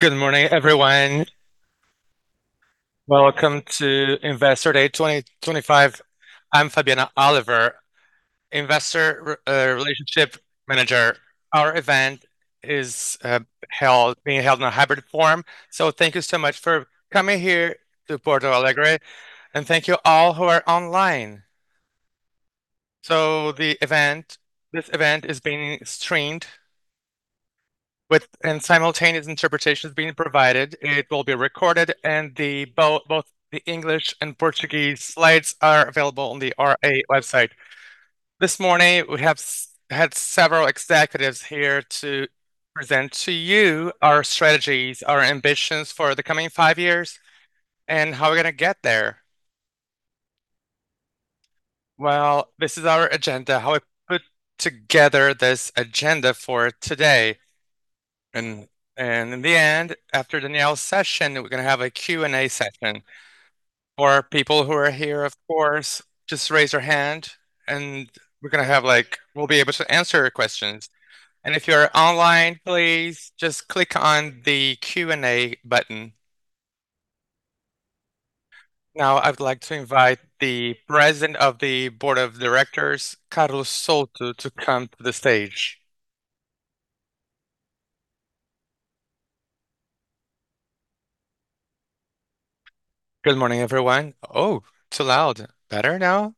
Good morning, everyone. Welcome Investor Day 2025. I'm Fabiana Oliver, Investor Relations Manager. Our event is being held in a hybrid form, so thank you so much for coming here to Porto Alegre, and thank you all who are online. The event, this event, is being streamed with simultaneous interpretations being provided. It will be recorded, and both the English and Portuguese slides are available on the IR website. This morning, we have had several executives here to present to you our strategies, our ambitions for the coming five years, and how we're going to get there. This is our agenda, how we put together this agenda for today. In the end, after Daniel's session, we're going to have a Q&A session. For people who are here, of course, just raise your hand, and we're going to have, like, we'll be able to answer your questions. And if you're online, please just click on the Q&A button. Now, I'd like to invite the President of the Board of Directors, Carlos Souto, to come to the stage. Good morning, everyone. Oh, it's too loud. Better now?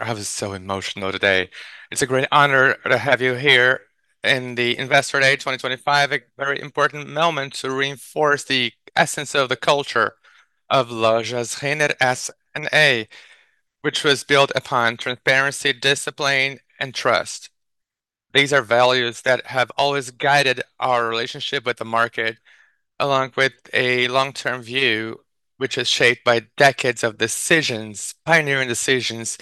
I was so emotional today. It's a great honor to have you here in Investor Day 2025, a very important moment to reinforce the essence of the culture of Lojas Renner S.A., which was built upon transparency, discipline, and trust. These are values that have always guided our relationship with the market, along with a long-term view which is shaped by decades of decisions, pioneering decisions,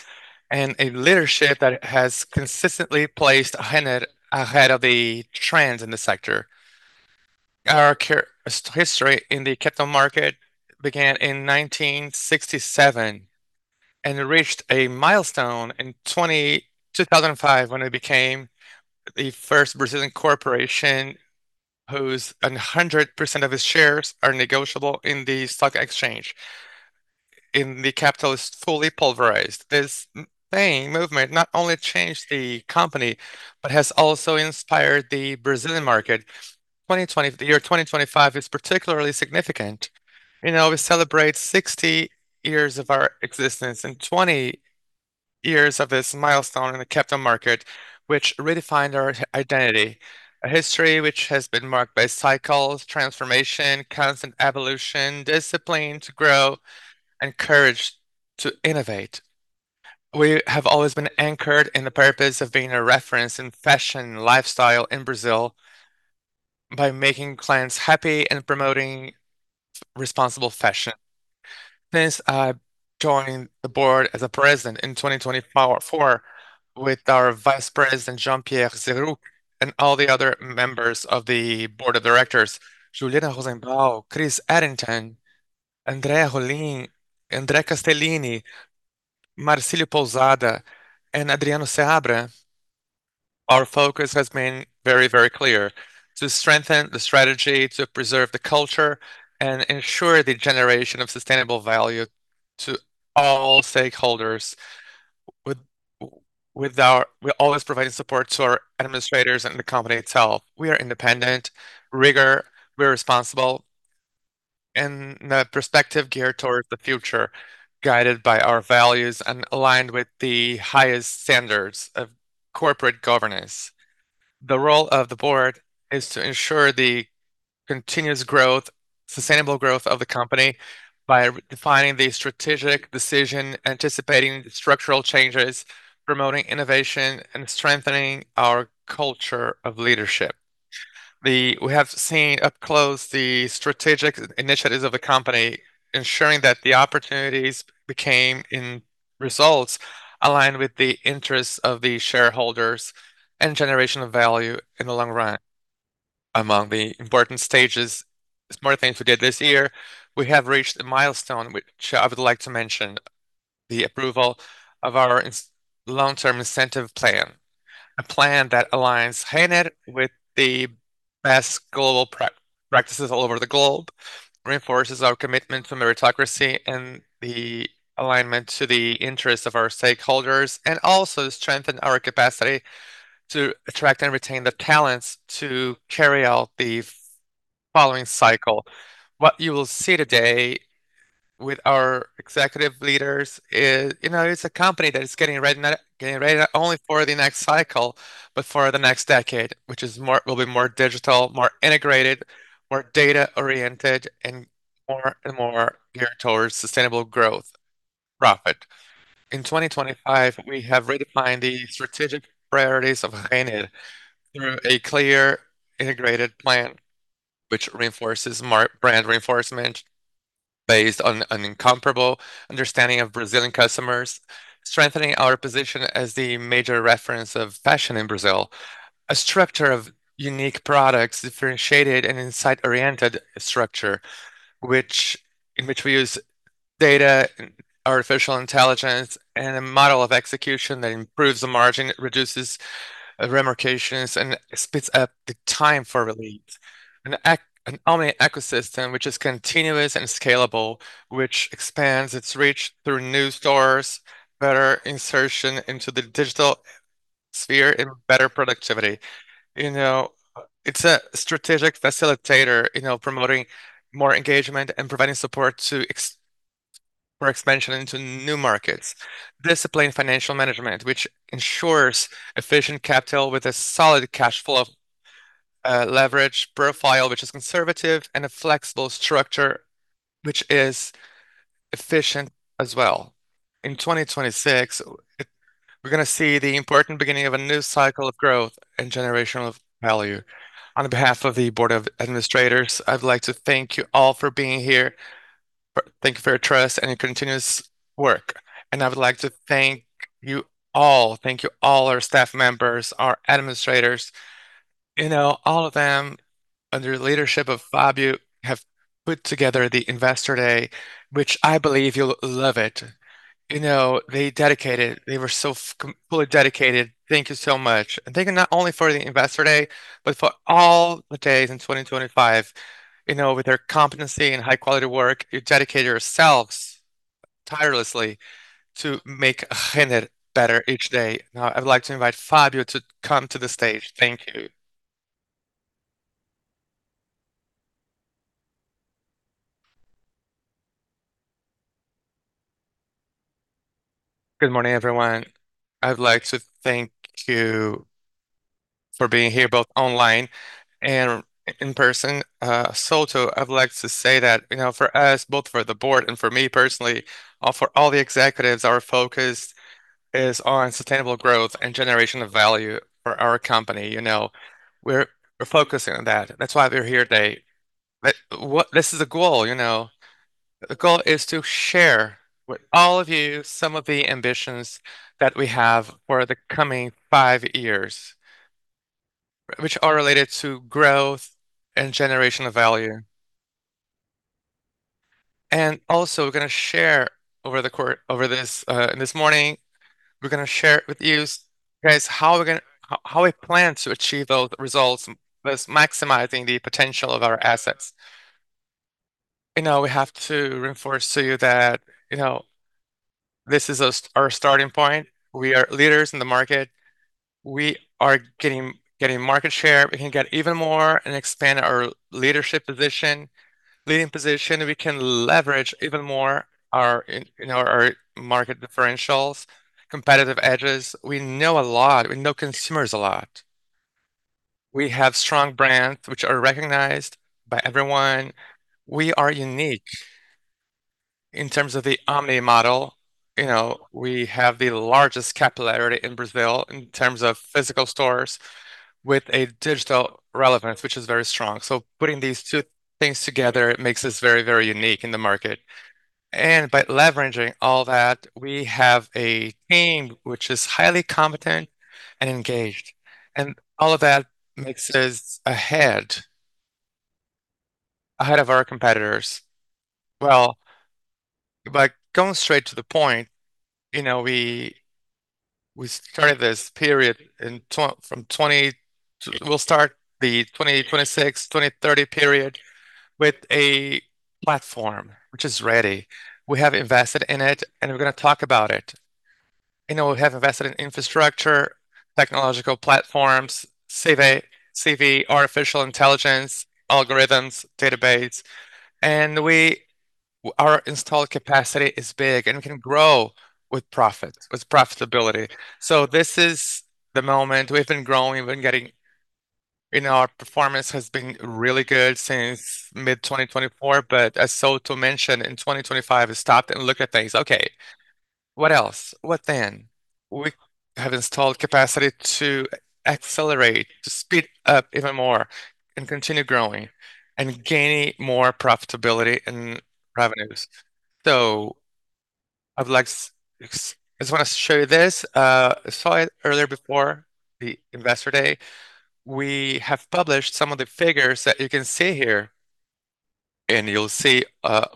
and a leadership that has consistently placed Renner ahead of the trends in the sector. Our history in the capital market began in 1967 and reached a milestone in 2005 when it became the first Brazilian corporation whose 100% of its shares are negotiable in the stock exchange. In the capital is fully pulverized. This movement not only changed the company, but has also inspired the Brazilian market. The year 2025 is particularly significant. You know, we celebrate 60 years of our existence and 20 years of this milestone in the capital market, which redefined our identity. A history which has been marked by cycles, transformation, constant evolution, discipline to grow, and courage to innovate. We have always been anchored in the purpose of being a reference in fashion and lifestyle in Brazil by making clients happy and promoting responsible fashion. Since I joined the board as President in 2024 with our Vice President, Jean Pierre Zarouk, and all the other members of the board of directors, Juliana Rozenbaum, Chris Eddington, Andréa Rolim, André Castellini, Marcilio Pousada, and Adriano Seabra, our focus has been very, very clear to strengthen the strategy, to preserve the culture, and ensure the generation of sustainable value to all stakeholders. We're always providing support to our administrators and the company itself. We are independent, rigor, we're responsible, and the perspective geared towards the future, guided by our values and aligned with the highest standards of corporate governance. The role of the board is to ensure the continuous growth, sustainable growth of the company by defining the strategic decision, anticipating structural changes, promoting innovation, and strengthening our culture of leadership. We have seen up close the strategic initiatives of the company, ensuring that the opportunities became in results aligned with the interests of the shareholders and generation of value in the long run. Among the important stages, it's more things to get this year. We have reached a milestone which I would like to mention: the approval of our long-term incentive plan, a plan that aligns Renner with the best global practices all over the globe, reinforces our commitment to meritocracy and the alignment to the interests of our stakeholders, and also strengthens our capacity to attract and retain the talents to carry out the following cycle. What you will see today with our executive leaders is, you know, it's a company that is getting ready, getting ready not only for the next cycle, but for the next decade, which is more, will be more digital, more integrated, more data-oriented, and more and more geared towards sustainable growth, profit. In 2025, we have redefined the strategic priorities of Renner through a clear, integrated plan, which reinforces brand reinforcement based on an incomparable understanding of Brazilian customers, strengthening our position as the major reference of fashion in Brazil, a structure of unique products, differentiated and insight-oriented structure, in which we use data, artificial intelligence, and a model of execution that improves the margin, reduces remarcations, and speeds up the time for release. An omni ecosystem which is continuous and scalable, which expands its reach through new stores, better insertion into the digital sphere, and better productivity. You know, it's a strategic facilitator, you know, promoting more engagement and providing support to expansion into new markets. Discipline financial management, which ensures efficient capital with a solid cash flow leverage profile, which is conservative, and a flexible structure, which is efficient as well. In 2026, we're going to see the important beginning of a new cycle of growth and generation of value. On behalf of the board of administrators, I'd like to thank you all for being here. Thank you for your trust and your continuous work, and I would like to thank you all. Thank you all, our staff members, our administrators. You know, all of them, under the leadership of Fabio, have put together Investor Day, which I believe you'll love it. You know, they dedicated, they were so completely dedicated. Thank you so much. And thank you not only for Investor Day, but for all the days in 2025. You know, with their competency and high-quality work, you dedicated yourselves tirelessly to make Renner better each day. Now, I'd like to invite Fabio to come to the stage. Thank you. Good morning, everyone. I'd like to thank you for being here, both online and in person. So, I'd like to say that, you know, for us, both for the board and for me personally, or for all the executives, our focus is on sustainable growth and generation of value for our company. You know, we're focusing on that. That's why we're here today. This is a goal. You know, the goal is to share with all of you some of the ambitions that we have for the coming five years, which are related to growth and generation of value. Also, we're going to share, over the course of this morning, with you guys how we plan to achieve those results, thus maximizing the potential of our assets. You know, we have to reinforce to you that, you know, this is our starting point. We are leaders in the market. We are getting market share. We can get even more and expand our leadership position, leading position. We can leverage even more our, you know, our market differentials, competitive address. We know a lot. We know consumers a lot. We have strong brands which are recognized by everyone. We are unique in terms of the omni model. You know, we have the largest capillarity in Brazil in terms of physical stores with a digital relevance, which is very strong. Putting these two things together, it makes us very, very unique in the market. And by leveraging all that, we have a team which is highly competent and engaged. And all of that makes us ahead, ahead of our competitors. Well, but going straight to the point, you know, we started this period in from 20. We'll start the 2026-2030 period with a platform which is ready. We have invested in it, and we're going to talk about it. You know, we have invested in infrastructure, technological platforms, CV, artificial intelligence, algorithms, database. And our installed capacity is big, and we can grow with profits, with profitability. So this is the moment we've been growing. We've been getting, you know, our performance has been really good since mid-2024. But as Souto mentioned, in 2025, we stopped and looked at things. Okay, what else? What then? We have installed capacity to accelerate, to speed up even more and continue growing and gaining more profitability and revenues, so I'd like to just want to show you this. I saw it earlier before Investor Day. we have published some of the figures that you can see here, and you'll see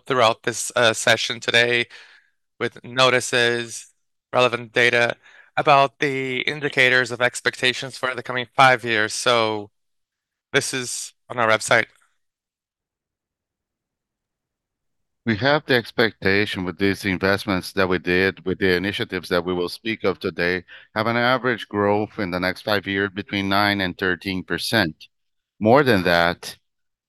throughout this session today with notices, relevant data about the indicators of expectations for the coming five years, so this is on our website. We have the expectation with these investments that we did with the initiatives that we will speak of today have an average growth in the next five years between 9% and 13%. More than that,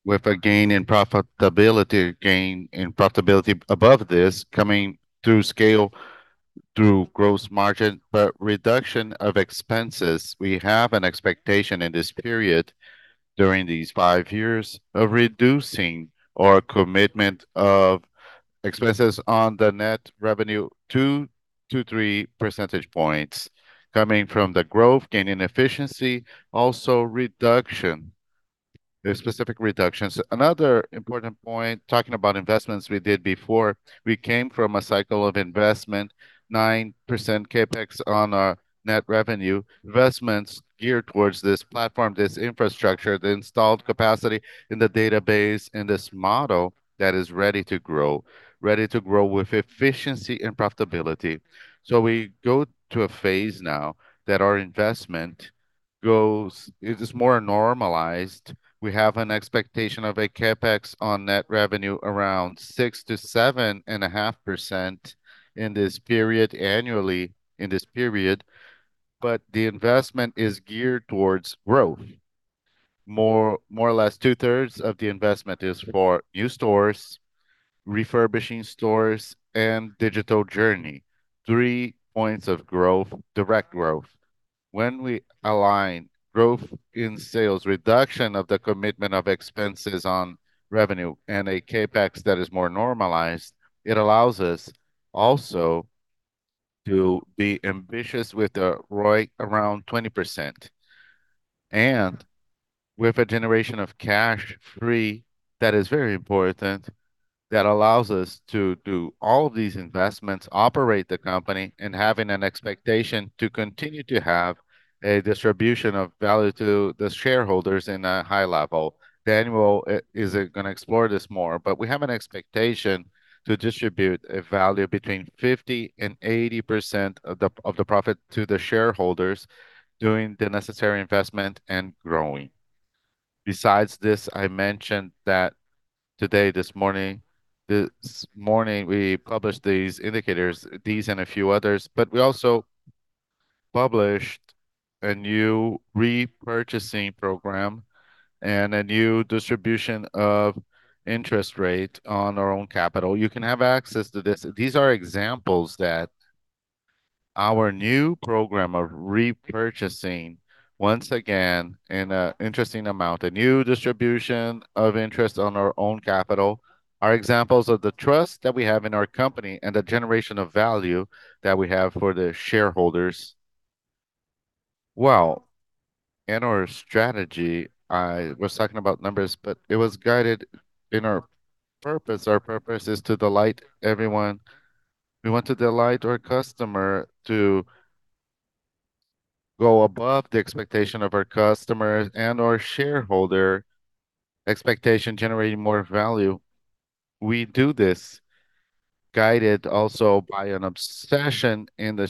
with a gain in profitability, gain in profitability above this coming through scale, through gross margin, but reduction of expenses. We have an expectation in this period during these five years of reducing our commitment of expenses on the net revenue to two-three percentage points coming from the growth, gaining efficiency, also reduction, specific reductions. Another important point, talking about investments we did before, we came from a cycle of investment, 9% CapEx on our net revenue, investments geared towards this platform, this infrastructure, the installed capacity in the database and this model that is ready to grow, ready to grow with efficiency and profitability, so we go to a phase now that our investment goes, it is more normalized. We have an expectation of a CapEx on net revenue around 6%-7.5% in this period annually in this period, but the investment is geared towards growth. More or less two-thirds of the investment is for new stores, refurbishing stores, and digital journey, three points of growth, direct growth. When we align growth in sales, reduction of the commitment of expenses on revenue and a CapEx that is more normalized, it allows us also to be ambitious with a ROI around 20% and with a generation of free cash that is very important that allows us to do all of these investments, operate the company and having an expectation to continue to have a distribution of value to the shareholders in a high level. Daniel is going to explore this more, but we have an expectation to distribute a value between 50% and 80% of the profit to the shareholders doing the necessary investment and growing. Besides this, I mentioned that today, this morning, we published these indicators and a few others, but we also published a new repurchasing program and a new distribution of Interest on Equity. You can have access to this. These are examples that our new program of repurchasing, once again, in an interesting amount, a new distribution of interest on our own capital, are examples of the trust that we have in our company and the generation of value that we have for the shareholders. Well, in our strategy, I was talking about numbers, but it was guided in our purpose. Our purpose is to delight everyone. We want to delight our customer to go above the expectation of our customer and our shareholder expectation, generating more value. We do this guided also by an obsession in the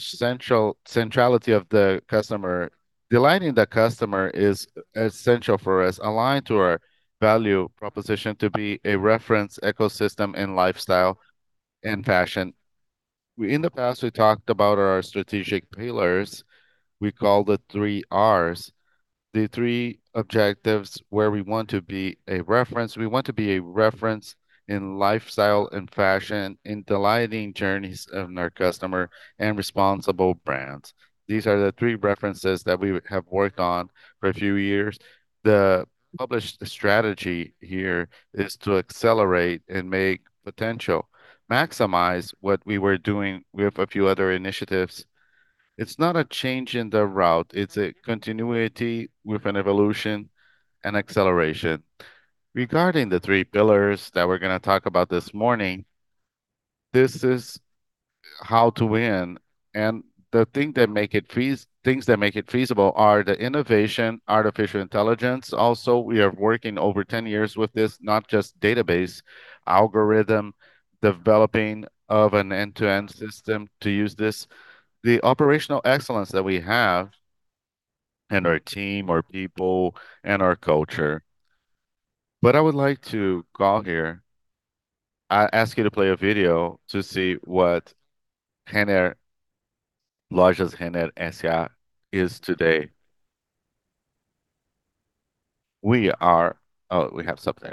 centrality of the customer. Delighting the customer is essential for us, aligned to our value proposition to be a reference ecosystem in lifestyle and fashion. In the past, we talked about our strategic pillars. We call the three Rs, the three objectives where we want to be a reference. We want to be a reference in lifestyle and fashion, in delighting journeys of our customer and responsible btrends. These are the three references that we have worked on for a few years. The published strategy here is to accelerate and make potential, maximize what we were doing with a few other initiatives. It's not a change in the route. It's a continuity with an evolution and acceleration. Regarding the three pillars that we're going to talk about this morning, this is how to win, and the things that make it feasible are the innovation, artificial intelligence. Also, we are working over 10 years with this, not just database algorithm, developing of an end-to-end system to use this, the operational excellence that we have and our team, our people, and our culture. But I would like to call here. I ask you to play a video to see what Renner, Lojas Renner S.A. is today. We are. Oh, we have something.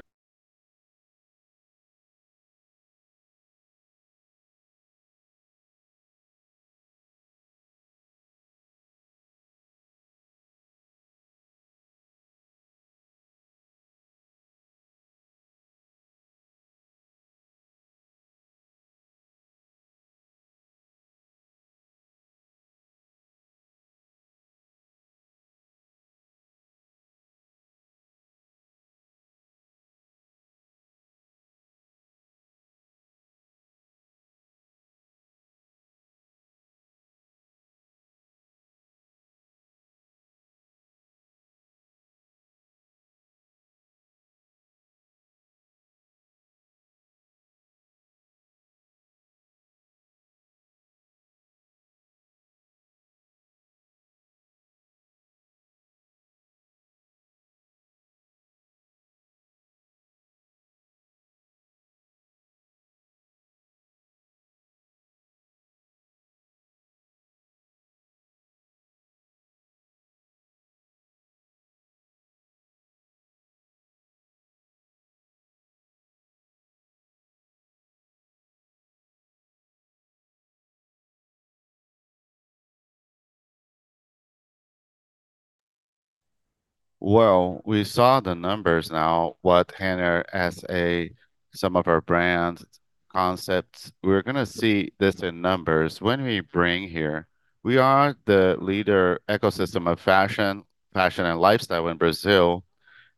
Well, we saw the numbers now, what Renner S.A., some of our brand concepts. We're going to see this in numbers. When we bring here, we are the leader ecosystem of fashion and lifestyle in Brazil.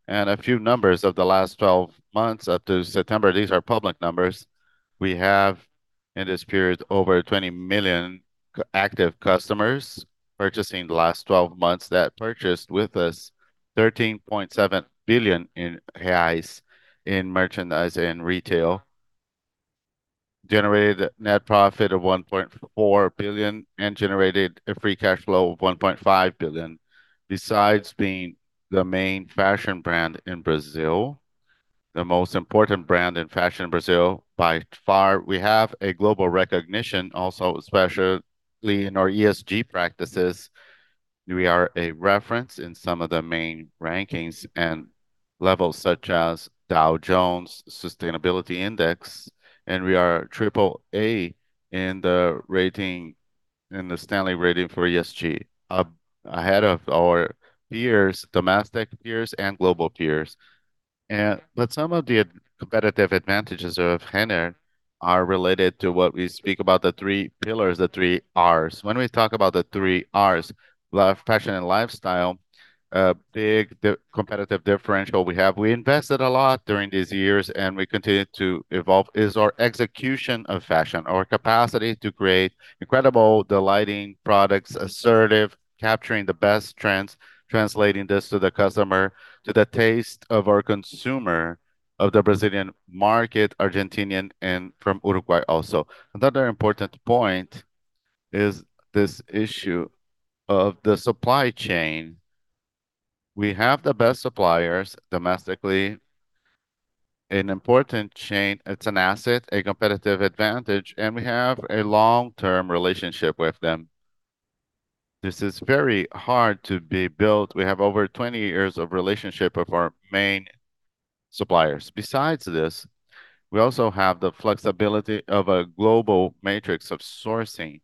And a few numbers of the last 12 months up to September. These are public numbers. We have in this period over 20 million active customers purchasing the last 12 months that purchased with us, 13.7 billion reais in sales in merchandise and retail, generated net profit of 1.4 billion and generated a free cash flow of 1.5 billion. Besides being the main fashion brand in Brazil, the most important brand in fashion in Brazil by far, we have a global recognition, also especially in our ESG practices. We are a reference in some of the main rankings and levels such as Dow Jones Sustainability Index, and we are AAA in the rating, in the Sustainalytics rating for ESG, ahead of our peers, domestic peers and global peers. But some of the competitive advantages of Renner are related to what we speak about, the three pillars, the three Rs. When we talk about the three Rs, fashion and lifestyle, a big competitive differential we have, we invested a lot during these years and we continue to evolve is our execution of fashion, our capacity to create incredible, delighting products, assertive, capturing the best trends, translating this to the customer, to the taste of our consumer of the Brazilian market, Argentine and from Uruguay also. Another important point is this issue of the supply chain. We have the best suppliers domestically, an important chain. It's an asset, a competitive advantage, and we have a long-term relationship with them. This is very hard to be built. We have over 20 years of relationship with our main suppliers. Besides this, we also have the flexibility of a global matrix of sourcing,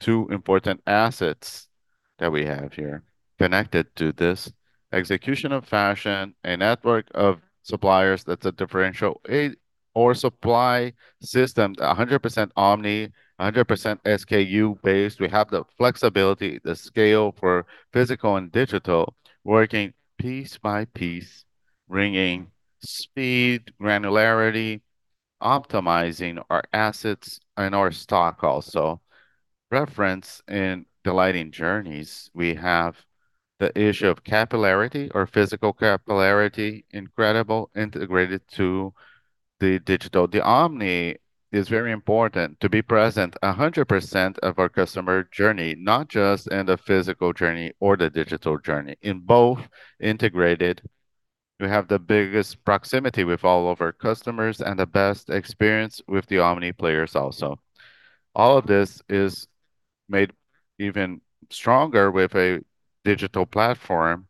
two important assets that we have here connected to this execution of fashion, a network of suppliers that's a differential aid or supply system, 100% omni, 100% SKU based. We have the flexibility, the scale for physical and digital, working piece by piece, ringing speed, granularity, optimizing our assets and our stock also. Reference in delighting journeys, we have the issue of capillarity or physical capillarity, incredibly integrated to the digital. The omni is very important to be present 100% of our customer journey, not just in the physical journey or the digital journey. In both integrated, we have the biggest proximity with all of our customers and the best experience with the omni players also. All of this is made even stronger with a digital platform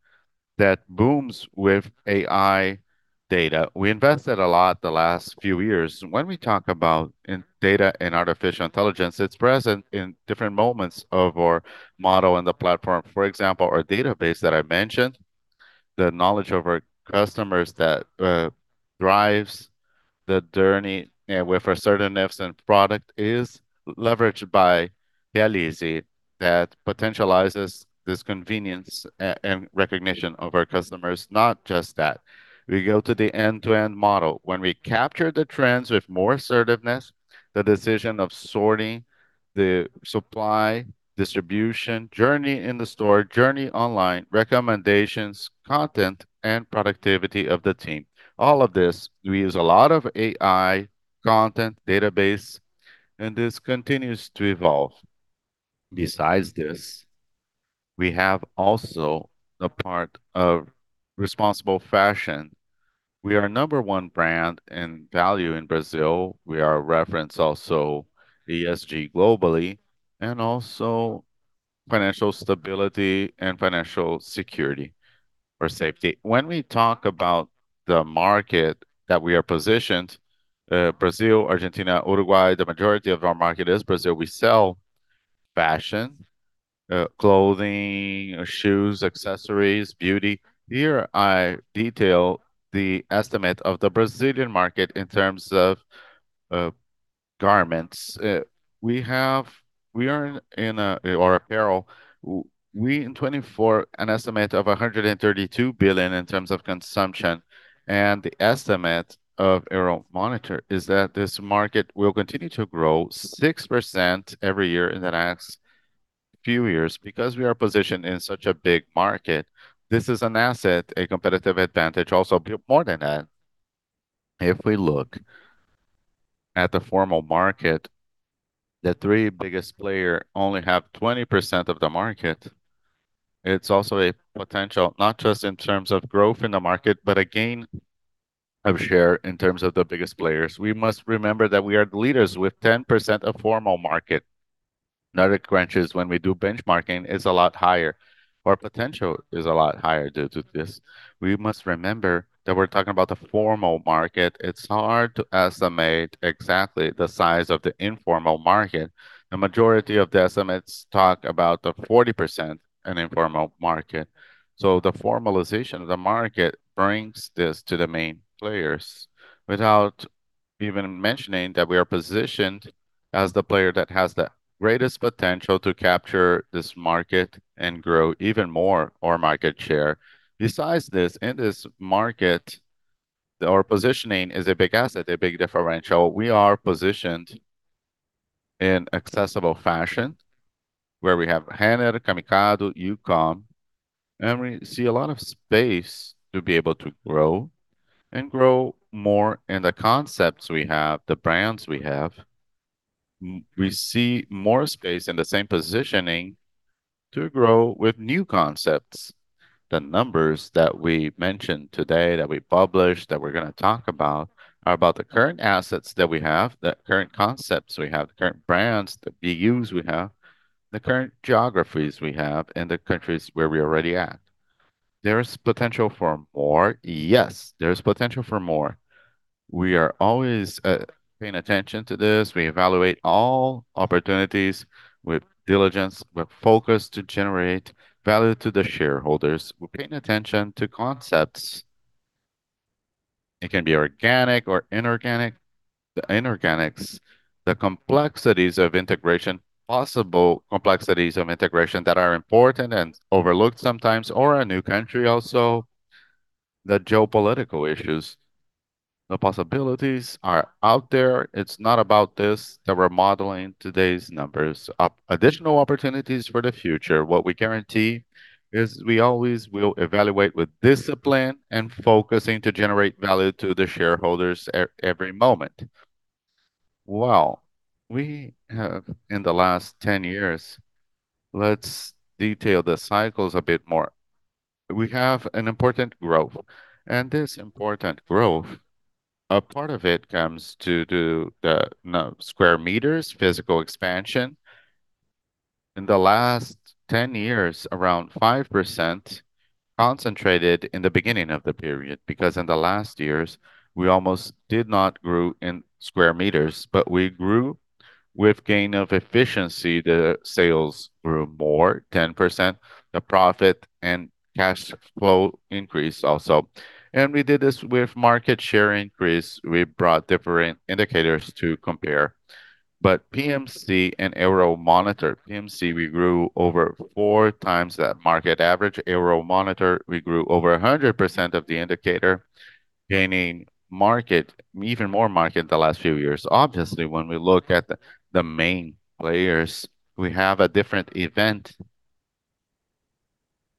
that booms with AI data. We invested a lot in the last few years. When we talk about data and artificial intelligence, it's present in different moments of our model and the platform. For example, our database that I mentioned, the knowledge of our customers that drives the journey with our customers and products is leveraged by AI that potentializes this convenience and recognition of our customers. Not just that. We go to the end-to-end model. When we capture the trends with more assertiveness, the decision of sourcing the supply, distribution, journey in the store, journey online, recommendations, content, and productivity of the team. All of this, we use a lot of AI, content, database, and this continues to evolve. Besides this, we have also the part of responsible fashion. We are a number one brand in value in Brazil. We are a reference also ESG globally and also financial stability and financial security or safety. When we talk about the market that we are positioned, Brazil, Argentina, Uruguay, the majority of our market is Brazil. We sell fashion, clothing, shoes, accessories, beauty. Here I detail the estimate of the Brazilian market in terms of garments, or apparel. In 2024, an estimate of 132 billion in terms of consumption. And the estimate of Euromonitor is that this market will continue to grow 6% every year in the next few years because we are positioned in such a big market. This is an asset, a competitive advantage, also more than that. If we look at the formal market, the three biggest players only have 20% of the market. It's also a potential, not just in terms of growth in the market, but a gain of share in terms of the biggest players. We must remember that we are the leaders with 10% of formal market. Now, the crunches when we do benchmarking is a lot higher. Our potential is a lot higher due to this. We must remember that we're talking about the formal market. It's hard to estimate exactly the size of the informal market. The majority of the estimates talk about the 40% in informal market. So the formalization of the market brings this to the main players without even mentioning that we are positioned as the player that has the greatest potential to capture this market and grow even more our market share. Besides this, in this market, our positioning is a big asset, a big differential. We are positioned in accessible fashion where we have Renner, Camicado, Youcom, and we see a lot of space to be able to grow and grow more in the concepts we have, the brands we have. We see more space in the same positioning to grow with new concepts. The numbers that we mentioned today that we published that we're going to talk about are about the current assets that we have, the current concepts we have, the current brands, the BUs we have, the current geographies we have in the countries where we already at. There is potential for more. Yes, there is potential for more. We are always paying attention to this. We evaluate all opportunities with diligence, with focus to generate value to the shareholders. We're paying attention to concepts. It can be organic or inorganic. The inorganics, the complexities of integration, possible complexities of integration that are important and overlooked sometimes, or a new country also, the geopolitical issues. The possibilities are out there. It's not about this that we're modeling today's numbers up. Additional opportunities for the future. What we guarantee is we always will evaluate with discipline and focusing to generate value to the shareholders every moment. We have in the last 10 years, let's detail the cycles a bit more. We have an important growth and this important growth up. Part of it comes to do square meters physical expansion. In the last 10 years, around 5% concentrated in the beginning of the period because in the last years we almost did not grow square meters, but we grew with gain of efficiency. The sales grew more 10%. The profit and cash flow increased also. We did this with market share increase. We brought different indicators to compare. PMC and Euromonitor, PMC, we grew over four times that market average. Euromonitor, we grew over 100% of the indicator, gaining market, even more market in the last few years. Obviously, when we look at the main players, we have a different event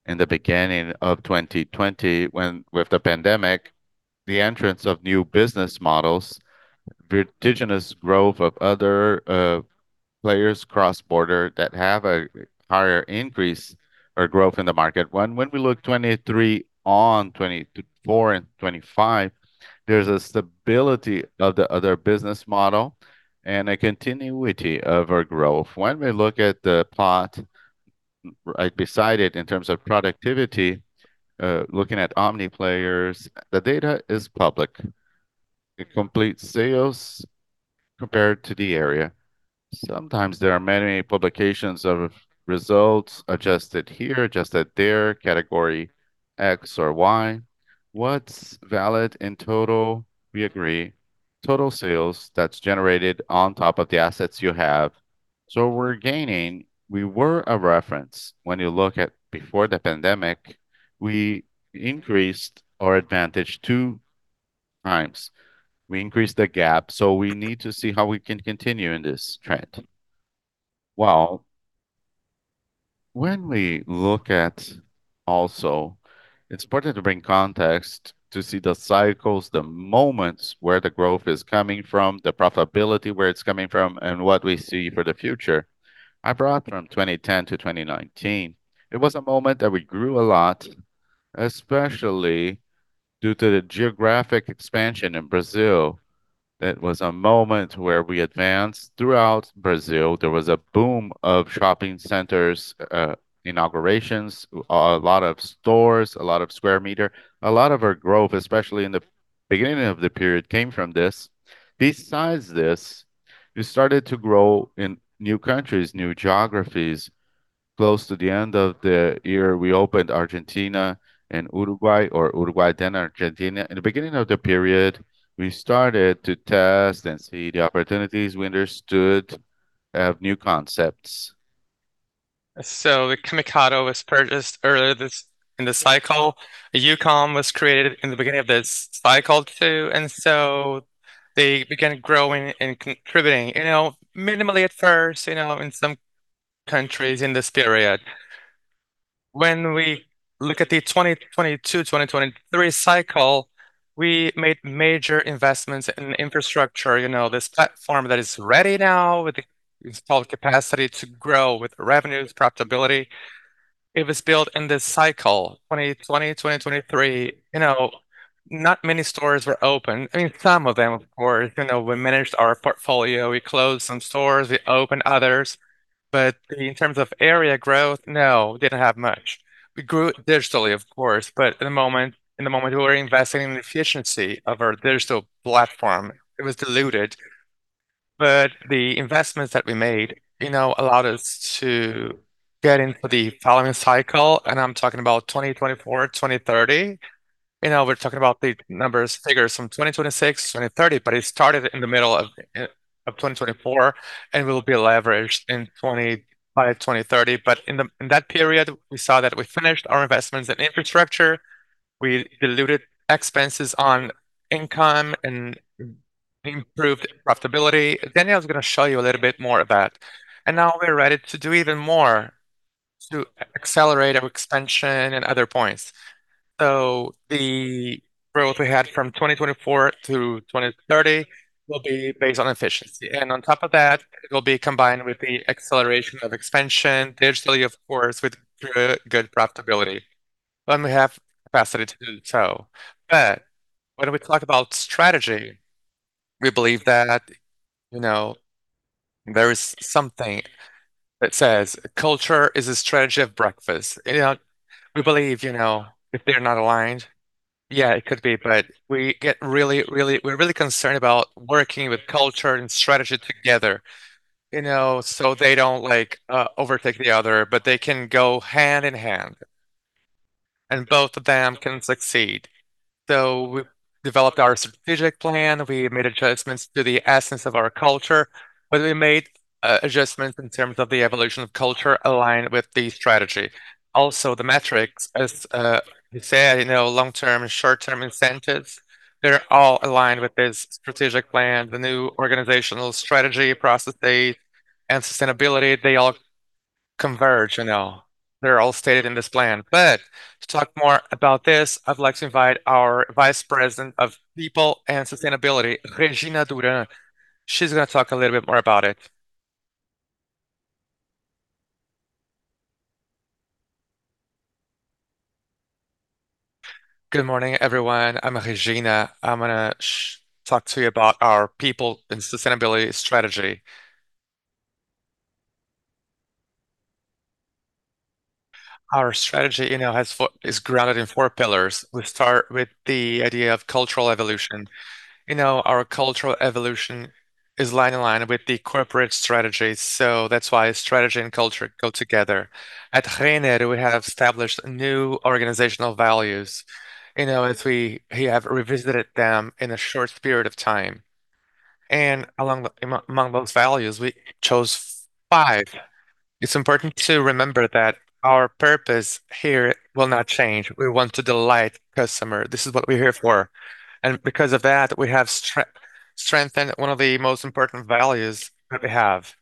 in the beginning of 2020 when with the pandemic, the entrance of new business models, the indigenous growth of other players cross border that have a higher increase or growth in the market. When we look 2023 on 2024 and 2025, there's a stability of the other business model and a continuity of our growth. When we look at the plot right beside it in terms of productivity, looking at omni players, the data is public. It completes sales compared to the area. Sometimes there are many publications of results adjusted here, adjusted there, category X or Y. What's valid in total? We agree. Total sales that's generated on top of the assets you have. So we're gaining. We were a reference when you look at before the pandemic. We increased our advantage two times. We increased the gap. So we need to see how we can continue in this trend. Well, when we look at also, it's important to bring context to see the cycles, the moments where the growth is coming from, the profitability where it's coming from, and what we see for the future. I brought from 2010 to 2019. It was a moment that we grew a lot, especially due to the geographic expansion in Brazil. That was a moment where we advanced throughout Brazil. There was a boom of shopping centers, inaugurations, a lot of stores, a lot square meter, a lot of our growth, especially in the beginning of the period came from this. Besides this, we started to grow in new countries, new geographies. Close to the end of the year, we opened Argentina and Uruguay or Uruguay then Argentina. In the beginning of the period, we started to test and see the opportunities we understood of new concepts. The Camicado was purchased earlier this in the cycle. Youcom was created in the beginning of this cycle too. They began growing and contributing, you know, minimally at first, you know, in some countries in this period. When we look at the 2022, 2023 cycle, we made major investments in infrastructure, you know, this platform that is ready now with the installed capacity to grow with revenues, profitability. It was built in this cycle, 2020, 2023, you know, not many stores were open. I mean, some of them, of course, you know, we managed our portfolio. We closed some stores, we opened others, but in terms of area growth, no, we didn't have much. We grew digitally, of course, but in the moment, in the moment we were investing in efficiency of our digital platform. It was diluted, but the investments that we made, you know, allowed us to get into the following cycle, and I'm talking about 2024, 2030. You know, we're talking about the numbers, figures from 2026, 2030, but it started in the middle of 2024 and will be leveraged in 20 by 2030, but in that period, we saw that we finished our investments in infrastructure. We diluted expenses on income and improved profitability. Daniel is going to show you a little bit more of that. And now we're ready to do even more to accelerate our expansion and other points. So the growth we had from 2024 to 2030 will be based on efficiency. And on top of that, it will be combined with the acceleration of expansion digitally, of course, with good, good profitability. When we have capacity to do so. But when we talk about strategy, we believe that, you know, there is something that says culture eats strategy for breakfast. You know, we believe, you know, if they're not aligned, yeah, it could be, but we get really, really, we're really concerned about working with culture and strategy together, you know, so they don't like overtake the other, but they can go hand in hand and both of them can succeed. So we developed our strategic plan. We made adjustments to the essence of our culture, but we made adjustments in terms of the evolution of culture aligned with the strategy. Also, the metrics, as you say, you know, long-term and short-term incentives, they're all aligned with this strategic plan, the new organizational strategy, processes, and sustainability. They all converge, you know, they're all stated in this plan. But to talk more about this, I'd like to invite our Vice President of People and Sustainability, Regina Durante. She's going to talk a little bit more about it. Good morning, everyone. I'm Regina. I'm going to talk to you about our people and sustainability strategy. Our strategy, you know, is grounded in four pillars. We start with the idea of cultural evolution. You know, our cultural evolution is in line with the corporate strategy. That's why strategy and culture go together. At Renner, we have established new organizational values, you know, as we have revisited them in a short period of time. And among those values, we chose five. It's important to remember that our purpose here will not change. We want to delight customer. This is what we're here for. And because of that, we have strengthened one of the most important values that we have,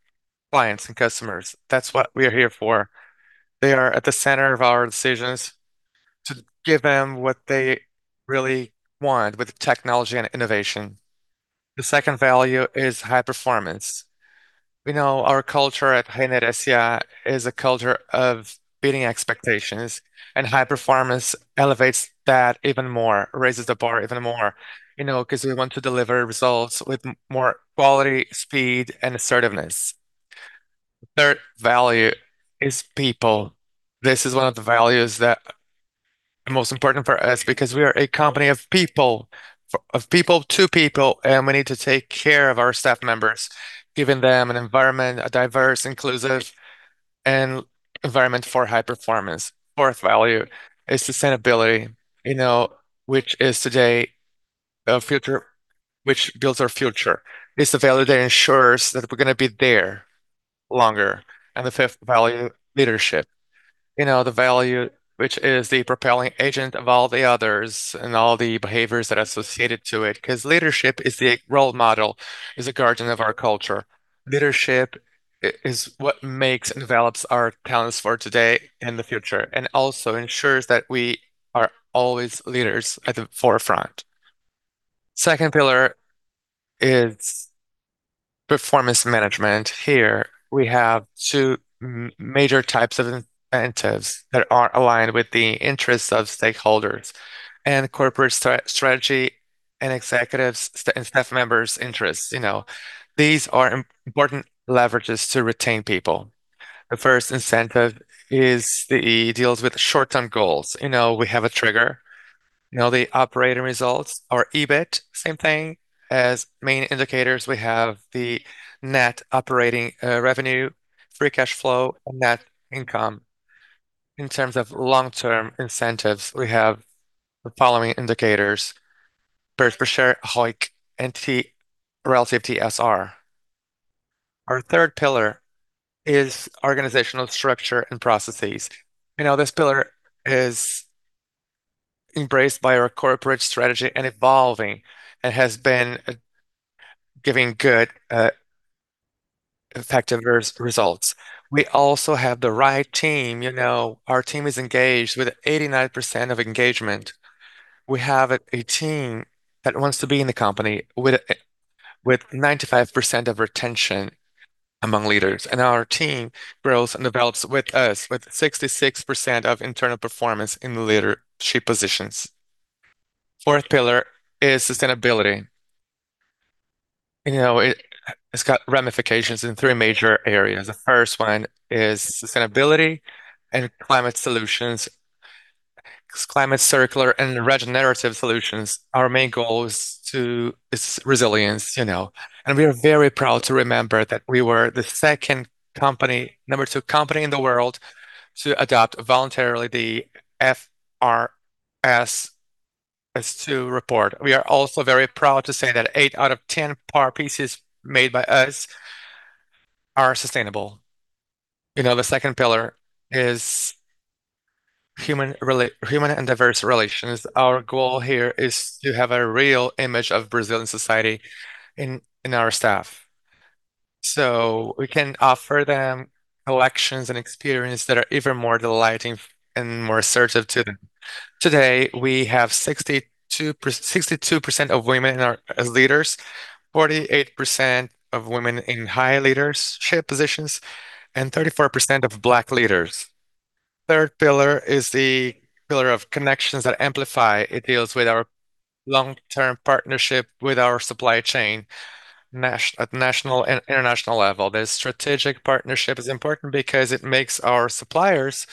clients and customers. That's what we are here for. They are at the center of our decisions to give them what they really want with technology and innovation. The second value is high performance. We know our culture at Renner. See, it's a culture of beating expectations, and high performance elevates that even more, raises the bar even more, you know, because we want to deliver results with more quality, speed, and assertiveness. The third value is people. This is one of the values that are most important for us because we are a company of people, of people to people, and we need to take care of our staff members, giving them an environment, a diverse, inclusive environment for high performance. Fourth value is sustainability, you know, which is today a future, which builds our future. It's the value that ensures that we're going to be there longer, and the fifth value, leadership, you know, the value, which is the propelling agent of all the others and all the behaviors that are associated to it, because leadership is the role model, is a guardian of our culture. Leadership is what makes and develops our talents for today and the future and also ensures that we are always leaders at the forefront. Second pillar is performance management. Here we have two major types of incentives that are aligned with the interests of stakeholders and corporate strategy and executives and staff members' interests. You know, these are important leverages to retain people. The first incentive deals with short-term goals. You know, we have a trigger, you know, the operating results, our EBIT, same thing as main indicators. We have the net operating revenue, free cash flow, and net income. In terms of long-term incentives, we have the following indicators: earnings per share, ROIC, and relative TSR. Our third pillar is organizational structure and processes. You know, this pillar is embraced by our corporate strategy and evolving and has been giving good, effective results. We also have the right team. You know, our team is engaged with 89% of engagement. We have a team that wants to be in the company with 95% of retention among leaders. Our team grows and develops with us with 66% of internal performance in the leadership positions. Fourth pillar is sustainability. You know, it's got ramifications in three major areas. The first one is sustainability and climate solutions, climate circular and regenerative solutions. Our main goal is resilience, you know, and we are very proud to remember that we were the second company, number two company in the world to adopt voluntarily the IFRS S2 report. We are also very proud to say that eight out of 10 power pieces made by us are sustainable. You know, the second pillar is human relation, human and diverse relations. Our goal here is to have a real image of Brazilian society in our staff so we can offer them selections and experiences that are even more delighting and more assertive to them. Today, we have 62% of women in our leaders, 48% of women in high leadership positions, and 34% of Black leaders. Third pillar is the pillar of connections that amplify. It deals with our long-term partnership with our supply chain at national and international level. The strategic partnership is important because it makes our suppliers,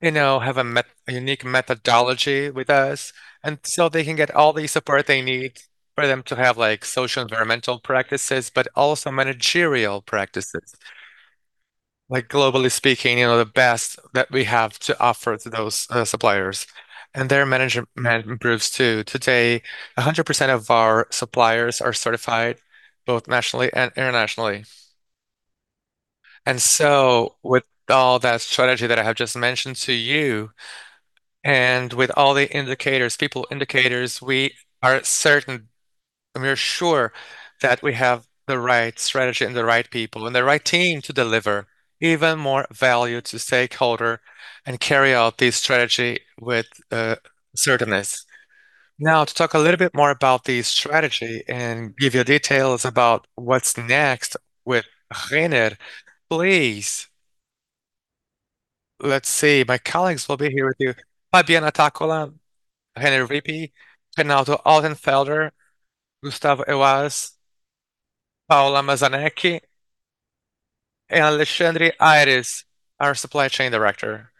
you know, have a unique methodology with us and so they can get all the support they need for them to have like social environmental practices, but also managerial practices. Like globally speaking, you know, the best that we have to offer to those suppliers and their management improves too. Today, 100% of our suppliers are certified both nationally and internationally. With all that strategy that I have just mentioned to you and with all the indicators, people indicators, we are certain and we're sure that we have the right strategy and the right people and the right team to deliver even more value to stakeholder and carry out this strategy with certainty. Now, to talk a little bit more about the strategy and give you details about what's next with Renner, please. Let's see. My colleagues will be here with you. Fabiana Taccola, Renner VP, Renata Altenfelder, Gustavo Yuasa, Paula Mazanék, and Alexandre Aires, our supply chain director.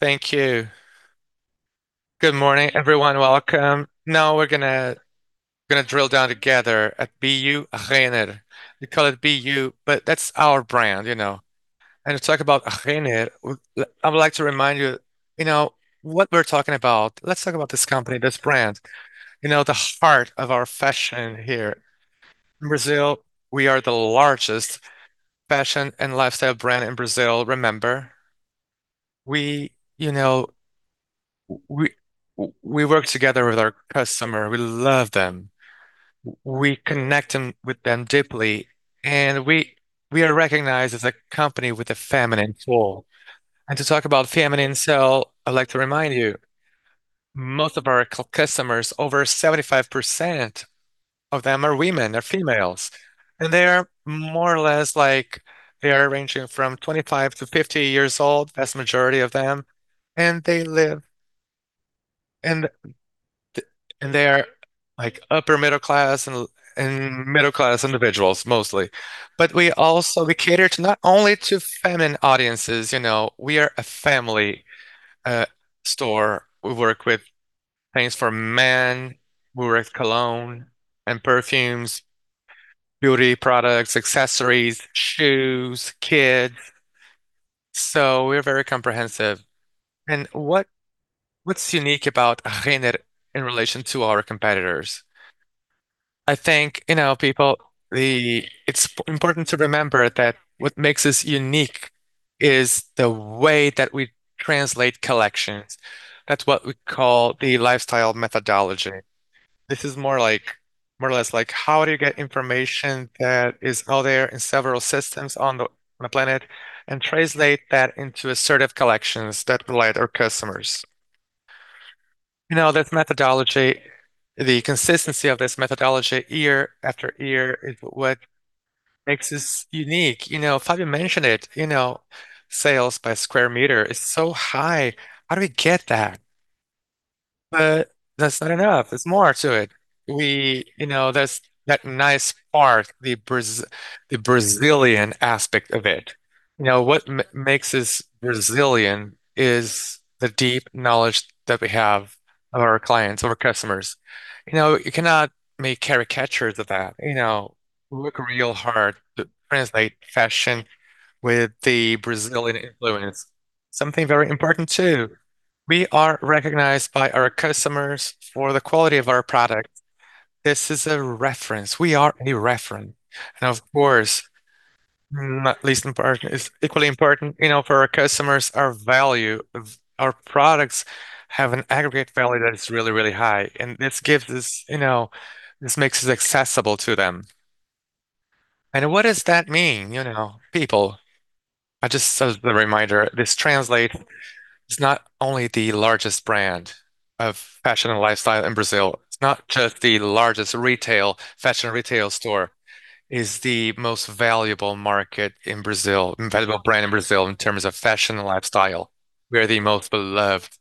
Thank you. Good morning, everyone. Welcome. Now we're going to drill down together at BU Renner. We call it BU, but that's our brand, you know. To talk about Renner, I would like to remind you, you know, what we're talking about. Let's talk about this company, this brand, you know, the heart of our fashion here. In Brazil, we are the largest fashion and lifestyle brand in Brazil. Remember, we, you know, we work together with our customer. We love them. We connect with them deeply. And we are recognized as a company with a feminine soul. And to talk about feminine, so I'd like to remind you, most of our customers, over 75% of them are women or females. And they're more or less like they are ranging from 25 to 50 years old, vast majority of them. And they live and they're like upper middle class and middle class individuals mostly. But we also cater to not only feminine audiences, you know, we are a family store. We work with things for men. We work with cologne and perfumes, beauty products, accessories, shoes, kids. We're very comprehensive. What's unique about Renner in relation to our competitors? I think, you know, people, it's important to remember that what makes us unique is the way that we translate collections. That's what we call the lifestyle methodology. This is more like, more or less like, how do you get information that is out there in several systems on the planet and translate that into assertive collections that delight our customers? You know, this methodology, the consistency of this methodology year after year is what makes us unique. You know, Fabio mentioned it, you know, sales square meter is so high. How do we get that? That's not enough. There's more to it. We, you know, there's that nice part, the Brazilian aspect of it. You know, what makes us Brazilian is the deep knowledge that we have of our clients, of our customers. You know, you cannot make caricatures of that. You know, we work real hard to translate fashion with the Brazilian influence. Something very important too. We are recognized by our customers for the quality of our products. This is a reference. We are a reference. And of course, no less important is equally important, you know, for our customers, our value, our products have an aggregate value that is really, really high. And this gives us, you know, this makes us accessible to them. And what does that mean? You know, people, I just as a reminder, Lojas Renner is not only the largest brand of fashion and lifestyle in Brazil. It's not just the largest retail, fashion retail store. It is the most valuable brand in Brazil in terms of fashion and lifestyle. We are the most beloved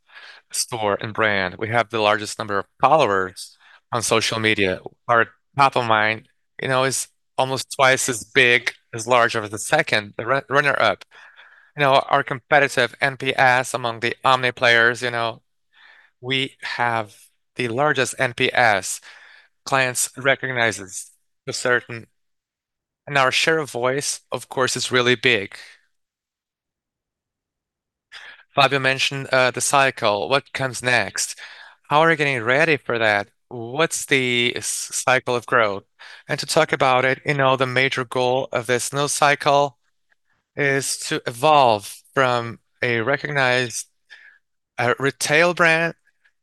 store and brand. We have the largest number of followers on social media. Our top of mind, you know, is almost twice as big, as large as the second, the runner-up. You know, our competitive NPS among the omni players, you know, we have the largest NPS clients recognize us to a certain. And our share of voice, of course, is really big. Fabio mentioned the cycle. What comes next? How are we getting ready for that? What's the cycle of growth? And to talk about it, you know, the major goal of this new cycle is to evolve from a recognized retail brand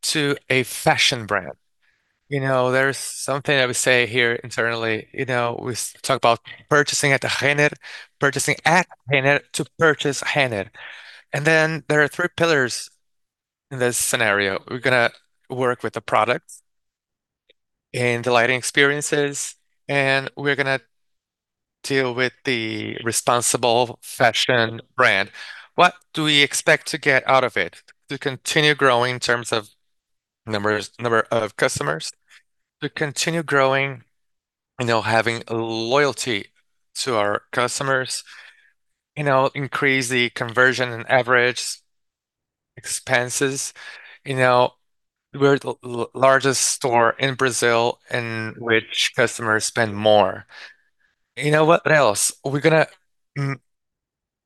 to a fashion brand. You know, there's something that we say here internally, you know, we talk about purchasing at Renner, purchasing at Renner to purchase Renner. And then there are three pillars in this scenario. We're going to work with the products and delighting experiences, and we're going to deal with the responsible fashion brand. What do we expect to get out of it? To continue growing in terms of number of customers, to continue growing, you know, having loyalty to our customers, you know, increase the conversion and average expenses. You know, we're the largest store in Brazil in which customers spend more. You know, what else? We're going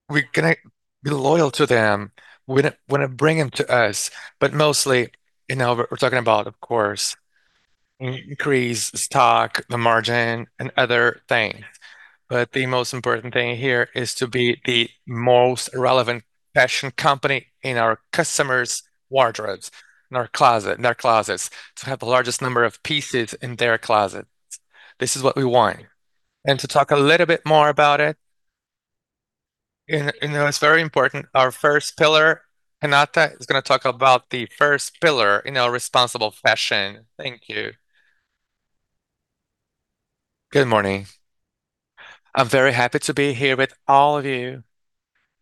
to be loyal to them. We want to bring them to us, but mostly, you know, we're talking about, of course, increase stock, the margin, and other things. But the most important thing here is to be the most relevant fashion company in our customers' wardrobes, in our closet, in their closets, to have the largest number of pieces in their closets. This is what we want. And to talk a little bit more about it, you know, it's very important. Our first pillar. Renata is going to talk about the first pillar in our responsible fashion. Thank you. Good morning. I'm very happy to be here with all of you.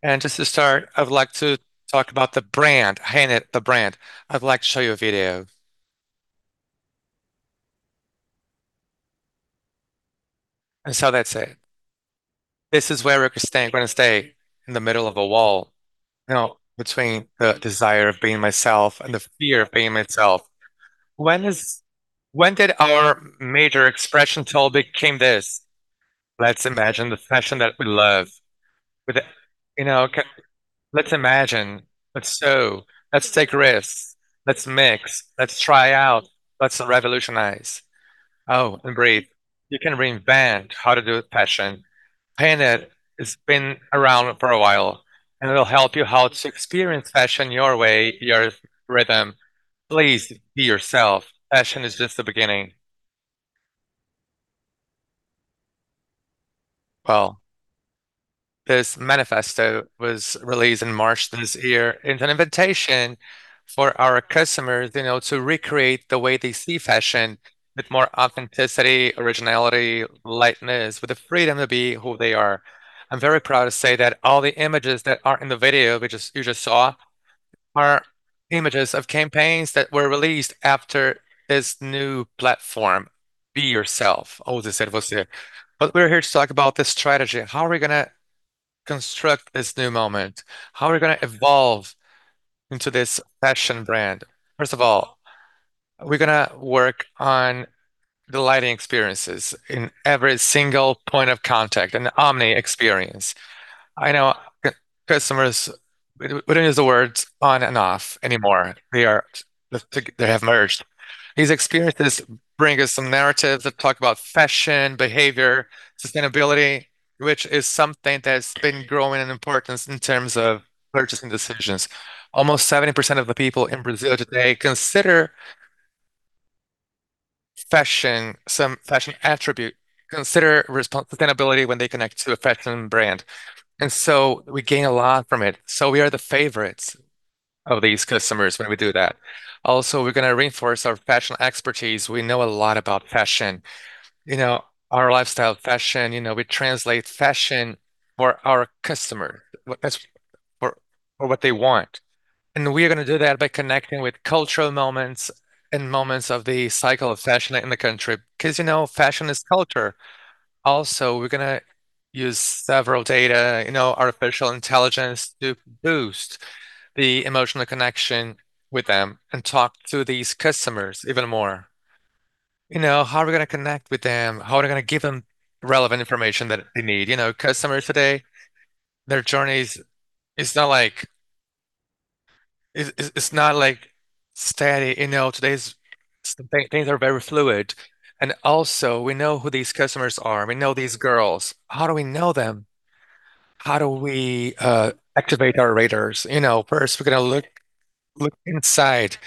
And just to start, I'd like to talk about the brand, Renner, the brand. I'd like to show you a video. And so that's it. This is where we're going to stay. We're going to stay in the middle of it all, you know, between the desire of being myself and the fear of being myself. When did our major expression tool become this? Let's imagine the fashion that we love. With, you know, let's imagine, let's sew, let's take risks, let's mix, let's try out, let's revolutionize. Oh, and breathe. You can reinvent how to do with fashion. Renner has been around for a while, and it'll help you how to experience fashion your way, your rhythm. Please be yourself. Fashion is just the beginning. This manifesto was released in March this year as an invitation for our customers, you know, to recreate the way they see fashion with more authenticity, originality, lightness, with the freedom to be who they are. I'm very proud to say that all the images that are in the video you just saw are images of campaigns that were released after this new platform, Be Yourself. Ou seja, você. But we're here to talk about this strategy. How are we going to construct this new moment? How are we going to evolve into this fashion brand? First of all, we're going to work on delighting experiences in every single point of contact and the omni experience. I know customers, we don't use the words on and off anymore. They are, they have merged. These experiences bring us some narratives that talk about fashion, behavior, sustainability, which is something that's been growing in importance in terms of purchasing decisions. Almost 70% of the people in Brazil today consider fashion, some fashion attribute, consider sustainability when they connect to a fashion brand, and so we gain a lot from it, so we are the favorites of these customers when we do that. Also, we're going to reinforce our fashion expertise. We know a lot about fashion. You know, our lifestyle fashion, you know, we translate fashion for our customers, for what they want, and we are going to do that by connecting with cultural moments and moments of the cycle of fashion in the country. Because, you know, fashion is culture. Also, we're going to use several data, you know, artificial intelligence to boost the emotional connection with them and talk to these customers even more. You know, how are we going to connect with them? How are we going to give them relevant information that they need? You know, customers today, their journey is not like, it's not like steady. You know, today's things are very fluid. And also, we know who these customers are. We know these girls. How do we know them? How do we activate our retailers? You know, first, we're going to look inside,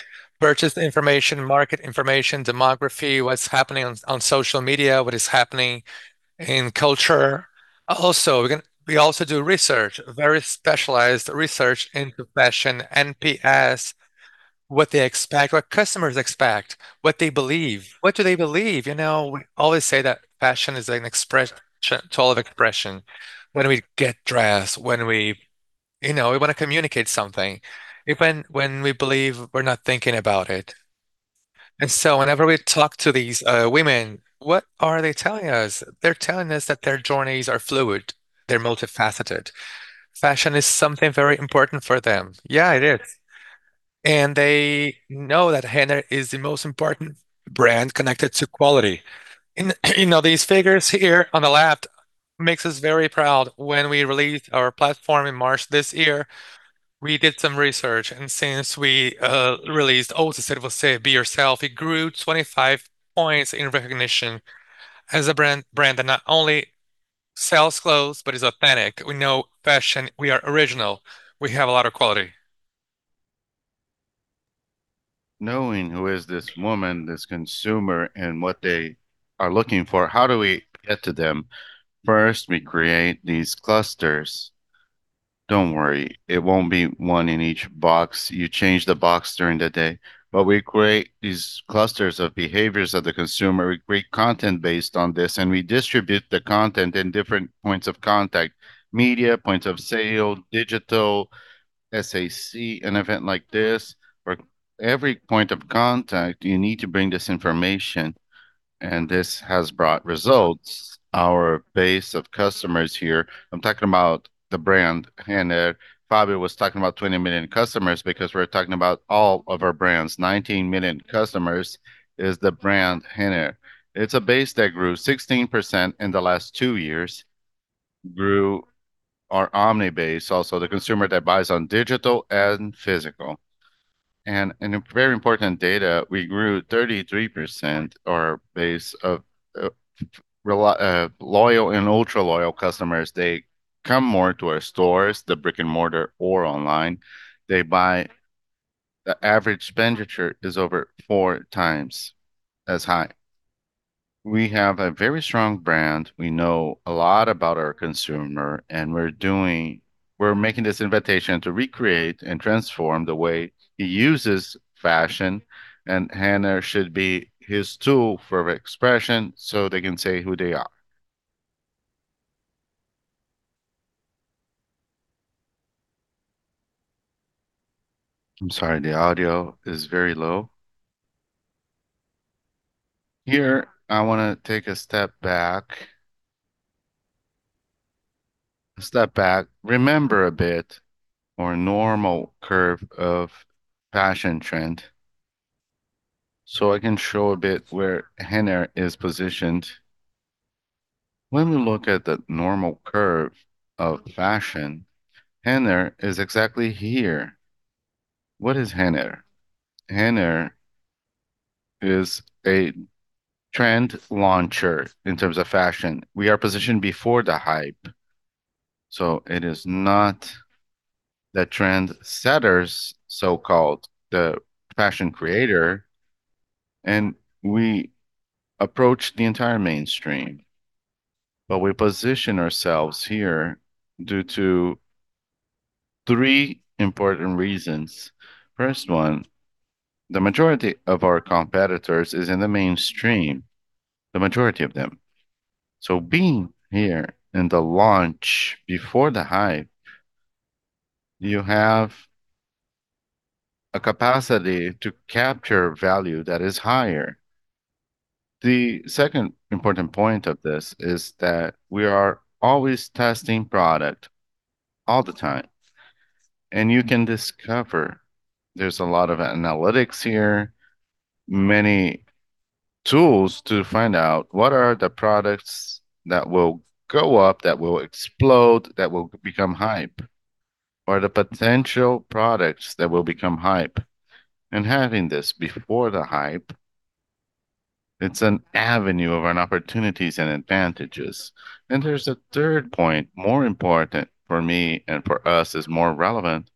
purchase information, market information, demographics, what's happening on social media, what is happening in culture. Also, we're going to, we also do research, very specialized research into fashion, NPS, what they expect, what customers expect, what they believe. What do they believe? You know, we always say that fashion is an expression, tool of expression. When we get dressed, when we, you know, we want to communicate something, even when we believe we're not thinking about it. And so whenever we talk to these women, what are they telling us? They're telling us that their journeys are fluid, they're multifaceted. Fashion is something very important for them. Yeah, it is. And they know that Renner is the most important brand connected to quality. And you know, these figures here on the left make us very proud. When we released our platform in March this year, we did some research. And since we released Ou seja, você Be Yourself, it grew 25 points in recognition as a brand that not only sells clothes, but is authentic. We know fashion, we are original. We have a lot of quality. Knowing who is this woman, this consumer, and what they are looking for, how do we get to them? First, we create these clusters. Don't worry, it won't be one in each box. You change the box during the day. But we create these clusters of behaviors of the consumer. We create content based on this, and we distribute the content in different points of contact, media points of sale, digital, SAC, an event like this. For every point of contact, you need to bring this information. And this has brought results. Our base of customers here, I'm talking about the brand Renner. Fabio was talking about 20 million customers because we're talking about all of our brands. 19 million customers is the brand Renner. It's a base that grew 16% in the last two years. Grew our omni base, also the consumer that buys on digital and physical. And in very important data, we grew 33% in base of loyal and ultra loyal customers. They come more to our stores, the brick and mortar or online. They buy. The average expenditure is over four times as high. We have a very strong brand. We know a lot about our consumer, and we're doing, we're making this invitation to recreate and transform the way he uses fashion, and Renner should be his tool for expression so they can say who they are. I'm sorry, the audio is very low. Here, I want to take a step back. A step back, remember a bit our normal curve of fashion trend so I can show a bit where Renner is positioned. When we look at the normal curve of fashion, Renner is exactly here. What is Renner? Renner is a trend launcher in terms of fashion. We are positioned before the hype, so it is not the trendsetters, so-called the fashion creator, and we approach the entire mainstream, but we position ourselves here due to three important reasons. First one, the majority of our competitors is in the mainstream, the majority of them, so being here in the launch before the hype, you have a capacity to capture value that is higher. The second important point of this is that we are always testing product all the time, and you can discover there's a lot of analytics here, many tools to find out what are the products that will go up, that will explode, that will become hype, or the potential products that will become hype, and having this before the hype, it's an avenue of opportunities and advantages, and there's a third point, more important for me and for us, is more relevant.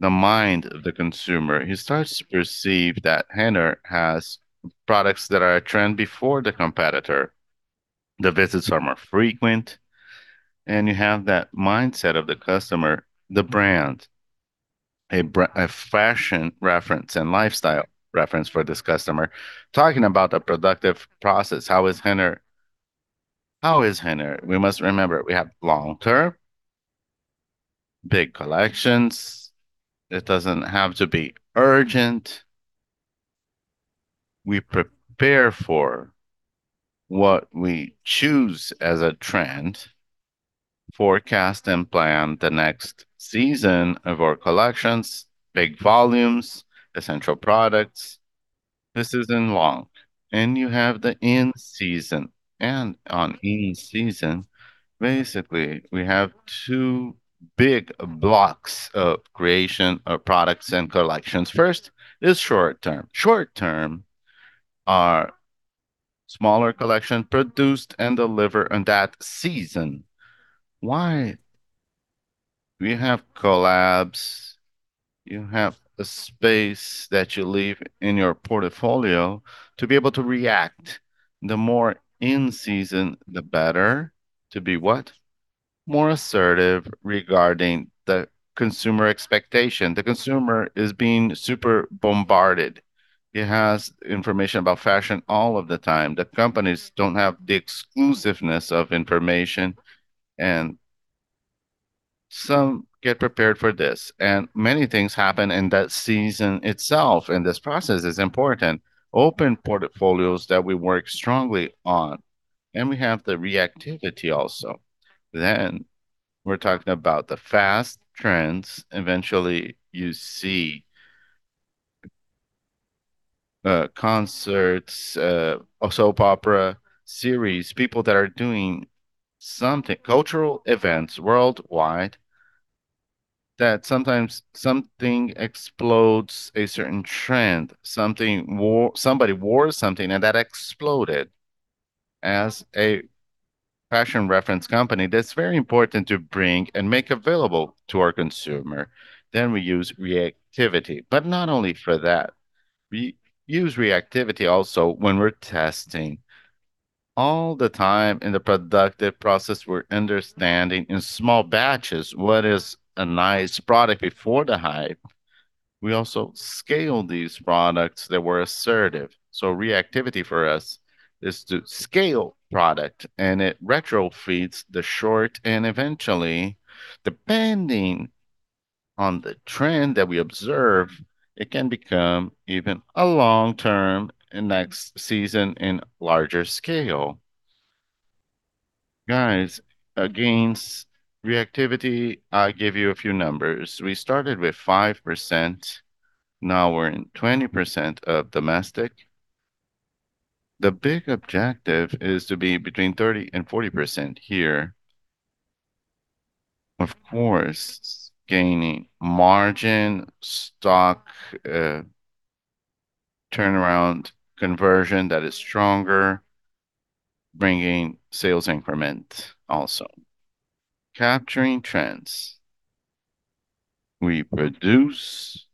The mind of the consumer, he starts to perceive that Renner has products that are a trend before the competitor. The visits are more frequent. And you have that mindset of the customer, the brand, a fashion reference and lifestyle reference for this customer. Talking about a productive process, how is Renner? How is Renner? We must remember we have long term, big collections. It doesn't have to be urgent. We prepare for what we choose as a trend, forecast and plan the next season of our collections, big volumes, essential products. This is in long. And you have the in season. And on in season, basically, we have two big blocks of creation of products and collections. First is short term. Short term are smaller collections produced and delivered on that season. Why? We have collabs. You have a space that you leave in your portfolio to be able to react. The more in season, the better to be what? More assertive regarding the consumer expectation. The consumer is being super bombarded. It has information about fashion all of the time. The companies don't have the exclusiveness of information, and some get prepared for this, and many things happen in that season itself, and this process is important. Open portfolios that we work strongly on, and we have the reactivity also, then we're talking about the fast trends. Eventually, you see concerts, a soap opera series, people that are doing something, cultural events worldwide that sometimes something explodes a certain trend, something war, somebody wore something and that exploded as a fashion reference company. That's very important to bring and make available to our consumer, then we use reactivity but not only for that. We use reactivity also when we're testing all the time in the productive process. We're understanding in small batches what is a nice product before the hype. We also scale these products that were assertive. So reactivity for us is to scale product and it retrofits the short and eventually depending on the trend that we observe, it can become even a long term and next season in larger scale. Guys, against reactivity, I give you a few numbers. We started with 5%. Now we're in 20% of domestic. The big objective is to be between 30% and 40% here. Of course, gaining margin, stock turnaround, conversion that is stronger, bringing sales increment also. Capturing trends. We produce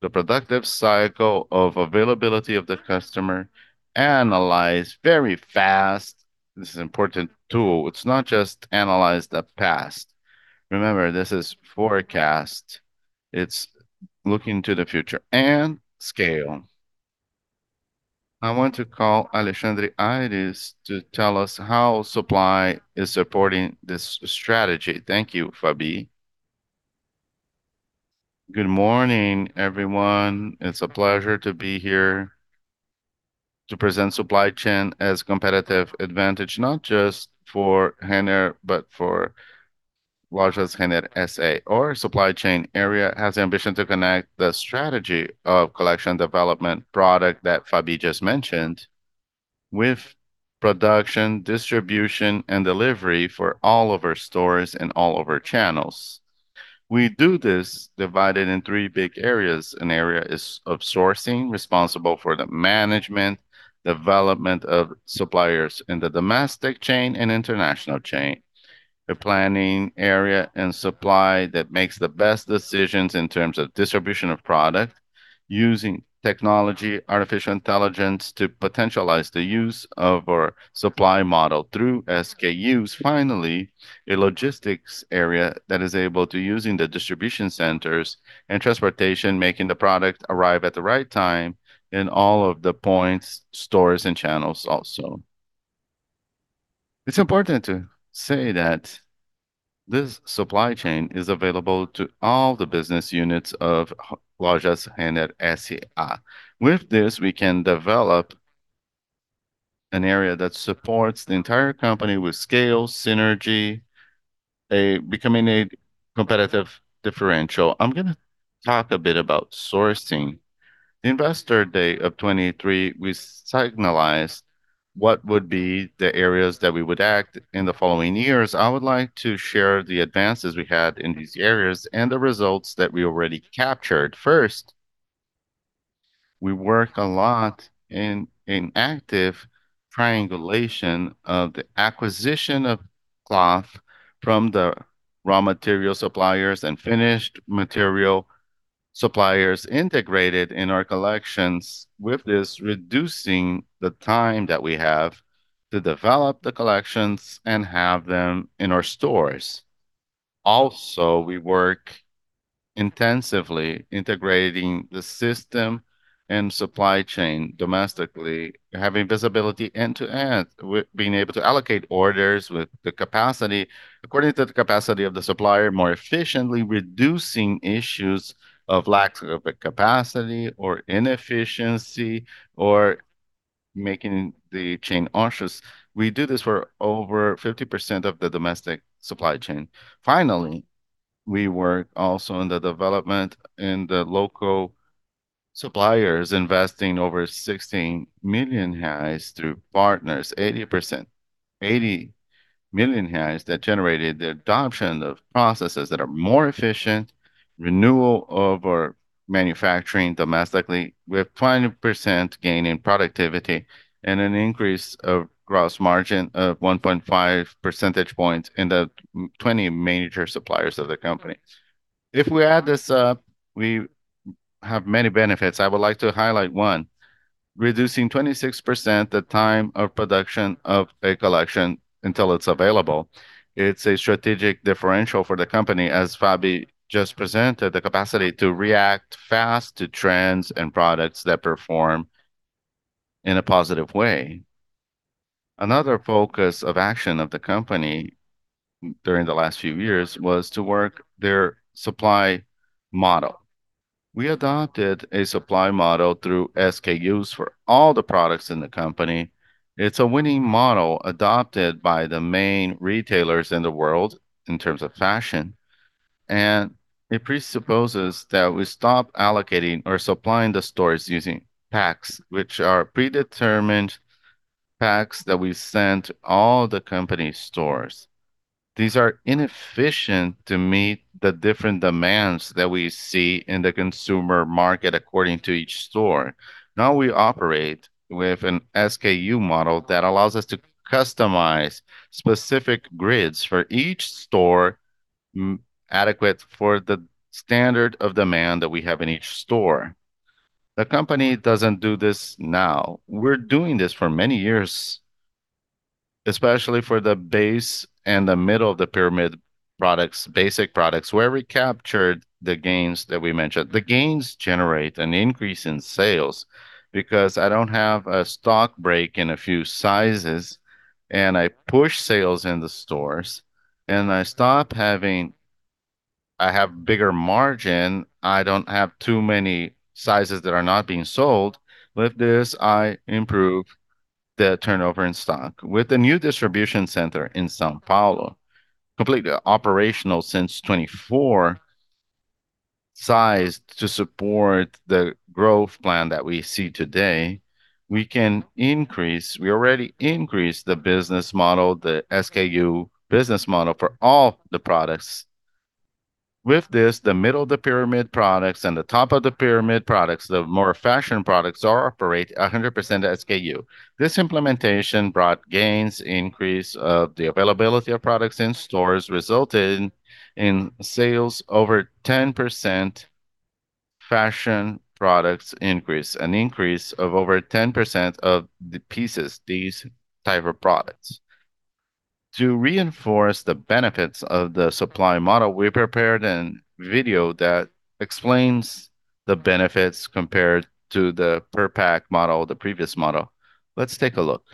the productive cycle of availability of the customer, analyze very fast. This is an important tool. It's not just analyze the past. Remember, this is forecast. It's looking to the future and scale. I want to call Alexandre Aires to tell us how supply is supporting this strategy. Thank you, Fabi. Good morning, everyone. It's a pleasure to be here to present supply chain as competitive advantage, not just for Renner, but for Lojas Renner S.A. Our supply chain area has the ambition to connect the strategy of collection development product that Fabi just mentioned with production, distribution, and delivery for all of our stores and all of our channels. We do this divided in three big areas. An area is of sourcing, responsible for the management, development of suppliers in the domestic chain and international chain. A planning area and supply that makes the best decisions in terms of distribution of product, using technology, artificial intelligence to potentialize the use of our supply model through SKUs. Finally, a logistics area that is able to use the distribution centers and transportation, making the product arrive at the right time in all of the points, stores, and channels also. It's important to say that this supply chain is available to all the business units of Lojas Renner S.A. With this, we can develop an area that supports the entire company with scale, synergy, becoming a competitive differential. I'm going to talk a bit about sourcing. Investor Day of 2023, we signalize what would be the areas that we would act in the following years. I would like to share the advances we had in these areas and the results that we already captured. First, we work a lot in an active triangulation of the acquisition of cloth from the raw material suppliers and finished material suppliers integrated in our collections. With this, reducing the time that we have to develop the collections and have them in our stores. Also, we work intensively integrating the system and supply chain domestically, having visibility end to end, being able to allocate orders with the capacity according to the capacity of the supplier, more efficiently reducing issues of lack of capacity or inefficiency or making the chain anxious. We do this for over 50% of the domestic supply chain. Finally, we work also in the development in the local suppliers, investing over 16 million through partners, 80%, 80 million that generated the adoption of processes that are more efficient, renewal of our manufacturing domestically with 20% gain in productivity and an increase of gross margin of 1.5 percentage points in the 20 major suppliers of the company. If we add this up, we have many benefits. I would like to highlight one, reducing 26% the time of production of a collection until it's available. It's a strategic differential for the company, as Fabi just presented, the capacity to react fast to trends and products that perform in a positive way. Another focus of action of the company during the last few years was to work their supply model. We adopted a supply model through SKUs for all the products in the company. It's a winning model adopted by the main retailers in the world in terms of fashion, and it presupposes that we stop allocating or supplying the stores using packs, which are predetermined packs that we sent all the company stores. These are inefficient to meet the different demands that we see in the consumer market according to each store. Now we operate with an SKU model that allows us to customize specific grids for each store adequate for the standard of demand that we have in each store. The company doesn't do this now. We're doing this for many years, especially for the base and the middle of the pyramid products, basic products where we captured the gains that we mentioned. The gains generate an increase in sales because I don't have a stock break in a few sizes and I push sales in the stores and I stop having, I have bigger margin. I don't have too many sizes that are not being sold. With this, I improve the turnover in stock. With the new distribution center in São Paulo, completely operational since 2024, sized to support the growth plan that we see today, we can increase. We already increased the business model, the SKU business model for all the products. With this, the middle of the pyramid products and the top of the pyramid products, the more fashion products are operating 100% SKU. This implementation brought gains. Increase of the availability of products in stores resulted in sales over 10%. Fashion products increase, an increase of over 10% of the pieces, these type of products. To reinforce the benefits of the supply model, we prepared a video that explains the benefits compared to the per pack model, the previous model. Let's take a look.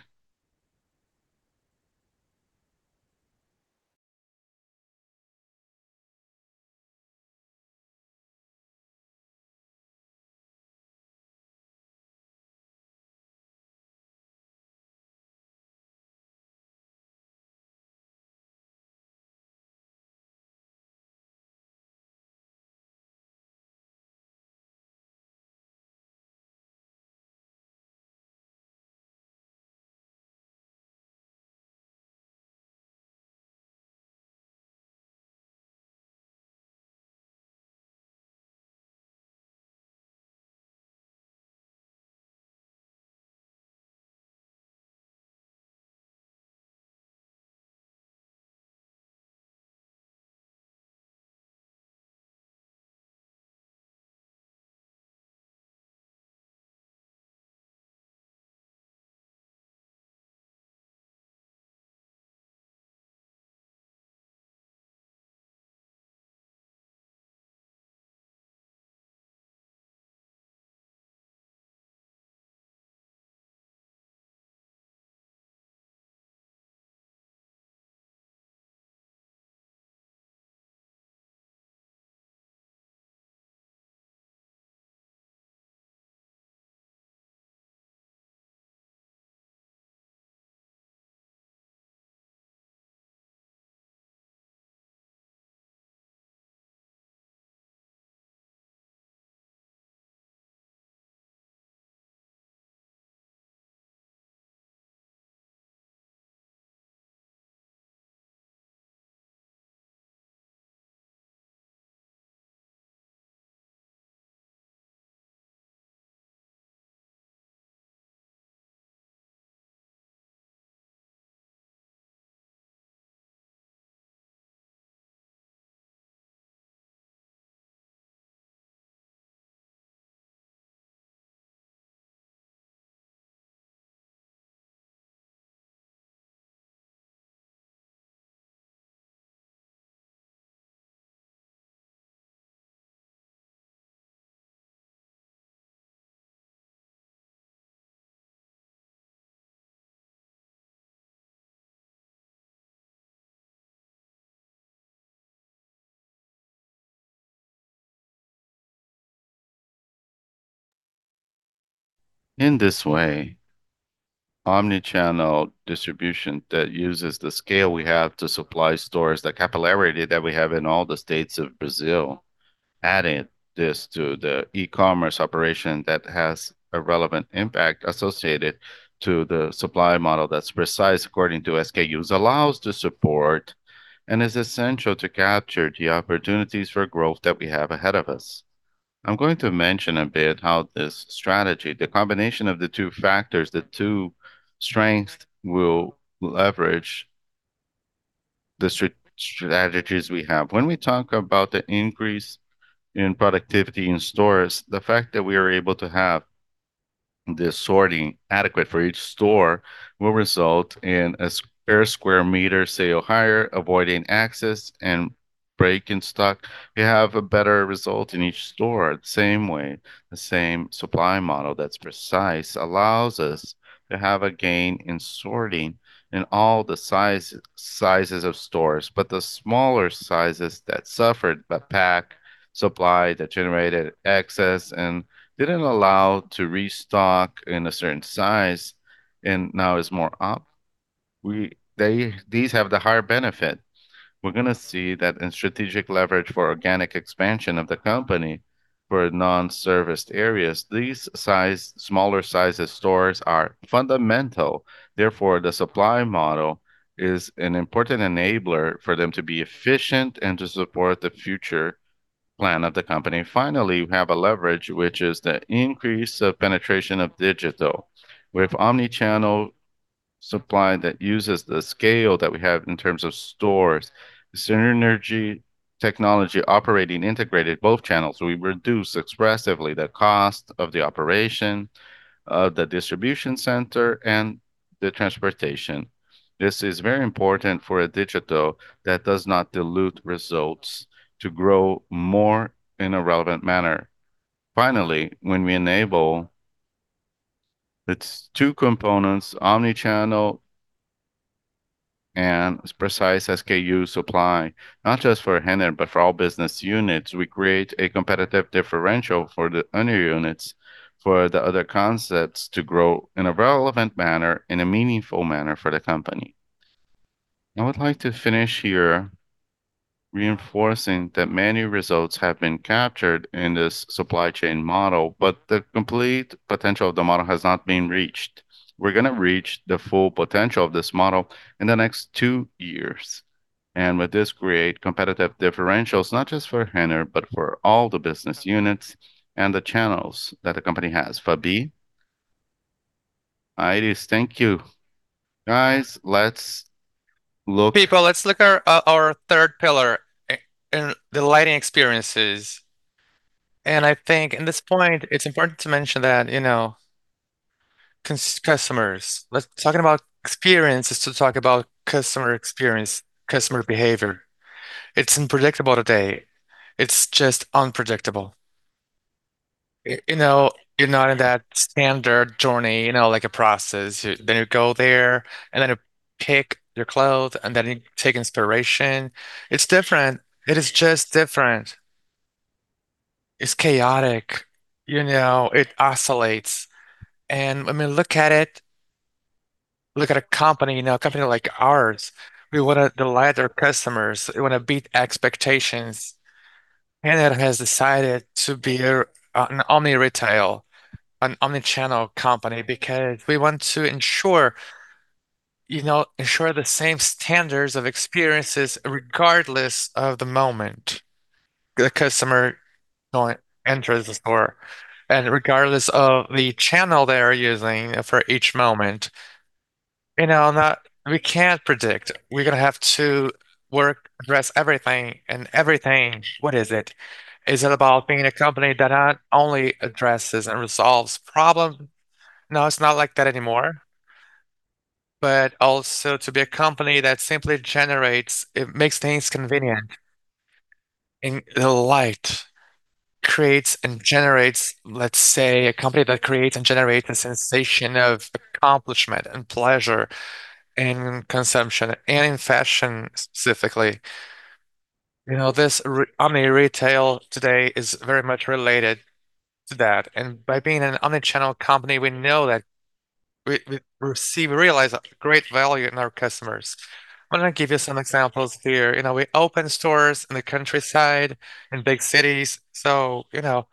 In this way, omnichannel distribution that uses the scale we have to supply stores, the capillarity that we have in all the states of Brazil, adding this to the e-commerce operation that has a relevant impact associated to the supply model that's precise according to SKUs, allows to support and is essential to capture the opportunities for growth that we have ahead of us. I'm going to mention a bit how this strategy, the combination of the two factors, the two strengths will leverage the strategies we have. When we talk about the increase in productivity in stores, the fact that we are able to have this sorting adequate for each store will result in square meter sale higher, avoiding excess and breaking stock. We have a better result in each store. The same way, the same supply model that's precise allows us to have a gain in sorting in all the sizes of stores, but the smaller sizes that suffered by pack supply that generated excess and didn't allow to restock in a certain size and now is more up. These have the higher benefit. We're going to see that in strategic leverage for organic expansion of the company for non-serviced areas. These size, smaller sizes stores are fundamental. Therefore, the supply model is an important enabler for them to be efficient and to support the future plan of the company. Finally, we have a leverage, which is the increase of penetration of digital. With omnichannel supply that uses the scale that we have in terms of stores, synergy technology operating integrated both channels, we reduce expressively the cost of the operation of the distribution center and the transportation. This is very important for a digital that does not dilute results to grow more in a relevant manner. Finally, when we enable its two components, omnichannel and precise SKU supply, not just for Renner, but for all business units, we create a competitive differential for the other units for the other concepts to grow in a relevant manner, in a meaningful manner for the company. I would like to finish here reinforcing that many results have been captured in this supply chain model, but the complete potential of the model has not been reached. We're going to reach the full potential of this model in the next two years. And with this, create competitive differentials, not just for Renner, but for all the business units and the channels that the company has. Fabi, Aires, thank you. Guys, let's look. People, let's look at our third pillar, the client experiences. And I think at this point, it's important to mention that, you know, customers. Let's talk about experiences to talk about customer experience, customer behavior. It's unpredictable today. It's just unpredictable. You know, you're not in that standard journey, you know, like a process. Then you go there and then you pick your clothes and then you take inspiration. It's different. It is just different. It's chaotic. You know, it oscillates. And when we look at it, look at a company, you know, a company like ours, we want to delight our customers. We want to beat expectations. Renner has decided to be an omni-retail, an omnichannel company because we want to ensure, you know, the same standards of experiences regardless of the moment the customer enters the store and regardless of the channel they are using for each moment. You know, we can't predict. We're going to have to work, address everything and everything. What is it? Is it about being a company that not only addresses and resolves problems? No, it's not like that anymore. But also to be a company that simply generates, it makes things convenient in the light, creates and generates, let's say, a company that creates and generates a sensation of accomplishment and pleasure in consumption and in fashion specifically. You know, this omni-retail today is very much related to that. And by being an omnichannel company, we know that we receive, realize great value in our customers. I'm going to give you some examples here. You know, we open stores in the countryside and big cities. So, you know,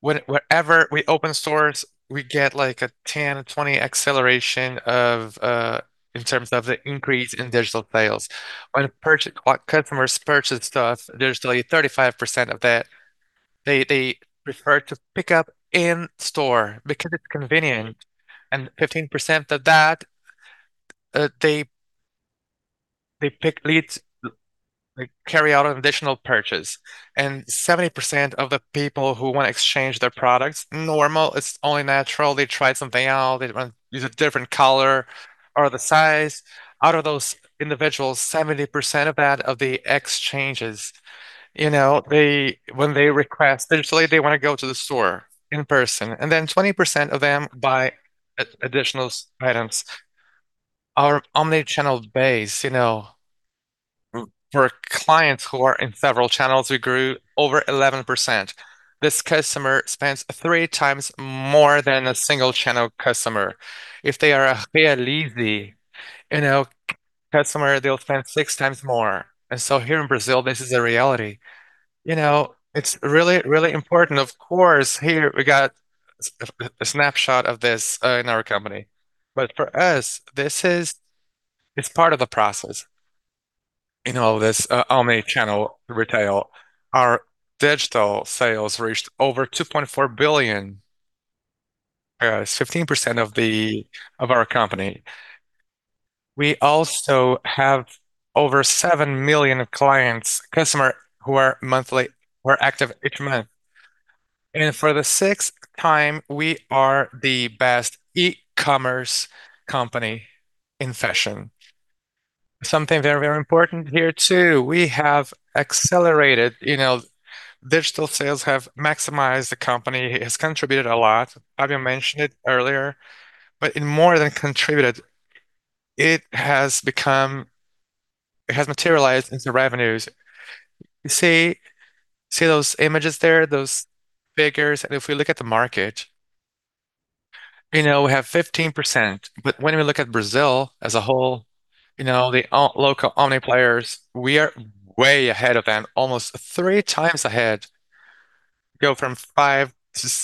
whenever we open stores, we get like a 10-20 acceleration of, in terms of the increase in digital sales. When customers purchase stuff digitally, 35% of that, they prefer to pick up in store because it's convenient, and 15% of that, they carry out an additional purchase, and 70% of the people who want to exchange their products, normal, it's only natural. They try something out. They want to use a different color or the size. Out of those individuals, 70% of the exchanges, you know, when they request digitally, they want to go to the store in person, and then 20% of them buy additional items. Our omnichannel base, you know, for clients who are in several channels, we grew over 11%. This customer spends three times more than a single channel customer. If they are a Realize, you know, customer, they'll spend six times more, and so here in Brazil, this is a reality. You know, it's really, really important. Of course, here we got a snapshot of this in our company, but for us, this is part of the process. You know, this omnichannel retail, our digital sales reached over 2.4 billion, guys, 15% of our company. We also have over seven million clients, customers who are monthly, who are active each month, and for the sixth time, we are the best e-commerce company in fashion. Something very, very important here too. We have accelerated, you know, digital sales have maximized the company. It has contributed a lot. I haven't mentioned it earlier, but in more than contributed, it has become, it has materialized into revenues. You see, see those images there, those figures, and if we look at the market, you know, we have 15%. But when we look at Brazil as a whole, you know, the local omni players, we are way ahead of them, almost three times ahead. Go from five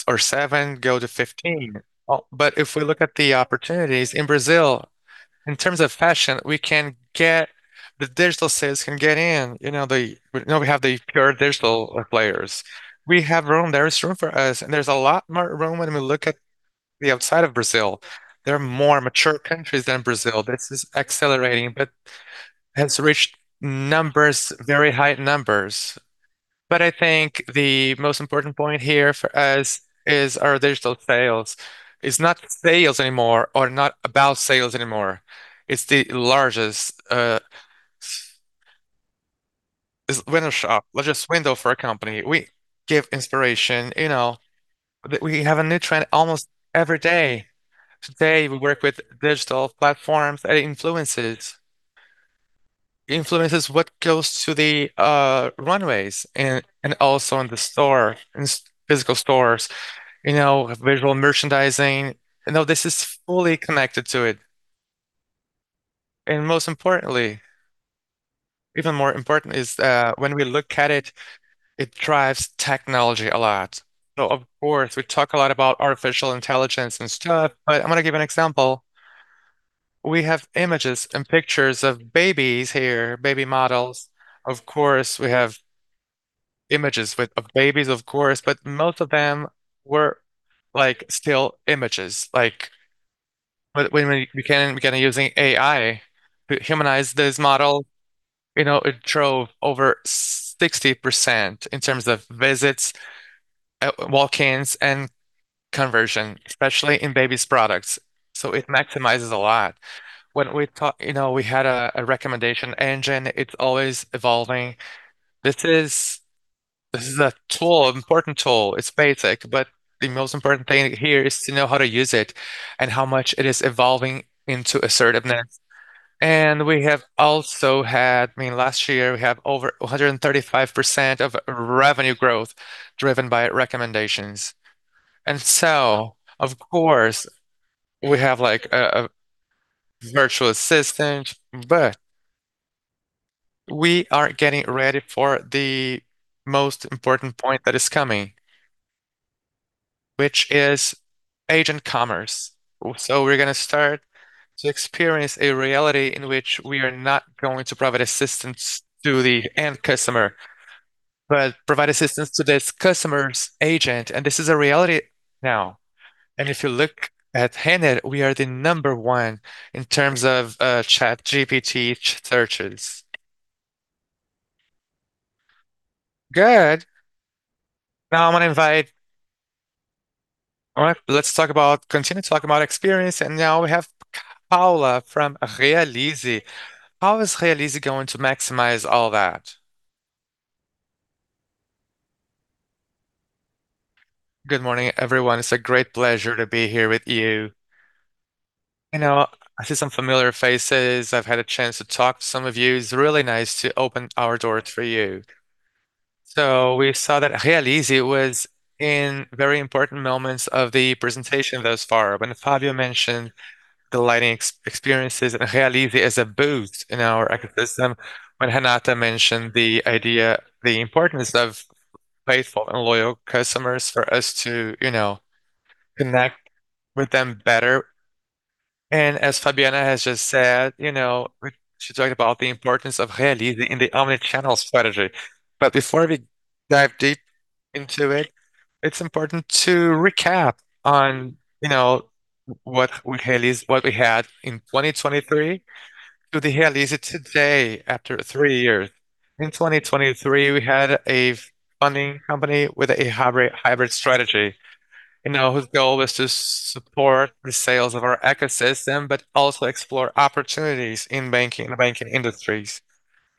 or seven, go to 15. But if we look at the opportunities in Brazil, in terms of fashion, we can get the digital sales can get in, you know, we have the pure digital players. We have room, there is room for us. And there's a lot more room when we look at the outside of Brazil. There are more mature countries than Brazil. This is accelerating, but has reached numbers, very high numbers. But I think the most important point here for us is our digital sales. It's not sales anymore or not about sales anymore. It's the largest, window shop, largest window for a company. We give inspiration, you know, we have a new trend almost every day. Today, we work with digital platforms that influences what goes to the runways and also in the store, in physical stores, you know, visual merchandising. You know, this is fully connected to it and most importantly, even more important is, when we look at it, it drives technology a lot, so of course, we talk a lot about artificial intelligence and stuff, but I'm going to give you an example. We have images and pictures of babies here, baby models. Of course, we have images with of babies, of course, but most of them were like still images. Like when we can using AI to humanize this model, you know, it drove over 60% in terms of visits, walk-ins and conversion, especially in babies' products, so it maximizes a lot. When we talk, you know, we had a recommendation engine. It's always evolving. This is a tool, an important tool. It's basic, but the most important thing here is to know how to use it and how much it is evolving into assertiveness. And we have also had, I mean, last year, we have over 135% of revenue growth driven by recommendations. And so, of course, we have like a virtual assistant, but we are getting ready for the most important point that is coming, which is agent commerce. So we're going to start to experience a reality in which we are not going to provide assistance to the end customer, but provide assistance to this customer's agent. And this is a reality now. And if you look at Renner, we are the number one in terms of ChatGPT searches. Good. Now I'm going to invite, let's talk about, continue talking about experience. And now we have Paula from Realize. How is Realize going to maximize all that? Good morning, everyone. It's a great pleasure to be here with you. You know, I see some familiar faces. I've had a chance to talk to some of you. It's really nice to open our doors for you. So we saw that Realize was in very important moments of the presentation thus far. When Fabio mentioned the lighting experiences and Realize as a boost in our ecosystem, when Renata mentioned the idea, the importance of faithful and loyal customers for us to, you know, connect with them better. And as Fabiana has just said, you know, she talked about the importance of Realize in the omnichannel strategy. But before we dive deep into it, it's important to recap on, you know, what we had in 2023 to the Realize today after three years. In 2023, we had a funding company with a hybrid strategy, you know, whose goal was to support the sales of our ecosystem, but also explore opportunities in banking and banking industries.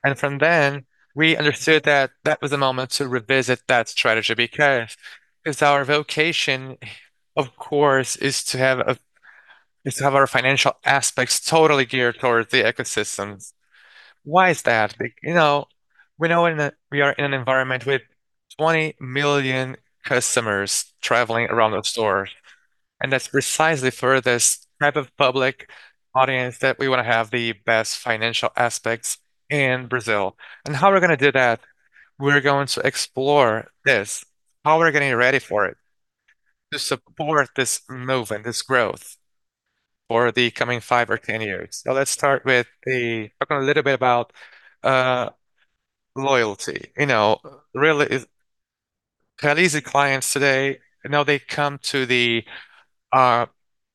And from then, we understood that was a moment to revisit that strategy because our vocation, of course, is to have our financial aspects totally geared toward the ecosystem. Why is that? You know, we know that we are in an environment with 20 million customers traveling around the stores. And that's precisely for this type of public audience that we want to have the best financial aspects in Brazil. And how we're going to do that? We're going to explore this, how we're getting ready for it to support this movement, this growth for the coming five or ten years. So let's start with talking a little bit about loyalty. You know, really, Realize clients today, you know, they come to the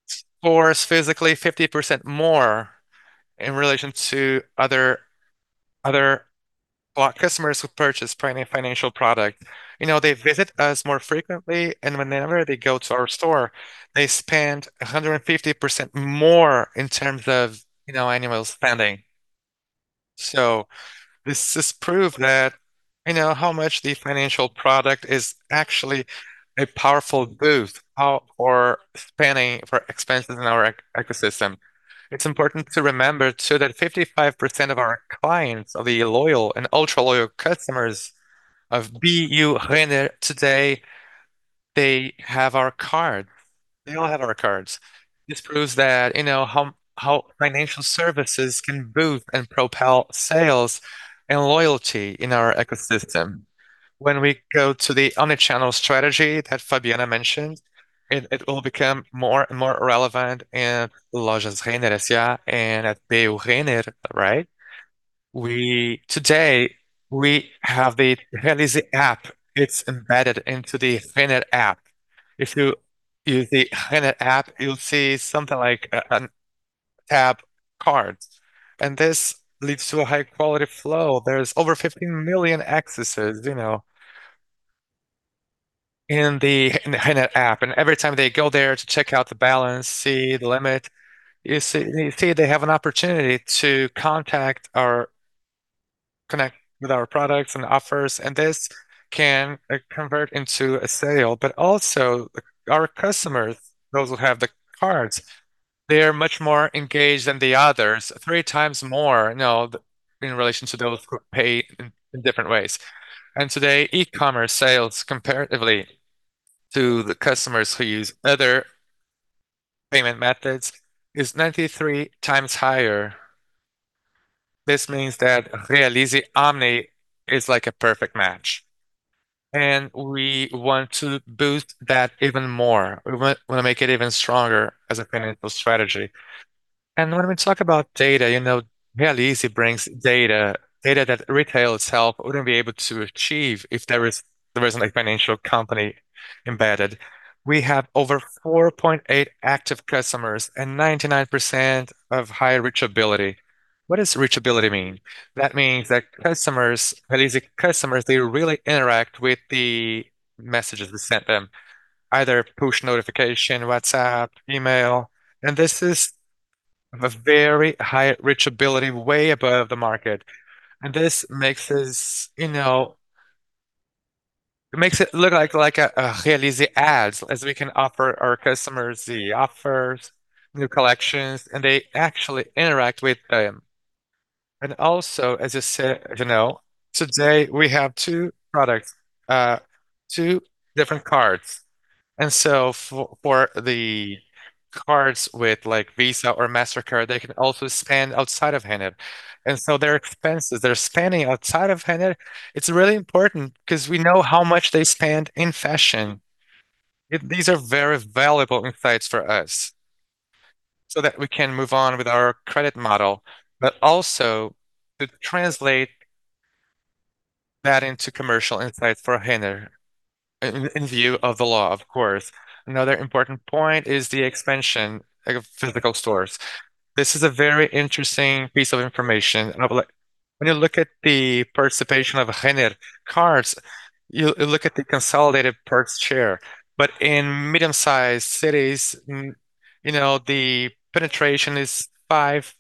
stores physically 50% more in relation to other customers who purchase any financial product. You know, they visit us more frequently. And whenever they go to our store, they spend 150% more in terms of, you know, annual spending. So this is proof that, you know, how much the financial product is actually a powerful boost for spending for expenses in our ecosystem. It's important to remember too that 55% of our clients, of the loyal and ultra loyal customers of Renner today, they have our cards. They all have our cards. This proves that, you know, how financial services can boost and propel sales and loyalty in our ecosystem. When we go to the omnichannel strategy that Fabiana mentioned, it will become more and more relevant in Lojas Renner, yeah, and at BU Renner, right? Today, we have the Realize app. It's embedded into the Renner app. If you use the Renner app, you'll see something like a tab card. And this leads to a high quality flow. There's over 15 million accesses, you know, in the Renner app. And every time they go there to check out the balance, see the limit, you see they have an opportunity to connect with our products and offers. And this can convert into a sale. But also our customers, those who have the cards, they are much more engaged than the others, three times more, you know, in relation to those who pay in different ways. And today, e-commerce sales comparatively to the customers who use other payment methods is 93 times higher. This means that Realize omni is like a perfect match. And we want to boost that even more. We want to make it even stronger as a financial strategy. And when we talk about data, you know, Realize brings data, data that retail itself wouldn't be able to achieve if there is, there isn't a financial company embedded. We have over 4.8 active customers and 99% of high reachability. What does reachability mean? That means that customers, Realize customers, they really interact with the messages we sent them, either push notification, WhatsApp, email. This is a very high reachability, way above the market. This makes us, you know, it makes it look like a Realize Ads, as we can offer our customers the offers, new collections, and they actually interact with them. Also, as you said, you know, today we have two products, two different cards, so for the cards with like Visa or Mastercard, they can also spend outside of Renner, so their expenses, they're spending outside of Renner. It's really important because we know how much they spend in fashion. These are very valuable insights for us so that we can move on with our credit model, but also to translate that into commercial insights for Renner in view of the law, of course. Another important point is the expansion of physical stores. This is a very interesting piece of information. When you look at the participation of Renner cards, you look at the consolidated per share, but in medium-sized cities, you know, the penetration is five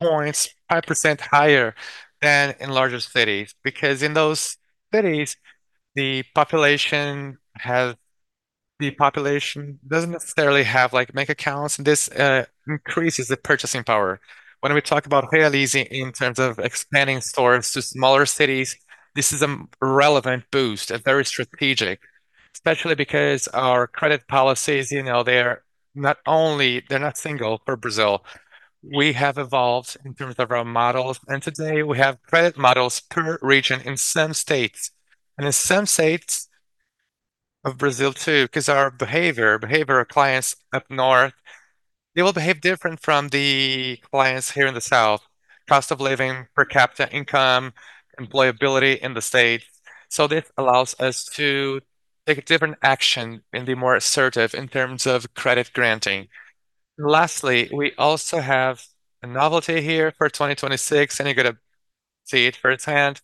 points, 5% higher than in larger cities. Because in those cities, the population doesn't necessarily have like bank accounts, and this increases the purchasing power. When we talk about Realize in terms of expanding stores to smaller cities, this is a relevant boost, a very strategic, especially because our credit policies, you know, they're not only, they're not single for Brazil. We have evolved in terms of our models, and today we have credit models per region in some states of Brazil too, because our behavior of clients up north, they will behave different from the clients here in the south, cost of living, per capital income, employability in the state. This allows us to take a different action and be more assertive in terms of credit granting. Lastly, we also have a novelty here for 2026, and you're going to see it firsthand.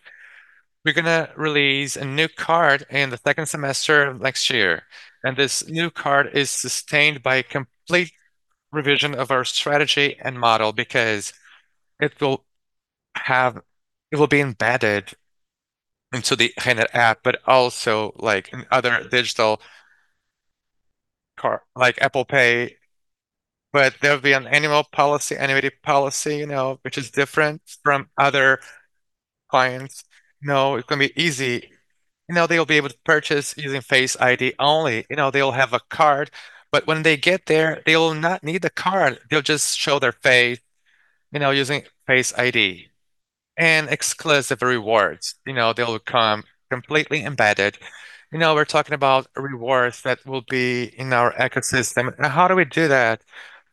We're going to release a new card in the second semester of next year. This new card is sustained by a complete revision of our strategy and model because it will have, it will be embedded into the Renner app, but also like in other digital cards like Apple Pay. There'll be an annual policy, annuity policy, you know, which is different from other clients. You know, it's going to be easy. You know, they'll be able to purchase using Face ID only. You know, they'll have a card, but when they get there, they'll not need the card. They'll just show their face, you know, using Face ID and exclusive rewards. You know, they'll become completely embedded. You know, we're talking about rewards that will be in our ecosystem and how do we do that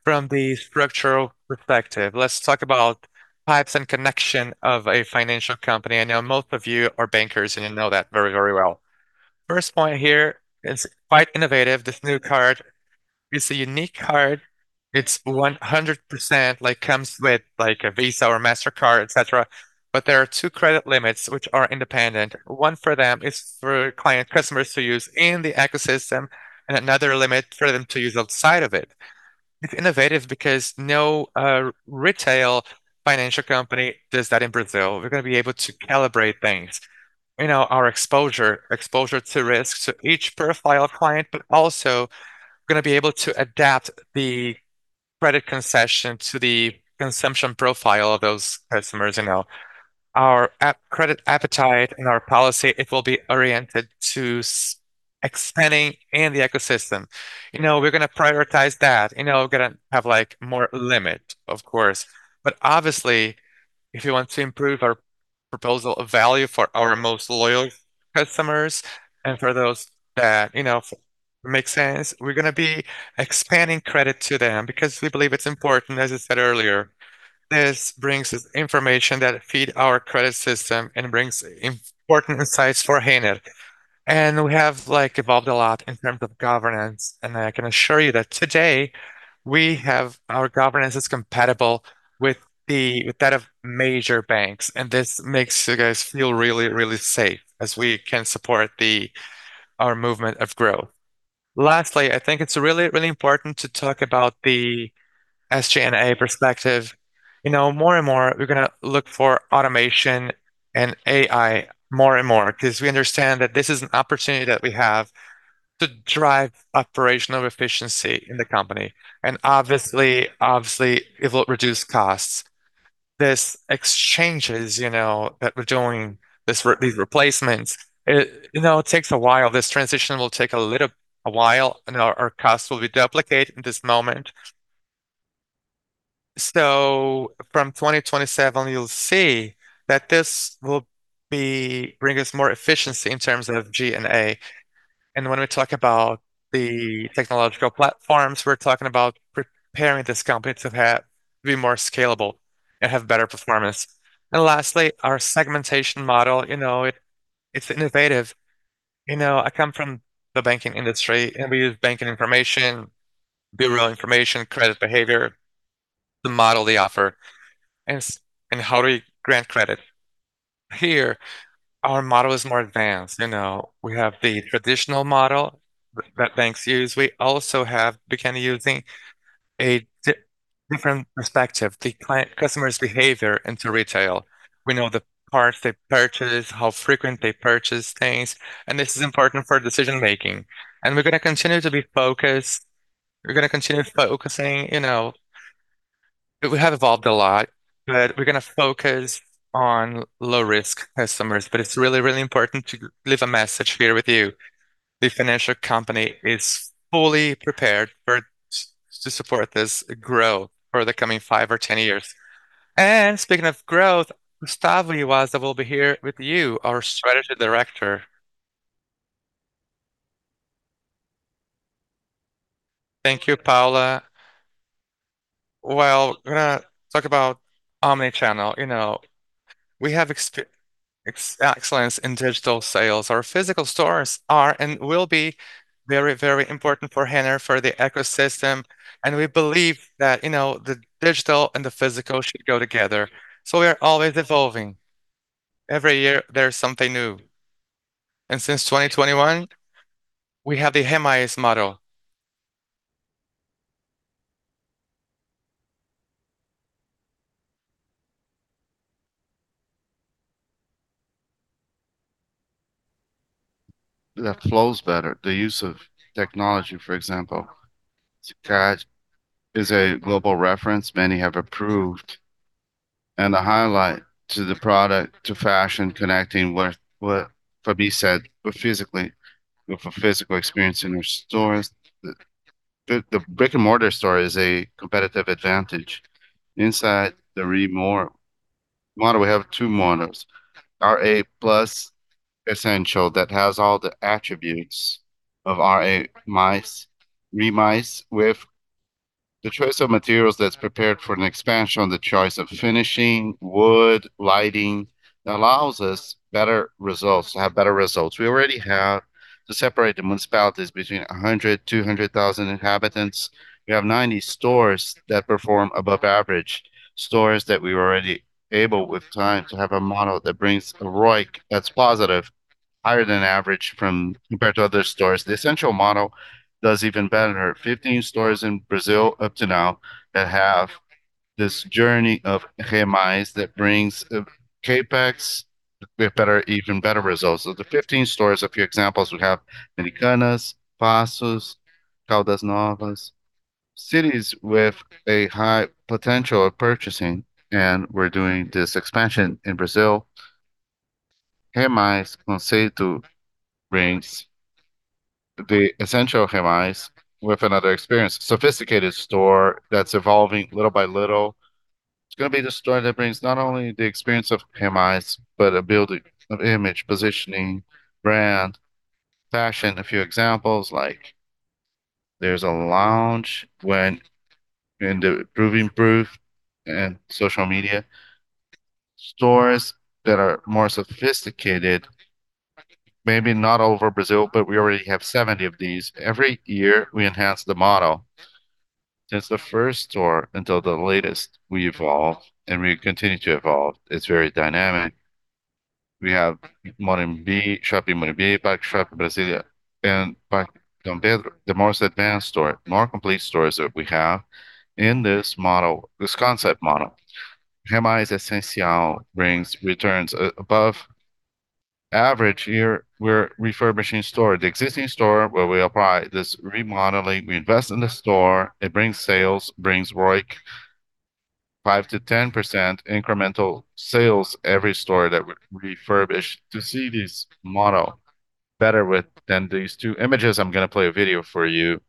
from the structural perspective? Let's talk about pipes and connection of a financial company. I know most of you are bankers and you know that very, very well. First point here is quite innovative. This new card is a unique card. It's 100% like comes with like a Visa or Mastercard, et cetera but there are two credit limits which are independent. One for them is for client customers to use in the ecosystem and another limit for them to use outside of it. It's innovative because no retail financial company does that in Brazil. We're going to be able to calibrate things, you know, our exposure to risk to each profile client, but also we're going to be able to adapt the credit concession to the consumption profile of those customers, you know, our appetite, credit appetite and our policy. It will be oriented to expanding in the ecosystem. You know, we're going to prioritize that. You know, we're going to have like more limit, of course, but obviously if you want to improve our proposal of value for our most loyal customers and for those that, you know, make sense, we're going to be expanding credit to them because we believe it's important. As I said earlier, this brings information that feeds our credit system and brings important insights for Renner, and we have like evolved a lot in terms of governance. And I can assure you that today we have our governance is compatible with the, with that of major banks. And this makes you guys feel really, really safe as we can support our movement of growth. Lastly, I think it's really, really important to talk about the SG&A perspective. You know, more and more we're going to look for automation and AI more and more because we understand that this is an opportunity that we have to drive operational efficiency in the company. And obviously, obviously it will reduce costs. These changes, you know, that we're doing this, these replacements, you know, it takes a while. This transition will take a little while and our costs will be duplicated in this moment. So from 2027, you'll see that this will bring us more efficiency in terms of G&A. When we talk about the technological platforms, we're talking about preparing this company to have to be more scalable and have better performance. Lastly, our segmentation model, you know, it's innovative. You know, I come from the banking industry and we use banking information, bureau information, credit behavior, the model they offer and how do we grant credit. Here, our model is more advanced. You know, we have the traditional model that banks use. We also have begun using a different perspective, the client customer's behavior into retail. We know the parts they purchase, how frequent they purchase things. This is important for decision making. We're going to continue to be focused. We're going to continue focusing, you know, we have evolved a lot, but we're going to focus on low risk customers. It's really, really important to leave a message here with you. The financial company is fully prepared for to support this growth for the coming five or 10 years. And speaking of growth, Gustavo Yuasa will be here with you, our strategy director. Thank you, Paula. Well, we're going to talk about omnichannel. You know, we have excellence in digital sales. Our physical stores are and will be very, very important for Renner for the ecosystem. And we believe that, you know, the digital and the physical should go together. So we are always evolving. Every year there's something new. And since 2021, we have the Hemias model. That flows better. The use of technology, for example, to cash is a global reference. Many have approved. And the highlight to the product to fashion connecting with what Fabi said, but physically, for physical experience in our stores, the brick and mortar store is a competitive advantage. Inside the Renner, why do we have two models? RA Plus, Essential that has all the attributes of RA MICE, ReMICE with the choice of materials that's prepared for an expansion on the choice of finishing, wood, lighting that allows us better results, to have better results. We already have to separate the municipalities between 100,000 to 200,000 inhabitants. We have 90 stores that perform above average stores that we were already able with time to have a model that brings a ROIC that's positive, higher than average from compared to other stores. The essential model does even better. 15 stores in Brazil up to now that have this journey of ReMICE that brings CapEx with better, even better results so the 15 stores, a few examples we have in Icó, Passos, Caldas Novas, cities with a high potential of purchasing and we're doing this expansion in Brazil. Renner concept brings the essential Renner with another experience, a sophisticated store that's evolving little by little. It's going to be the store that brings not only the experience of Renner, but a building of image, positioning, brand, fashion. A few examples like there's a lounge when in the improving proof and social media stores that are more sophisticated, maybe not over Brazil, but we already have 70 of these. Every year we enhance the model since the first store until the latest. We evolve and we continue to evolve. It's very dynamic. We have Morumbi, Shopping Morumbi, Shopping Ibirapuera in Brazil and Shopping Dom Pedro. The most advanced store, more complete stores that we have in this model, this concept model. Renner Essential brings returns above average here. We're refurbishing store, the existing store where we apply this remodeling. We invest in the store. It brings sales, brings ROIC 5%-10% incremental sales every store that we refurbish. To see this model better than these two images. I'm going to play a video for you.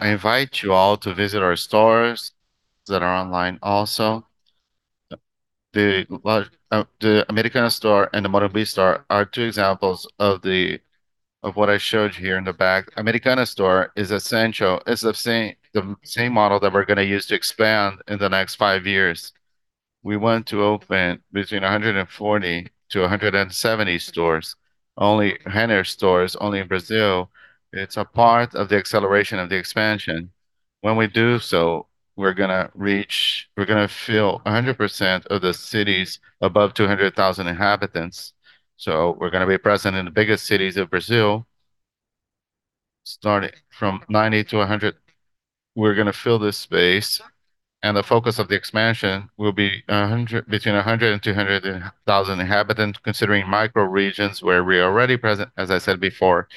Invite you all to visit our stores that are online also. The Americana store and the Morumbi store are two examples of what I showed you here in the back. Americana store is essential. It's the same model that we're going to use to expand in the next five years. We want to open between 140-170 stores, only Renner stores, only in Brazil. It's a part of the acceleration of the expansion. When we do so, we're going to reach, we're going to fill 100% of the cities above 200,000 inhabitants. So we're going to be present in the biggest cities of Brazil, starting from 90-100. We're going to fill this space. And the focus of the expansion will be between 100 and 200,000 inhabitants, considering micro regions where we are already present. As I said before,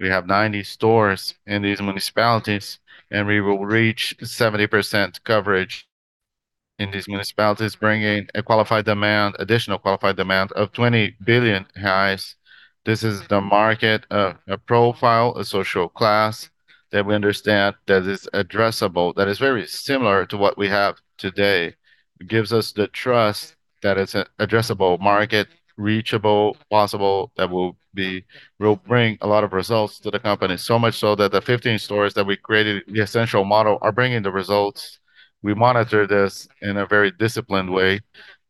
we have 90 stores in these municipalities, and we will reach 70% coverage in these municipalities, bringing a qualified demand, additional qualified demand of 20 billion reais. This is the market of a profile, a social class that we understand that is addressable, that is very similar to what we have today. It gives us the trust that it is an addressable market, reachable, possible that will bring a lot of results to the company. So much so that the 15 stores that we created, the essential model are bringing the results. We monitor this in a very disciplined way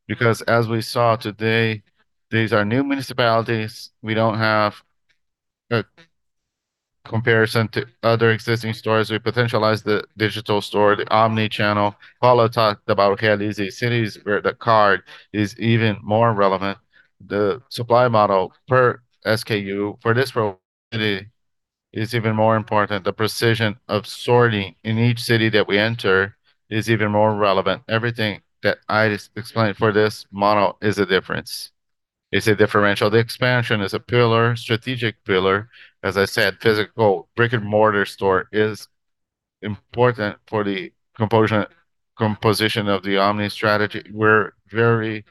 because, as we saw today, these are new municipalities. We do not have a comparison to other existing stores. We potentialize the digital store, the omnichannel. Paula talked about Realize cities where the card is even more relevant. The supply model per SKU for this property is even more important. The precision of sorting in each city that we enter is even more relevant. Everything that I explained for this model is a difference. It's a differential. The expansion is a pillar, strategic pillar. As I said, physical brick and mortar store is important for the composition of the omni strategy. We're very,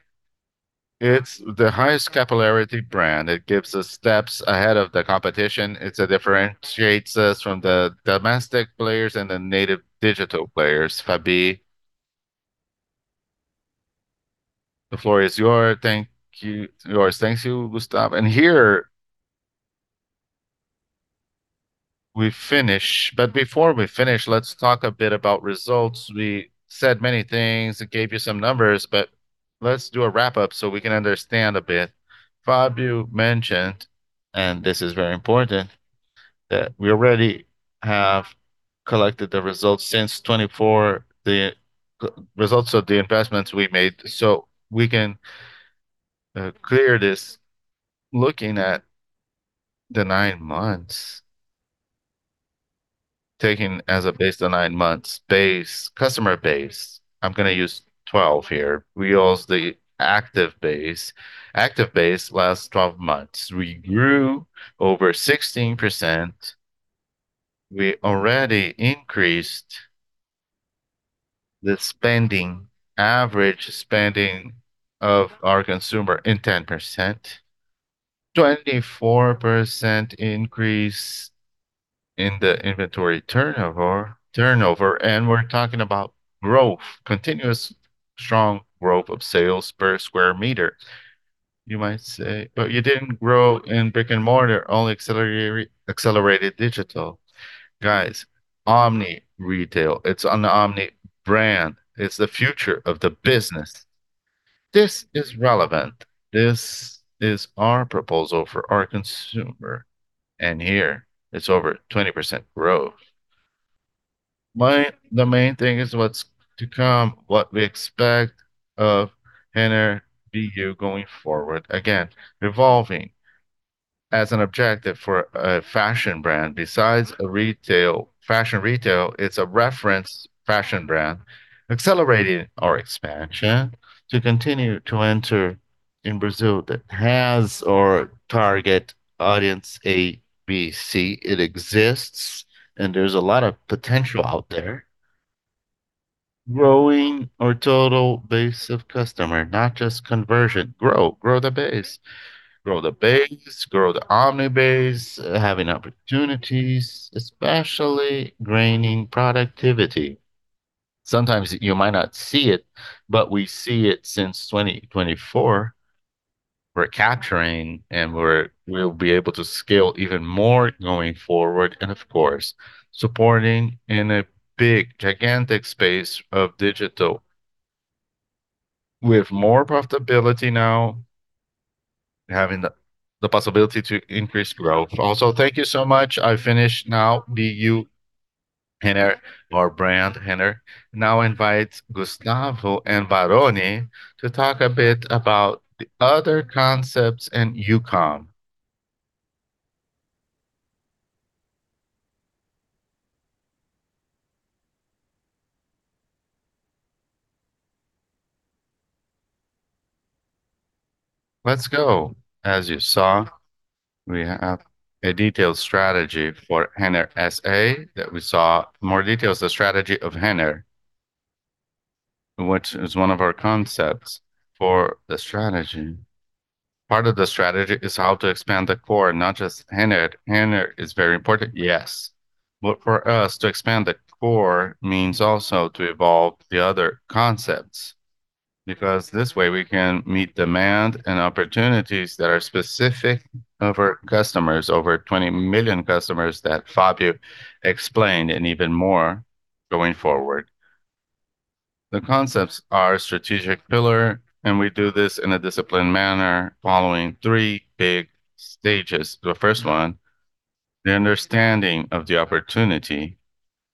it's the highest capillarity brand. It gives us steps ahead of the competition. It differentiates us from the domestic players and the native digital players. Fabi, The floor is yours. Thank you. Yours, thank you, Gustavo. And here we finish. But before we finish, let's talk a bit about results. We said many things. It gave you some numbers, but let's do a wrap-up so we can understand a bit. Fabio mentioned, and this is very important, that we already have collected the results since 2024, the results of the investments we made. So we can clear this looking at the nine months, taken as a base to nine months base, customer base. I'm going to use 12 here. We use the active base. Active base last 12 months. We grew over 16%. We already increased the spending, average spending of our consumer in 10%, 24% increase in the inventory turnover. And we're talking about growth, continuous strong growth of sales square meter. you might say, but you didn't grow in brick and mortar, only accelerated digital. Guys, omni retail, it's on the omni brand. It's the future of the business. This is relevant. This is our proposal for our consumer. And here it's over 20% growth. The main thing is what's to come, what we expect of Renner going forward. Again, evolving as an objective for a fashion brand. Besides a retail, fashion retail, it's a reference fashion brand, accelerating our expansion to continue to enter in Brazil that has our target audience, ABC. It exists, and there's a lot of potential out there. Growing our total base of customer, not just conversion. Grow, grow the base, grow the base, grow the omni base, having opportunities, especially gaining productivity. Sometimes you might not see it, but we see it since 2024. We're capturing and we'll be able to scale even more going forward. And of course, supporting in a big gigantic space of digital with more profitability now, having the possibility to increase growth. Also, thank you so much. I finished now. Renner, our brand, Renner. Now invite Gustavo and Barone to talk a bit about the other concepts and Youcom. Let's go. As you saw, we have a detailed strategy for Renner S.A. that we saw more details, the strategy of Renner, which is one of our concepts for the strategy. Part of the strategy is how to expand the core, not just Renner. Renner is very important, yes. But for us to expand the core means also to evolve the other concepts because this way we can meet demand and opportunities that are specific of our customers, over 20 million customers that Fabio explained and even more going forward. The concepts are a strategic pillar, and we do this in a disciplined manner following three big stages. The first one, the understanding of the opportunity,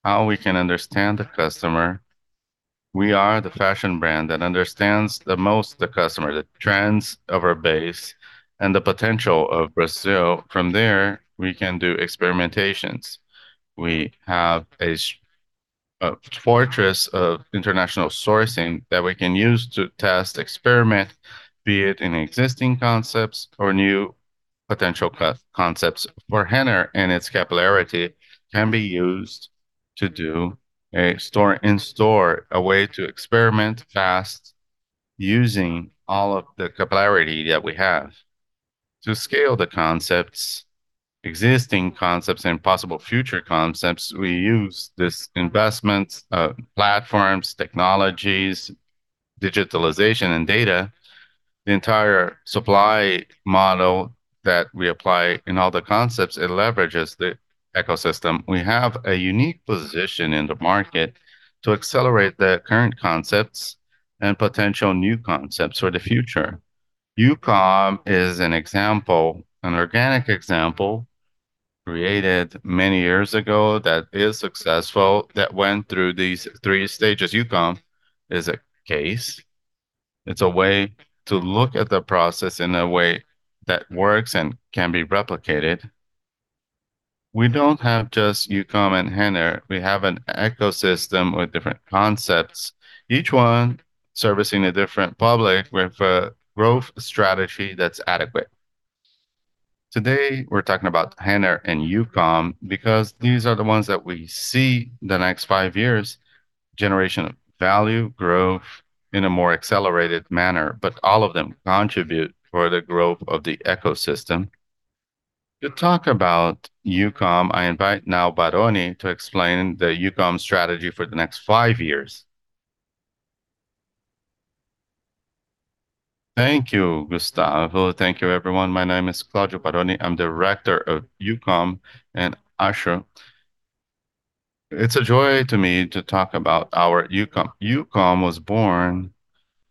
how we can understand the customer. We are the fashion brand that understands the most the customer, the trends of our base, and the potential of Brazil. From there, we can do experimentations. We have a fortress of international sourcing that we can use to test, experiment, be it in existing concepts or new potential concepts for Renner, and its capillarity can be used to do a store-in-store, a way to experiment fast using all of the capillarity that we have to scale the concepts, existing concepts, and possible future concepts. We use this investment, platforms, technologies, digitalization, and data, the entire supply model that we apply in all the concepts. It leverages the ecosystem. We have a unique position in the market to accelerate the current concepts and potential new concepts for the future. Youcom is an example, an organic example created many years ago that is successful, that went through these three stages. Youcom is a case. It's a way to look at the process in a way that works and can be replicated. We don't have just Youcom and Renner. We have an ecosystem with different concepts, each one servicing a different public with a growth strategy that's adequate. Today we're talking about Renner and Youcom because these are the ones that we see the next five years, generation of value, growth in a more accelerated manner, but all of them contribute for the growth of the ecosystem. To talk about Youcom, I invite now Barone to explain the Youcom strategy for the next five years. Thank you, Gustavo. Thank you, everyone. My name is Claudio Barone. I'm the director of Youcom and Ashua. It's a joy to me to talk about our Youcom. Youcom was born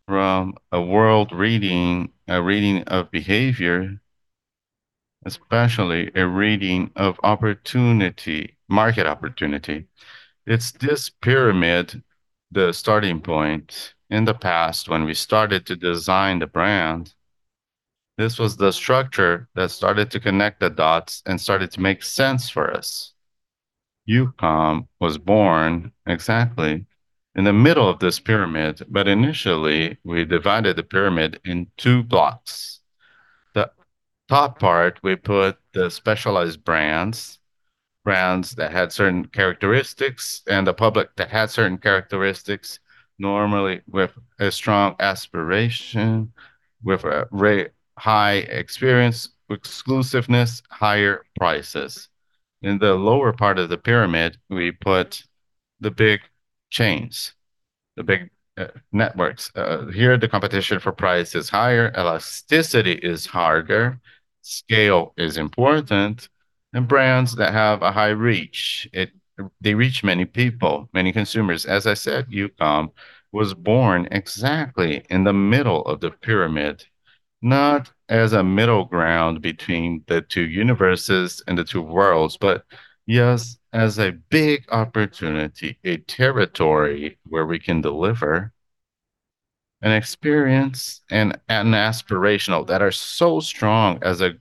from a world reading, a reading of behavior, especially a reading of opportunity, market opportunity. It's this pyramid, the starting point in the past when we started to design the brand. This was the structure that started to connect the dots and started to make sense for us. Youcom was born exactly in the middle of this pyramid, but initially we divided the pyramid in two blocks. The top part, we put the specialized brands, brands that had certain characteristics and the public that had certain characteristics, normally with a strong aspiration, with a high experience, exclusiveness, higher prices. In the lower part of the pyramid, we put the big chains, the big networks. Here, the competition for price is higher, elasticity is harder, scale is important, and brands that have a high reach, they reach many people, many consumers. As I said, Youcom was born exactly in the middle of the pyramid, not as a middle ground between the two universes and the two worlds, but yes, as a big opportunity, a territory where we can deliver an experience and an aspirational that are so strong as a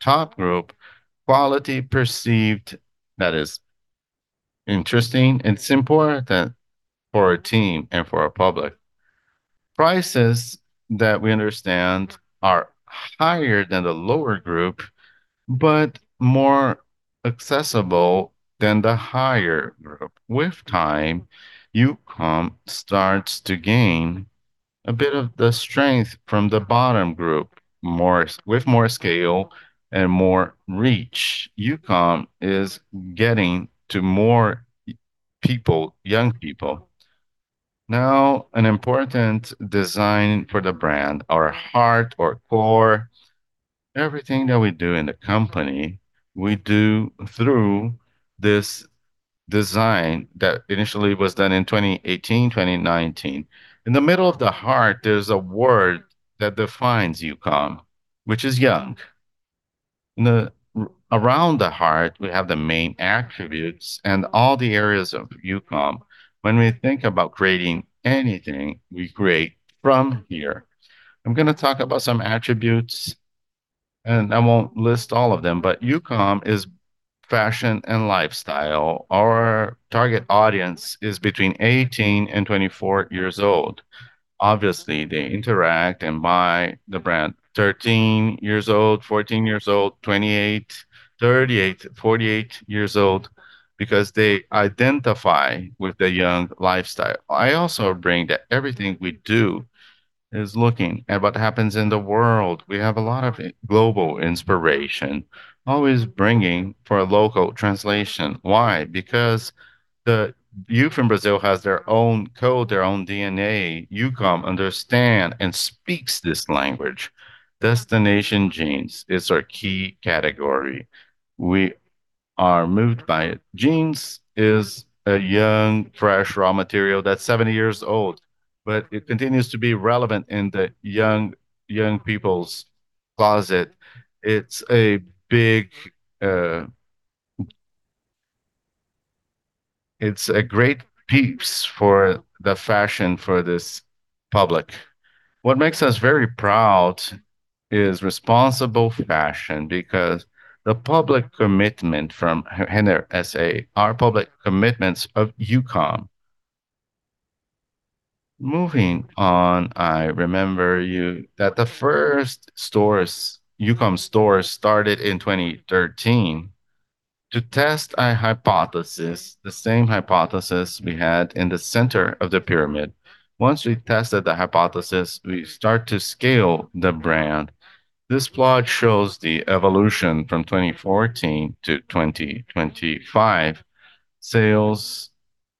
top group, quality perceived that is interesting and simple for a team and for a public. Prices that we understand are higher than the lower group, but more accessible than the higher group. With time, Youcom starts to gain a bit of the strength from the bottom group, with more scale and more reach. Youcom is getting to more people, young people. Now, an important design for the brand, our heart, our core, everything that we do in the company, we do through this design that initially was done in 2018, 2019. In the middle of the heart, there's a word that defines Youcom, which is young. Around the heart, we have the main attributes and all the areas of Youcom. When we think about creating anything, we create from here. I'm going to talk about some attributes, and I won't list all of them, but Youcom is fashion and lifestyle. Our target audience is between 18 and 24 years old. Obviously, they interact and buy the brand 13 years old, 14 years old, 28, 38, 48 years old because they identify with the young lifestyle. I also bring that everything we do is looking at what happens in the world. We have a lot of global inspiration, always bringing for a local translation. Why? Because the youth in Brazil has their own code, their own DNA. Youcom understands and speaks this language. Destination jeans is our key category. We are moved by it. Jeans is a young, fresh raw material that's 70 years old, but it continues to be relevant in the young people's closet. It's a great piece for the fashion for this public. What makes us very proud is responsible fashion because the public commitment from Renner S.A., our public commitments of Youcom. Moving on, I remind you that the first stores, Youcom stores started in 2013 to test a hypothesis, the same hypothesis we had in the center of the pyramid. Once we tested the hypothesis, we start to scale the brand. This plot shows the evolution from 2014 to 2025. Sales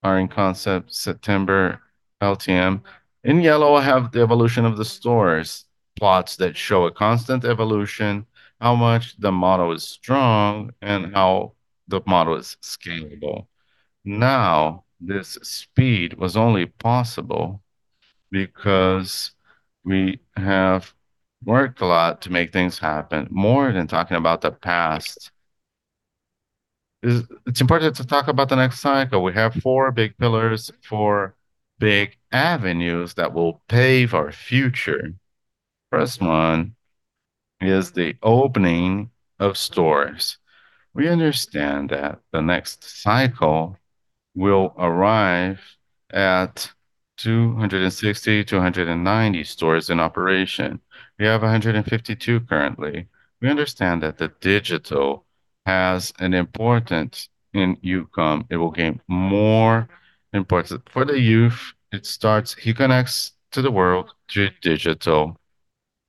are in constant, September LTM. In yellow, I have the evolution of the stores, plots that show a constant evolution, how much the model is strong and how the model is scalable. Now, this speed was only possible because we have worked a lot to make things happen. More than talking about the past, it's important to talk about the next cycle. We have four big pillars, four big avenues that will pave our future. First one is the opening of stores. We understand that the next cycle will arrive at 260-290 stores in operation. We have 152 currently. We understand that the digital has an importance in Youcom. It will gain more importance for the youth. It starts, he connects to the world through digital.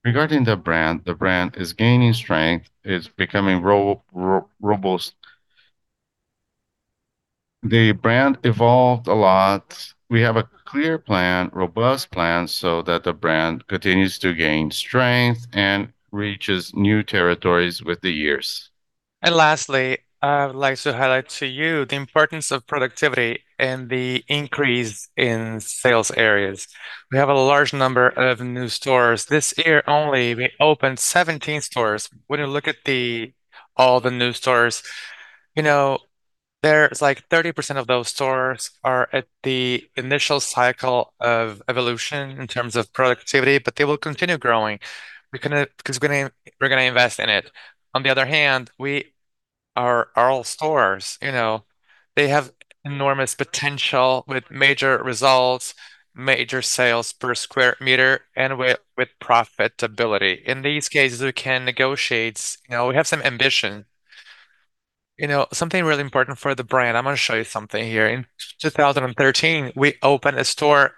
Regarding the brand, the brand is gaining strength. It's becoming robust. The brand evolved a lot. We have a clear plan, robust plan so that the brand continues to gain strength and reaches new territories with the years, and lastly, I would like to highlight to you the importance of productivity and the increase in sales areas. We have a large number of new stores. This year only, we opened 17 stores. When you look at all the new stores, you know there's like 30% of those stores are at the initial cycle of evolution in terms of productivity, but they will continue growing. We're going to invest in it. On the other hand, we are all stores. You know they have enormous potential with major results, major sales square meter, and with profitability. In these cases, we can negotiate. You know we have some ambition. You know something really important for the brand. I'm going to show you something here. In 2013, we opened a store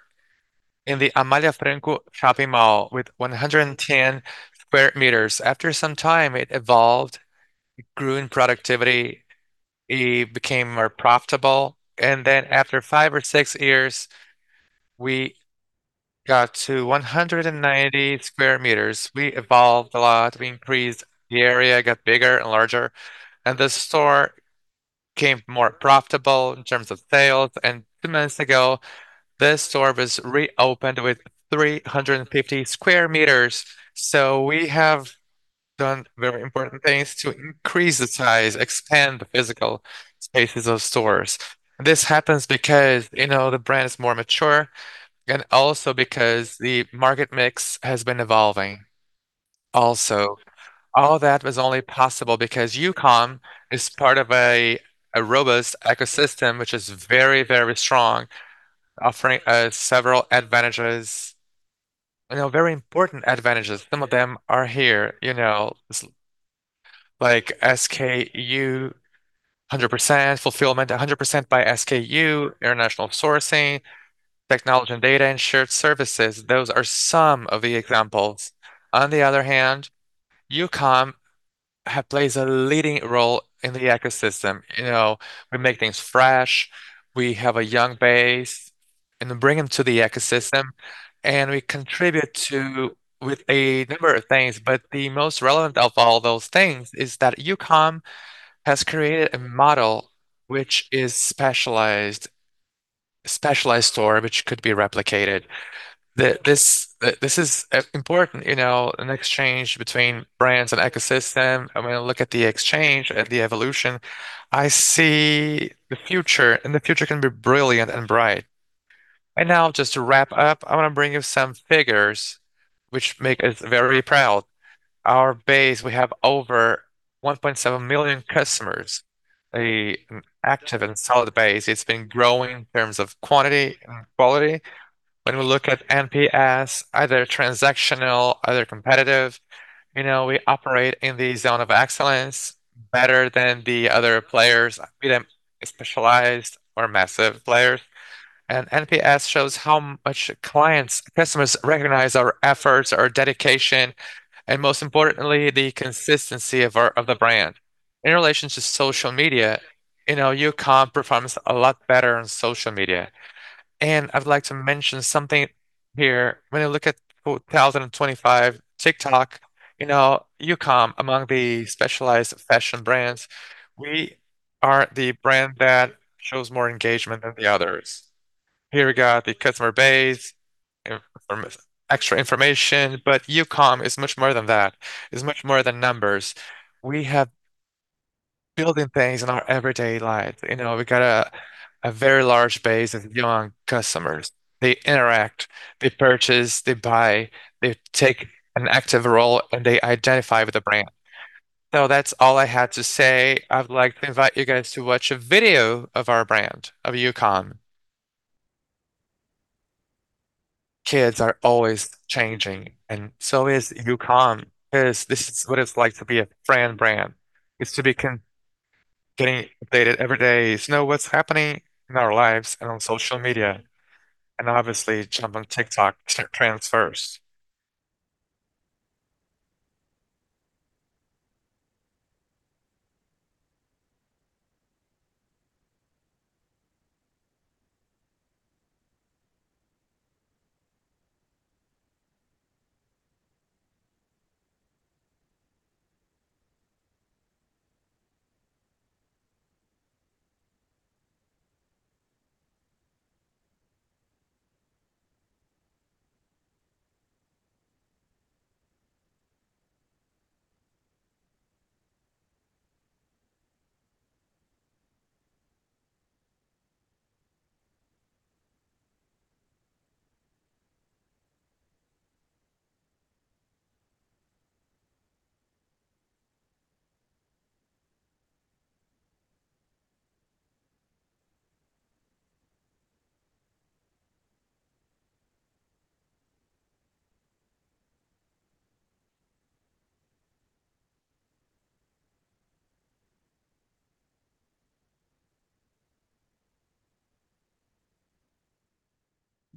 in the Anália Franco shopping mall with 110 square meter. After some time, it evolved. It grew in productivity. It became more profitable. And then after five or six years, we got to 190 square meter. We evolved a lot. We increased the area, got bigger and larger, and the store became more profitable in terms of sales. And two months ago, this store was reopened with 350 square meter. So we have done very important things to increase the size, expand the physical spaces of stores. This happens because you know the brand is more mature and also because the market mix has been evolving. Also, all that was only possible because Youcom is part of a robust ecosystem, which is very, very strong, offering us several advantages, you know very important advantages. Some of them are here, you know like SKU, 100% fulfillment, 100% by SKU, international sourcing, technology and data and shared services. Those are some of the examples. On the other hand, Youcom plays a leading role in the ecosystem. You know we make things fresh. We have a young base and bring them to the ecosystem, and we contribute to with a number of things, but the most relevant of all those things is that Youcom has created a model which is specialized, specialized store, which could be replicated. This is important, you know an exchange between brands and ecosystem. I mean, look at the exchange and the evolution. I see the future, and the future can be brilliant and bright, and now, just to wrap up, I want to bring you some figures which make us very proud. Our base, we have over 1.7 million customers, an active and solid base. It's been growing in terms of quantity and quality. When we look at NPS, either transactional, other competitive, you know we operate in the zone of excellence, better than the other players. We don't specialize or massive players, and NPS shows how much clients, customers recognize our efforts, our dedication, and most importantly, the consistency of the brand. In relation to social media, you know Youcom performs a lot better on social media, and I'd like to mention something here. When you look at 2025, TikTok, you know Youcom, among the specialized fashion brands, we are the brand that shows more engagement than the others. Here we got the customer base for extra information, but Youcom is much more than that. It's much more than numbers. We have building things in our everyday life. You know we got a very large base of young customers. They interact, they purchase, they buy, they take an active role, and they identify with the brand. So that's all I had to say. I'd like to invite you guys to watch a video of our brand, of Youcom. Kids are always changing, and so is Youcom because this is what it's like to be a brand. It's to be getting updated every day, know what's happening in our lives and on social media, and obviously jump on TikTok, start trends first.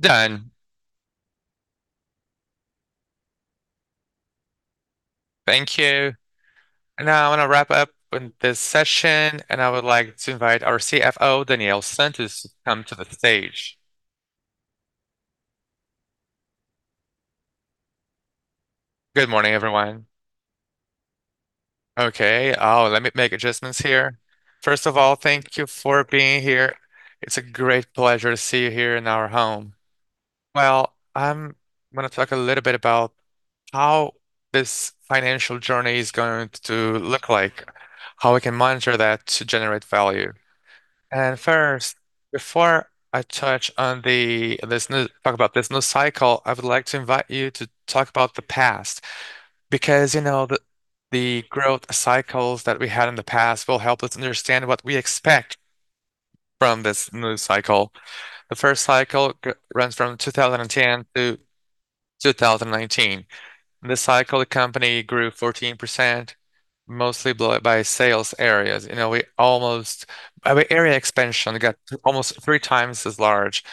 Done. Thank you. Now I want to wrap up with this session, and I would like to invite our CFO, Daniel dos Santos, to come to the stage. Good morning, everyone. Okay, oh, let me make adjustments here. First of all, thank you for being here. It's a great pleasure to see you here in our home. I'm going to talk a little bit about how this financial journey is going to look like, how we can monitor that to generate value. First, before I talk about this new cycle, I would like to invite you to talk about the past because you know the growth cycles that we had in the past will help us understand what we expect from this new cycle. The first cycle runs from 2010 to 2019. This cycle, the company grew 14%, mostly driven by sales areas. You know we almost, by area expansion, got almost three times as large.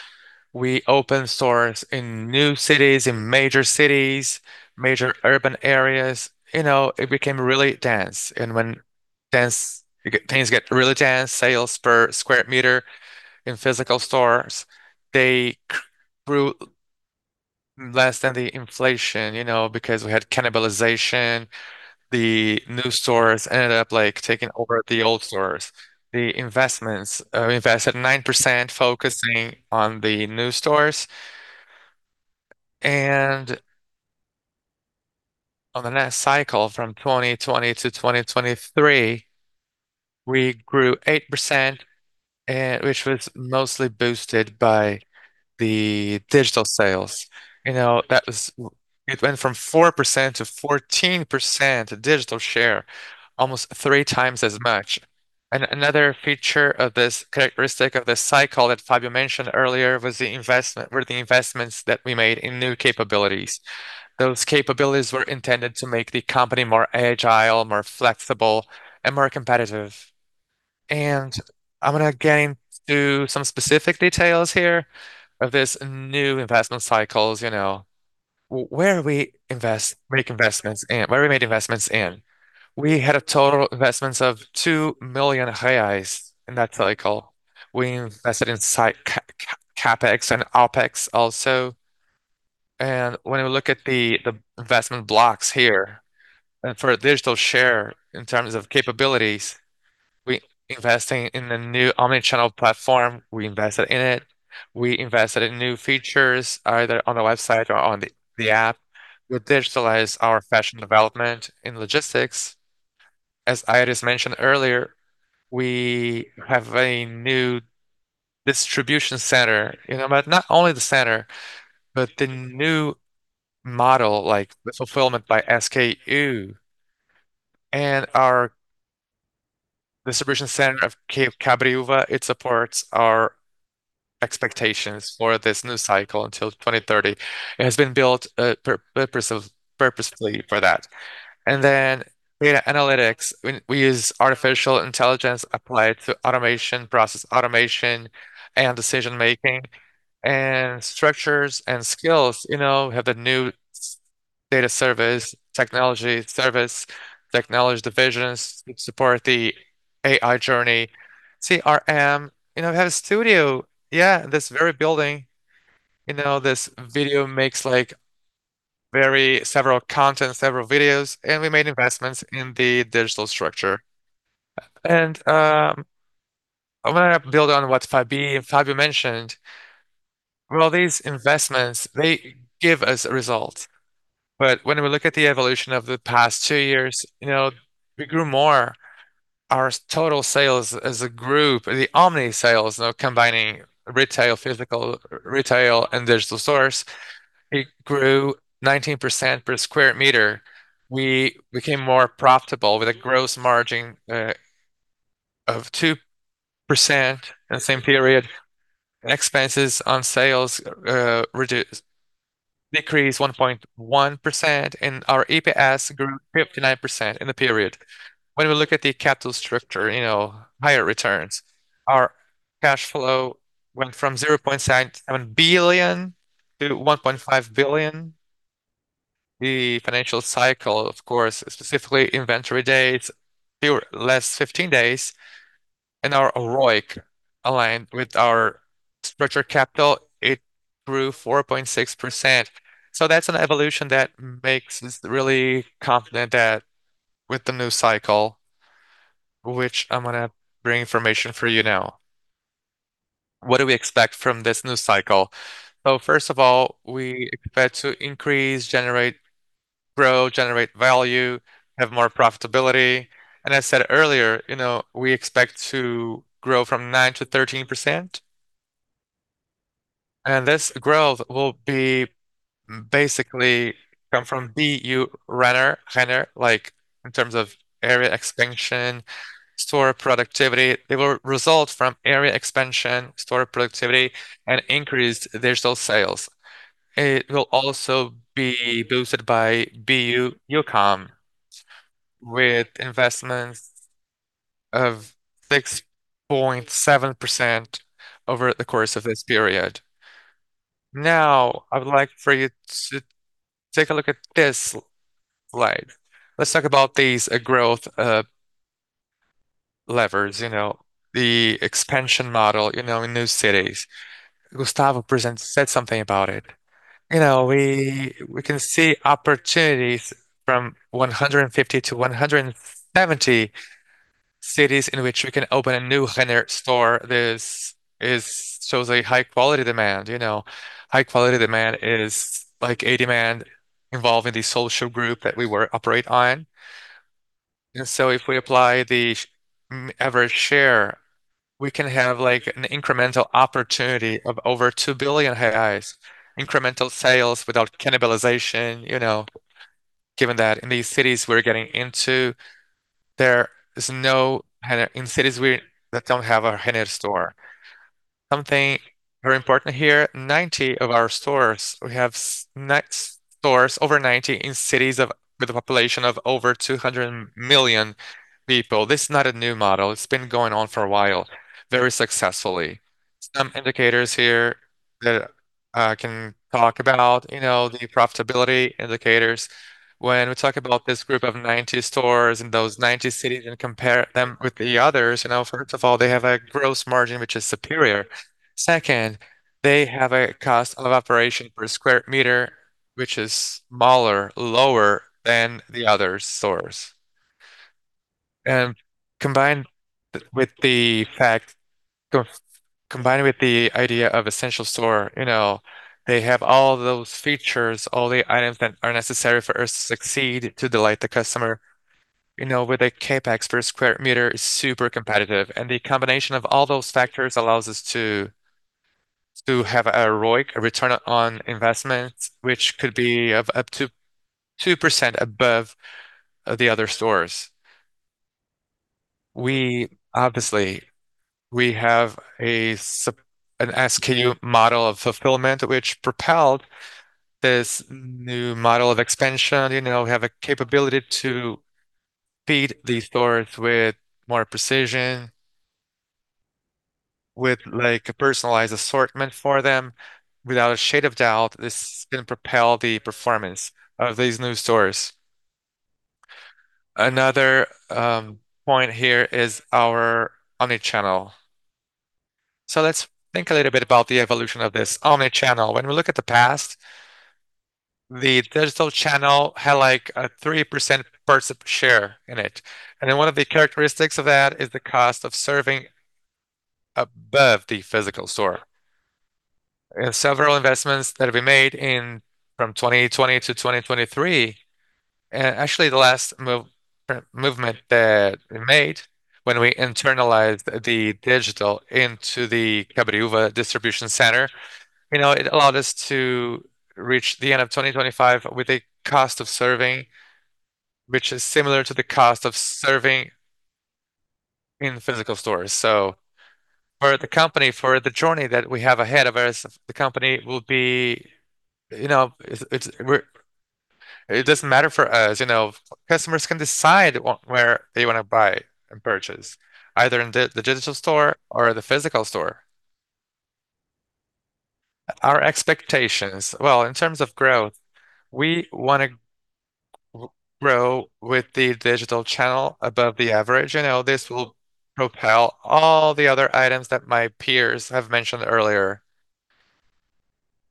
We opened stores in new cities, in major cities, major urban areas. You know it became really dense. When things get really dense, sales square meter in physical stores, they grew less than the inflation, you know because we had cannibalization. The new stores ended up like taking over the old stores. The investments invested 9% focusing on the new stores. And on the next cycle, from 2020 to 2023, we grew 8%, which was mostly boosted by the digital sales. You know that was, it went from 4% to 14% digital share, almost three times as much. And another feature of this characteristic of the cycle that Fabio mentioned earlier was the investment, were the investments that we made in new capabilities. Those capabilities were intended to make the company more agile, more flexible, and more competitive. And I'm going to get into some specific details here of this new investment cycles. You know where we invest, make investments in, where we made investments in. We had a total investments of 2 million reais in that cycle. We invested in CapEx and OpEx also. When we look at the investment blocks here and for digital share in terms of capabilities, we invested in a new omnichannel platform. We invested in it. We invested in new features either on the website or on the app. We digitalized our fashion development in logistics. As Aires mentioned earlier, we have a new distribution center, you know, but not only the center, but the new model like the fulfillment by SKU and our distribution center of Cabreúva. It supports our expectations for this new cycle until 2030. It has been built purposefully for that. Data analytics, we use artificial intelligence applied to automation, process automation, and decision making and structures and skills. You know, we have the new data service, technology service, technology divisions to support the AI journey. CRM, you know, we have a studio. Yeah, this very building, you know, this video makes like very several content, several videos, and we made investments in the digital structure. And I want to build on what Fabio mentioned. Well, these investments, they give us a result. But when we look at the evolution of the past two years, you know, we grew more. Our total sales as a group, the omni sales, you know, combining retail, physical retail and digital stores, it grew 19% square meter. we became more profitable with a gross margin of 2% in the same period. Expenses on sales decreased 1.1% and our EPS grew 59% in the period. When we look at the capital structure, you know, higher returns, our cash flow went from 0.7 billion to 1.5 billion. The financial cycle, of course, specifically inventory days, 15 fewer days. And our ROIC aligned with our structured capital. It grew 4.6%. So that's an evolution that makes us really confident that with the new cycle, which I'm going to bring information for you now. What do we expect from this new cycle? So first of all, we expect to increase, generate, grow, generate value, have more profitability. And as I said earlier, you know, we expect to grow from nine to 13%. And this growth will basically come from BU Renner, like in terms of area expansion, store productivity. It will result from area expansion, store productivity, and increased digital sales. It will also be boosted by BU Youcom with investments of 6.7% over the course of this period. Now, I would like for you to take a look at this slide. Let's talk about these growth levers, you know, the expansion model, you know, in new cities. Gustavo said something about it. You know, we can see opportunities from 150 to 170 cities in which we can open a new Renner store. This shows a high quality demand. You know, high quality demand is like a demand involving the social group that we were operating on, and so if we apply the average share, we can have like an incremental opportunity of over 2 billion reais, incremental sales without cannibalization. You know, given that in these cities we're getting into, there is no Renner store. Something very important here, 90% of our stores, we have 90 stores in over 90 cities with a population of over 200 million people. This is not a new model. It's been going on for a while, very successfully. Some indicators here that I can talk about, you know, the profitability indicators. When we talk about this group of 90 stores in those 90 cities and compare them with the others, you know, first of all, they have a gross margin, which is superior. Second, they have a cost of operation square meter, which is smaller, lower than the other stores. And combined with the fact, combined with the idea of essential store, you know, they have all those features, all the items that are necessary for us to succeed, to delight the customer. You know, with a CapEx square meter, it's super competitive. And the combination of all those factors allows us to have a ROIC, a return on investment, which could be of up to 2% above the other stores. We obviously, we have an SKU model of fulfillment, which propelled this new model of expansion. You know, we have a capability to feed the stores with more precision, with like a personalized assortment for them. Without a shade of doubt, this can propel the performance of these new stores. Another point here is our omnichannel. So let's think a little bit about the evolution of this omnichannel. When we look at the past, the digital channel had like a 3% per share in it. And then one of the characteristics of that is the cost of serving above the physical store. And several investments that we made in from 2020 to 2023, and actually the last movement that we made when we internalized the digital into the Cabreúva Distribution Center, you know, it allowed us to reach the end of 2025 with a cost of serving, which is similar to the cost of serving in physical stores. So for the company, for the journey that we have ahead of us, the company will be, you know, it doesn't matter for us, you know, customers can decide where they want to buy and purchase, either in the digital store or the physical store. Our expectations, well, in terms of growth, we want to grow with the digital channel above the average. You know, this will propel all the other items that my peers have mentioned earlier.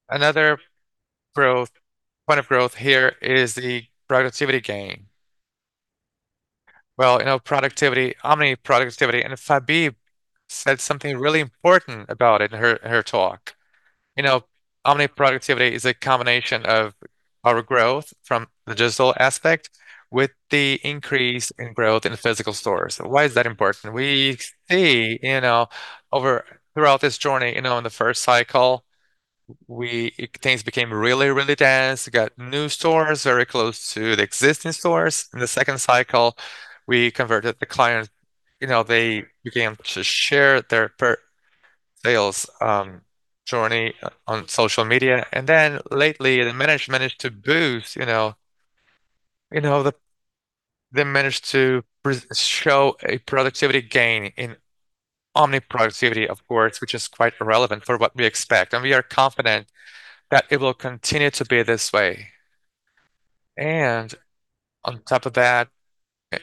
Another growth point of growth here is the productivity gain. Well, you know, productivity, omni productivity, and Fabi said something really important about it in her talk. You know, omni productivity is a combination of our growth from the digital aspect with the increase in growth in physical stores. So why is that important? We see, you know, all throughout this journey, you know, in the first cycle, things became really, really dense. We got new stores very close to the existing stores. In the second cycle, we converted the clients, you know, they began to share their sales journey on social media, and then lately, the management managed to boost, you know, they managed to show a productivity gain in omni productivity, of course, which is quite relevant for what we expect, and we are confident that it will continue to be this way. And on top of that,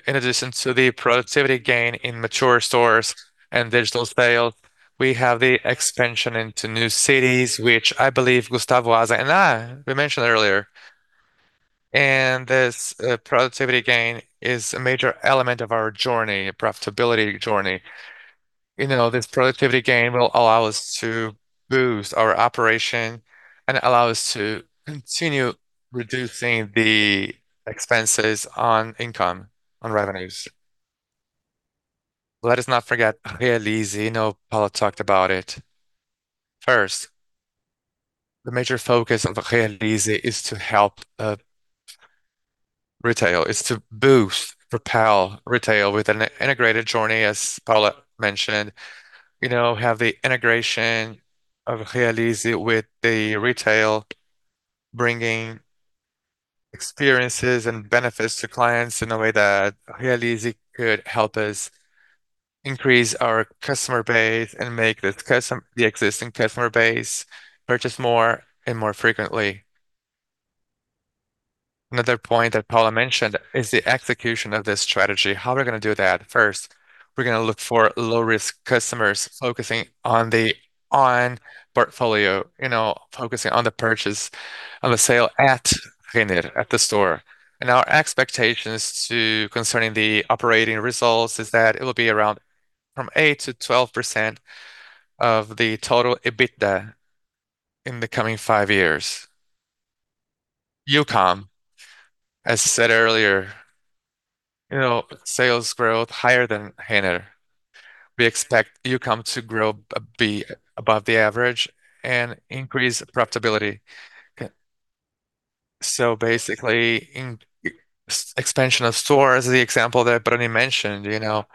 in addition to the productivity gain in mature stores and digital sales, we have the expansion into new cities, which I believe Gustavo Azevedo and I mentioned earlier, and this productivity gain is a major element of our journey, profitability journey. You know, this productivity gain will allow us to boost our operation and allow us to continue reducing the expenses on income, on revenues. Let us not forget Realize. You know, Paula talked about it. First, the major focus of Realize is to help retail, is to boost, propel retail with an integrated journey, as Paula mentioned. You know, have the integration of Realize with the retail, bringing experiences and benefits to clients in a way that Realize could help us increase our customer base and make the existing customer base purchase more and more frequently. Another point that Paula mentioned is the execution of this strategy. How are we going to do that? First, we're going to look for low-risk customers focusing on the portfolio, you know, focusing on the purchase, on the sale at Renner, at the store. Our expectations concerning the operating results is that it will be around 8%-12% of the total EBITDA in the coming five years. Youcom, as I said earlier, you know, sales growth higher than Renner. We expect Youcom to grow, be above the average and increase profitability, so basically, in expansion of stores, the example that Barone mentioned, you know,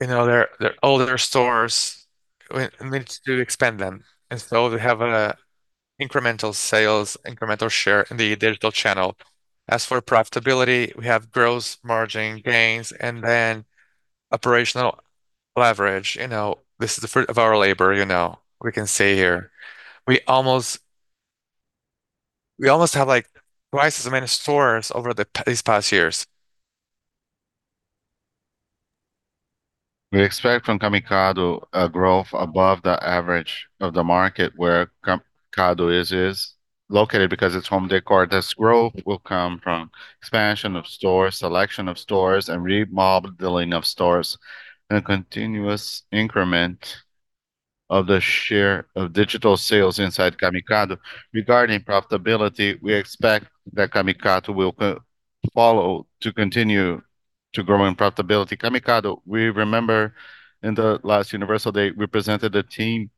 their older stores need to expand them, and so they have an incremental sales, incremental share in the digital channel. As for profitability, we have gross margin gains, and then operational leverage. You know, this is the fruit of our labor, you know, we can see here. We almost have like twice as many stores over these past years. We expect from Camicado a growth above the average of the market where Camicado is located because it's home decor. This growth will come from expansion of stores, selection of stores, and remodeling of stores, and a continuous increment of the share of digital sales inside Camicado. Regarding profitability, we expect that Camicado will follow to continue to grow in profitability. Camicado, we remember in the Investor Day, we presented the team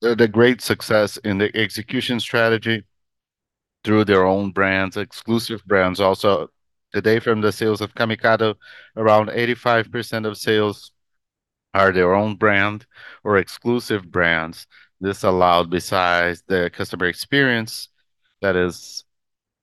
the great success in the execution strategy through their own brands, exclusive brands. Also, today from the sales of Camicado, around 85% of sales are their own brand or exclusive brands. This allowed, besides the customer experience that is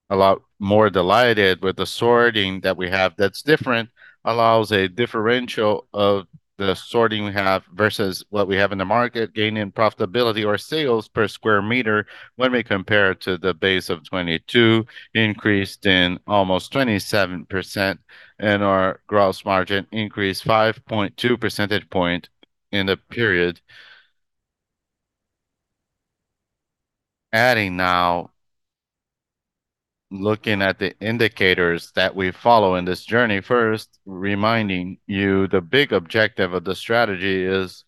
a lot more delighted with the sorting that we have that's different, allows a differential of the sorting we have versus what we have in the market, gaining profitability or sales square meter when we compare to the base of 22, increased in almost 27%, and our gross margin increased 5.2 percentage points in the period. Adding now, looking at the indicators that we follow in this journey, first reminding you the big objective of the strategy is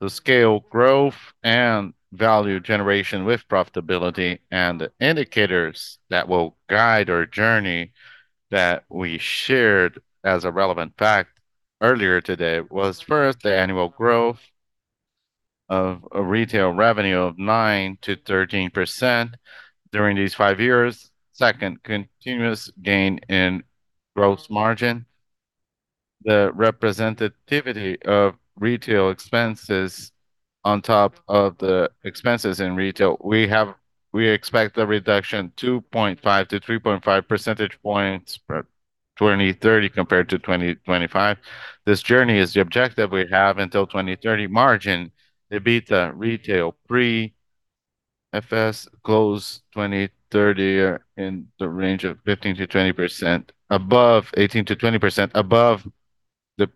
to scale growth and value generation with profitability, and the indicators that will guide our journey that we shared as a relevant fact earlier today was first the annual growth of retail revenue of 9%-13% during these five years. Second, continuous gain in gross margin. The representativity of retail expenses on top of the expenses in retail, we have, we expect the reduction 2.5-3.5 percentage points for 2030 compared to 2025. This journey is the objective we have until 2030. Margin, EBITDA, retail Pre-FS, close 2030 in the range of 15%-20%, above 18%-20% above the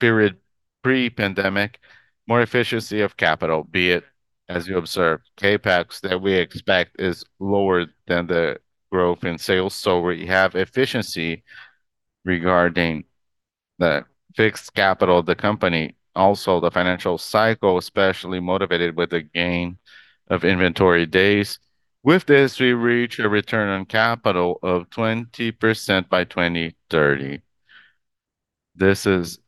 period pre-pandemic, more efficiency of capital, be it, as you observed, CapEx that we expect is lower than the growth in sales. We have efficiency regarding the fixed capital of the company. Also, the financial cycle especially motivated with the gain of inventory days. With this, we reach a return on capital of 20% by 2030. This is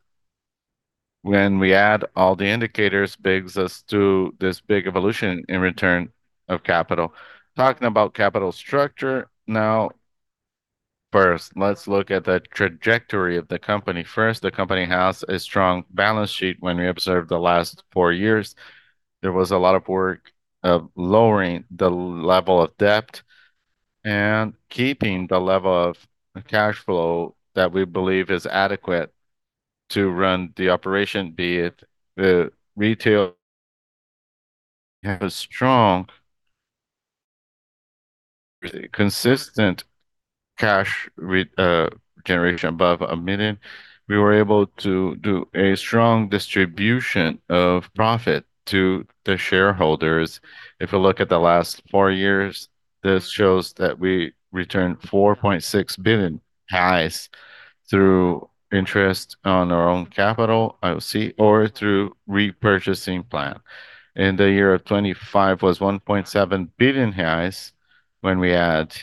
when we add all the indicators, brings us to this big evolution in return of capital. Talking about capital structure now, first, let's look at the trajectory of the company. First, the company has a strong balance sheet when we observed the last four years. There was a lot of work of lowering the level of debt and keeping the level of cash flow that we believe is adequate to run the operation, be it the retail. We have a strong, consistent cash generation above 1 million. We were able to do a strong distribution of profit to the shareholders. If we look at the last four years, this shows that we returned 4.6 billion through interest on our own capital, IOC, or through repurchasing plan. In the year 2025, it was 1.7 billion reais when we add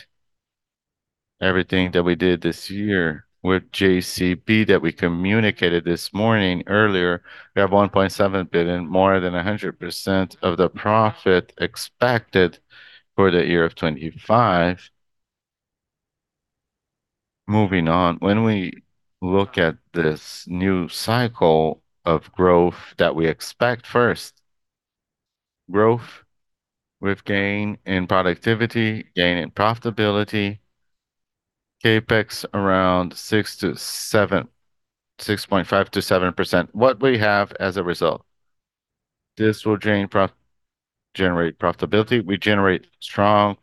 everything that we did this year with JCP that we communicated this morning earlier. We have 1.7 billion, more than 100% of the profit expected for the year 2025. Moving on, when we look at this new cycle of growth that we expect, first, growth with gain in productivity, gain in profitability, CapEx around 6%-7%, 6.5%-7%. What we have as a result, this will generate profitability. We generate strong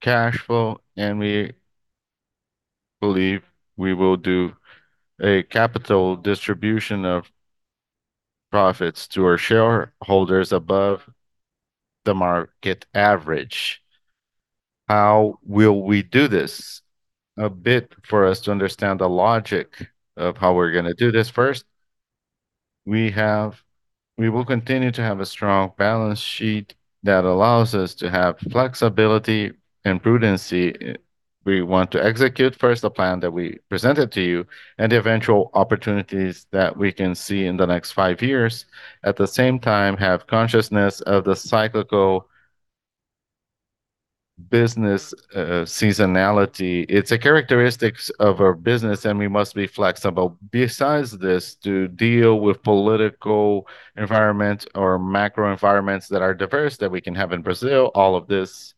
cash flow, and we believe we will do a capital distribution of profits to our shareholders above the market average. How will we do this? A bit for us to understand the logic of how we're going to do this. First, we will continue to have a strong balance sheet that allows us to have flexibility and prudence. We want to execute first the plan that we presented to you and the eventual opportunities that we can see in the next five years. At the same time, have consciousness of the cyclical business seasonality. It's a characteristic of our business, and we must be flexible. Besides this, to deal with political environments or macro environments that are diverse that we can have in Brazil, all of this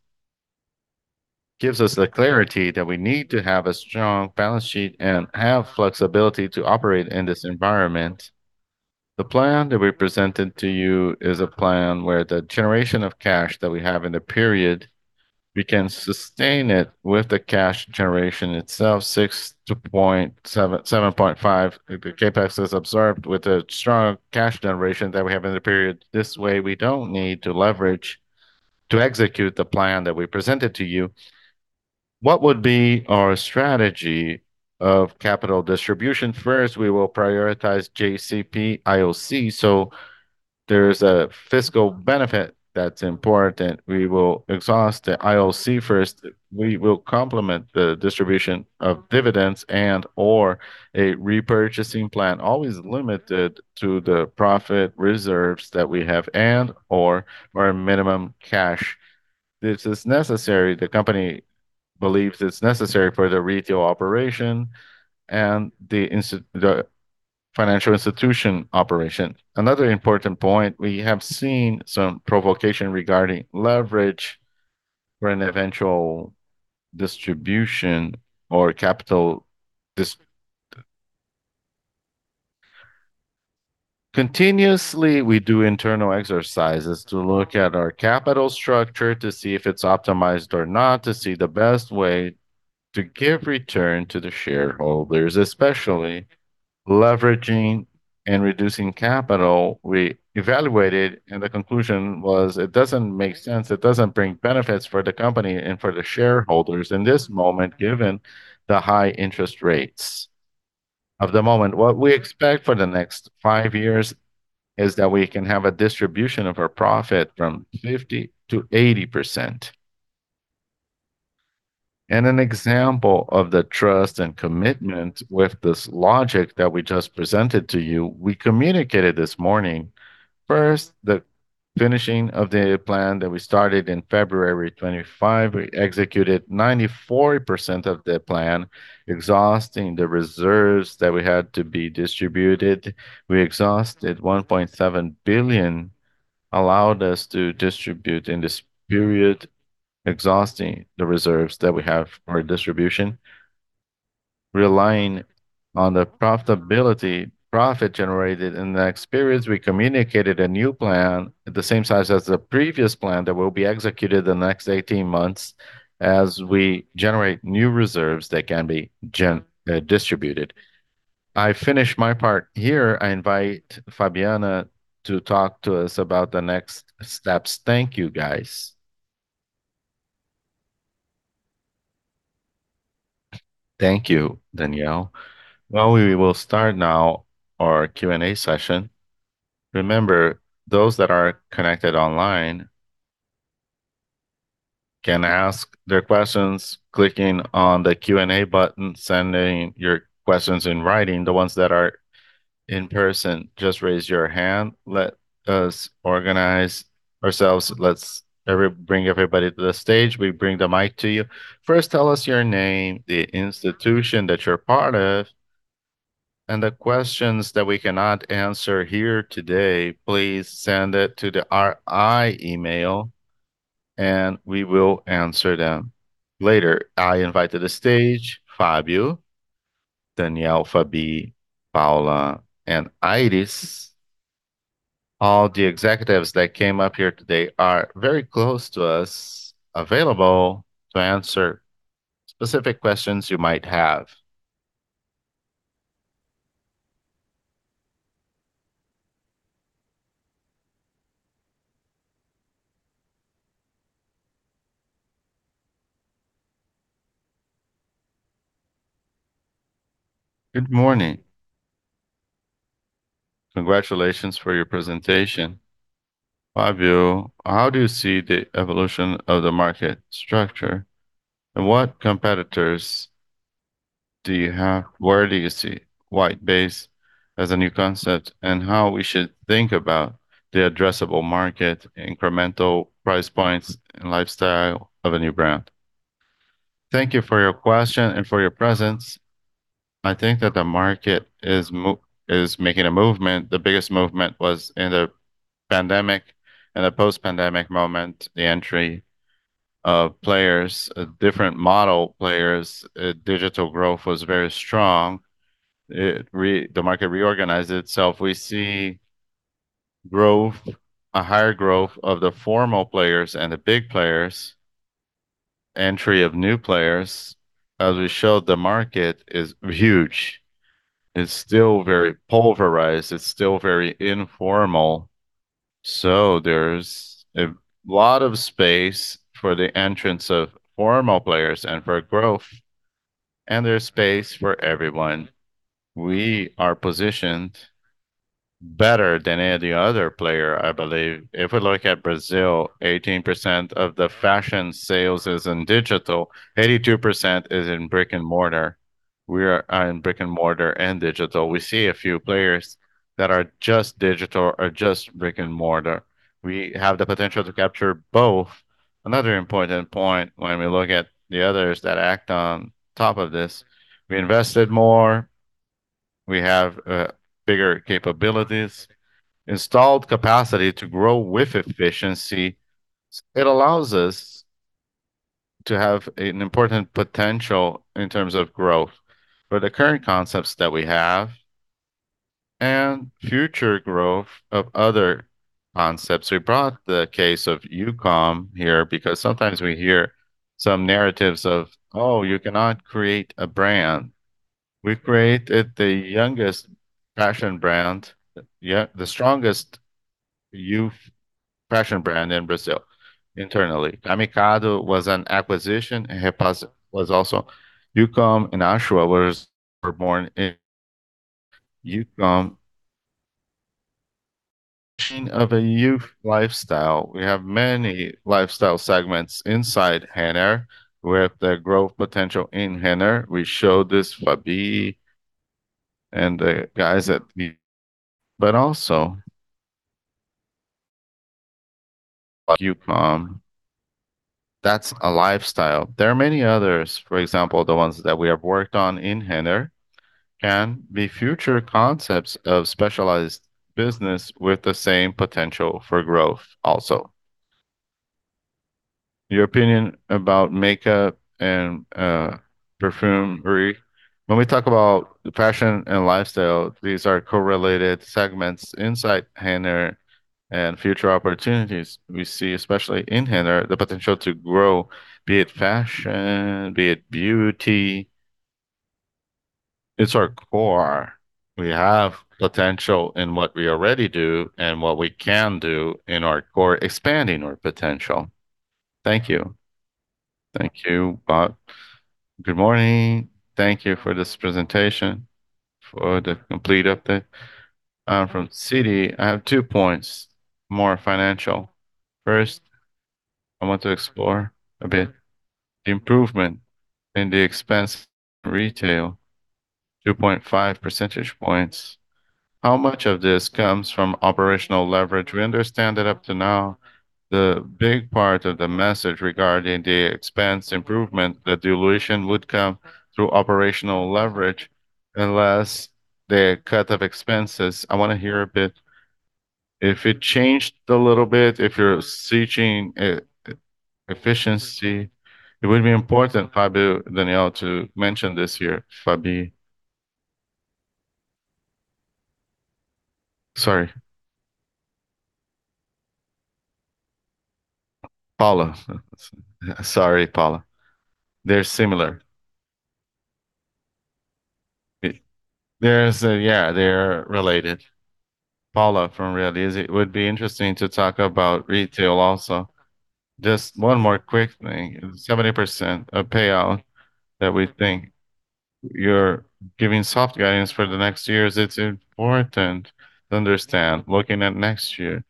gives us the clarity that we need to have a strong balance sheet and have flexibility to operate in this environment. The plan that we presented to you is a plan where the generation of cash that we have in the period. We can sustain it with the cash generation itself, six-7.5. The CapEx is observed with a strong cash generation that we have in the period. This way, we don't need to leverage to execute the plan that we presented to you. What would be our strategy of capital distribution? First, we will prioritize JCP, IOC. So there's a fiscal benefit that's important. We will exhaust the IOC first. We will complement the distribution of dividends and/or a repurchasing plan, always limited to the profit reserves that we have and/or our minimum cash. This is necessary. The company believes it's necessary for the retail operation and the financial institution operation. Another important point, we have seen some provocation regarding leverage for an eventual distribution or capital distribution. Continuously, we do internal exercises to look at our capital structure to see if it's optimized or not, to see the best way to give return to the shareholders, especially leveraging and reducing capital. We evaluated, and the conclusion was it doesn't make sense. It doesn't bring benefits for the company and for the shareholders in this moment, given the high interest rates of the moment. What we expect for the next five years is that we can have a distribution of our profit from 50%-80%, and an example of the trust and commitment with this logic that we just presented to you, we communicated this morning. First, the finishing of the plan that we started in February 2025. We executed 94% of the plan, exhausting the reserves that we had to be distributed. We exhausted 1.7 billion, allowed us to distribute in this period, exhausting the reserves that we have for distribution. Relying on the profitability, profit generated in the next periods, we communicated a new plan at the same size as the previous plan that will be executed the next 18 months as we generate new reserves that can be distributed. I finished my part here. I invite Fabiana to talk to us about the next steps. Thank you, guys. Thank you, Daniel. We will start now our Q&A session. Remember, those that are connected online can ask their questions clicking on the Q&A button, sending your questions in writing. The ones that are in person, just raise your hand. Let us organize ourselves. Let's bring everybody to the stage. We bring the mic to you. First, tell us your name, the institution that you're part of, and the questions that we cannot answer here today. Please send it to the IR email, and we will answer them later. I invite to the stage Fabio, Daniel, Fabi, Paula, and Aires. All the executives that came up here today are very close to us, available to answer specific questions you might have. Good morning. Congratulations for your presentation. Fabio, how do you see the evolution of the market structure and what competitors do you have? Where do you see white space as a new concept and how we should think about the addressable market, incremental price points, and lifestyle of a new brand? Thank you for your question and for your presence. I think that the market is making a movement. The biggest movement was in the pandemic and the post-pandemic moment, the entry of players, different model players. Digital growth was very strong. The market reorganized itself. We see growth, a higher growth of the formal players and the big players, entry of new players. As we showed, the market is huge. It's still very pulverized. It's still very informal. So there's a lot of space for the entrance of formal players and for growth, and there's space for everyone. We are positioned better than any of the other players, I believe. If we look at Brazil, 18% of the fashion sales is in digital, 82% is in brick and mortar. We are in brick and mortar and digital. We see a few players that are just digital or just brick and mortar. We have the potential to capture both. Another important point when we look at the others that act on top of this. We invested more. We have bigger capabilities, installed capacity to grow with efficiency. It allows us to have an important potential in terms of growth for the current concepts that we have and future growth of other concepts. We brought the case of Youcom here because sometimes we hear some narratives of, "Oh, you cannot create a brand." We created the youngest fashion brand, the strongest youth fashion brand in Brazil internally. Camicado was an acquisition and was also Youcom and Ashua were born in Youcom. Machine of a youth lifestyle. We have many lifestyle segments inside Renner with the growth potential in Renner. We showed this Fabio and the guys at. But also, Youcom, that's a lifestyle. There are many others. For example, the ones that we have worked on in Renner can be future concepts of specialized business with the same potential for growth also. Your opinion about makeup and perfumery. When we talk about fashion and lifestyle, these are correlated segments inside Renner and future opportunities. We see, especially in Renner, the potential to grow, be it fashion, be it beauty. It's our core. We have potential in what we already do and what we can do in our core, expanding our potential. Thank you. Thank you, Bob. Good morning. Thank you for this presentation for the complete update. I'm from Citi. I have two points more financial. First, I want to explore a bit the improvement in the expense retail, 2.5 percentage points. How much of this comes from operational leverage? We understand that up to now, the big part of the message regarding the expense improvement, the dilution would come through operational leverage unless they cut off expenses. I want to hear a bit if it changed a little bit. If you're seeking efficiency, it would be important, Fabio, Daniel, to mention this here. Fabi. Sorry. Paula. Sorry, Paula. They're similar. There's a, yeah, they're related. Paula from Realize. It would be interesting to talk about retail also. Just one more quick thing. 70% of payout that we think you're giving soft guidance for the next years. It's important to understand looking at next year,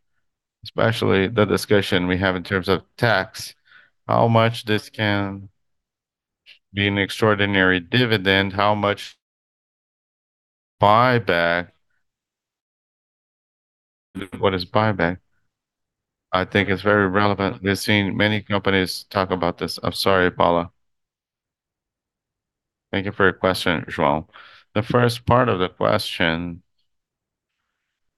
especially the discussion we have in terms of tax, how much this can be an extraordinary dividend, how much buyback. What is buyback? I think it's very relevant. We've seen many companies talk about this. I'm sorry, Paula. Thank you for your question, João. The first part of the question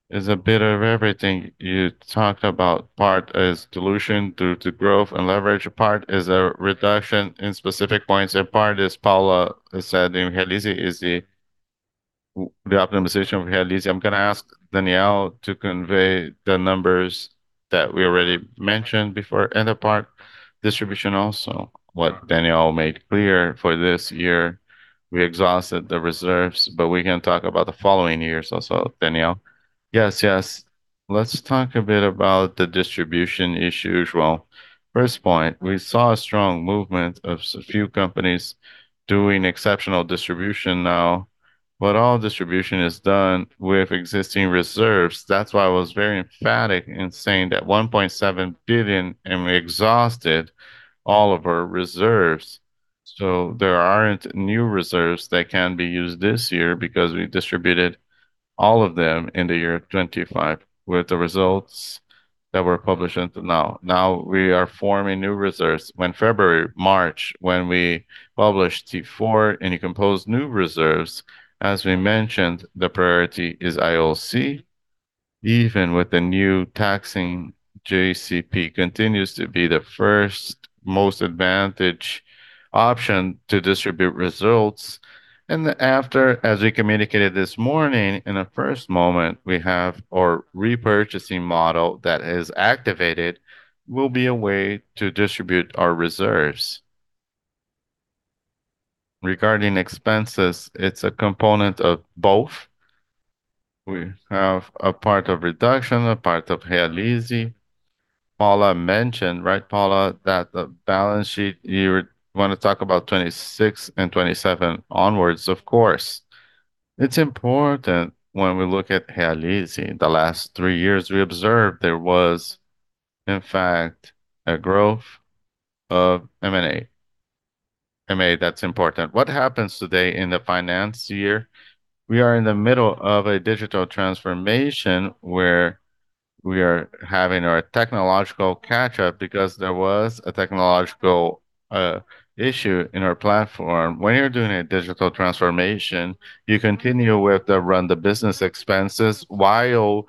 is a bit of everything you talk about. A part is dilution due to growth and leverage. A part is a reduction in specific points. A part is, Paula said, in Realize is the optimization of Realize. I'm going to ask Daniel to convey the numbers that we already mentioned before and the part distribution also. What Daniel made clear for this year, we exhausted the reserves, but we can talk about the following years also, Daniel. Yes, yes. Let's talk a bit about the distribution issue. First point, we saw a strong movement of a few companies doing exceptional distribution now, but all distribution is done with existing reserves. That's why I was very emphatic in saying that 1.7 billion exhausted all of our reserves. There aren't new reserves that can be used this year because we distributed all of them in 2025 with the results that were published until now. Now we are forming new reserves. When February, March, when we published Q4 and you compose new reserves, as we mentioned, the priority is IOC. Even with the new taxing, JCP continues to be the first most advantage option to distribute results. After, as we communicated this morning, in a first moment, we have our repurchasing model that is activated will be a way to distribute our reserves. Regarding expenses, it's a component of both. We have a part of reduction, a part of Realize. Paula mentioned, right, Paula, that the balance sheet, you want to talk about 2026 and 2027 onwards, of course. It's important when we look at Realize. The last three years, we observed there was, in fact, a growth of M&A. M&A, that's important. What happens today in the fiscal year? We are in the middle of a digital transformation where we are having our technological catch-up because there was a technological issue in our platform. When you're doing a digital transformation, you continue with the run the business expenses while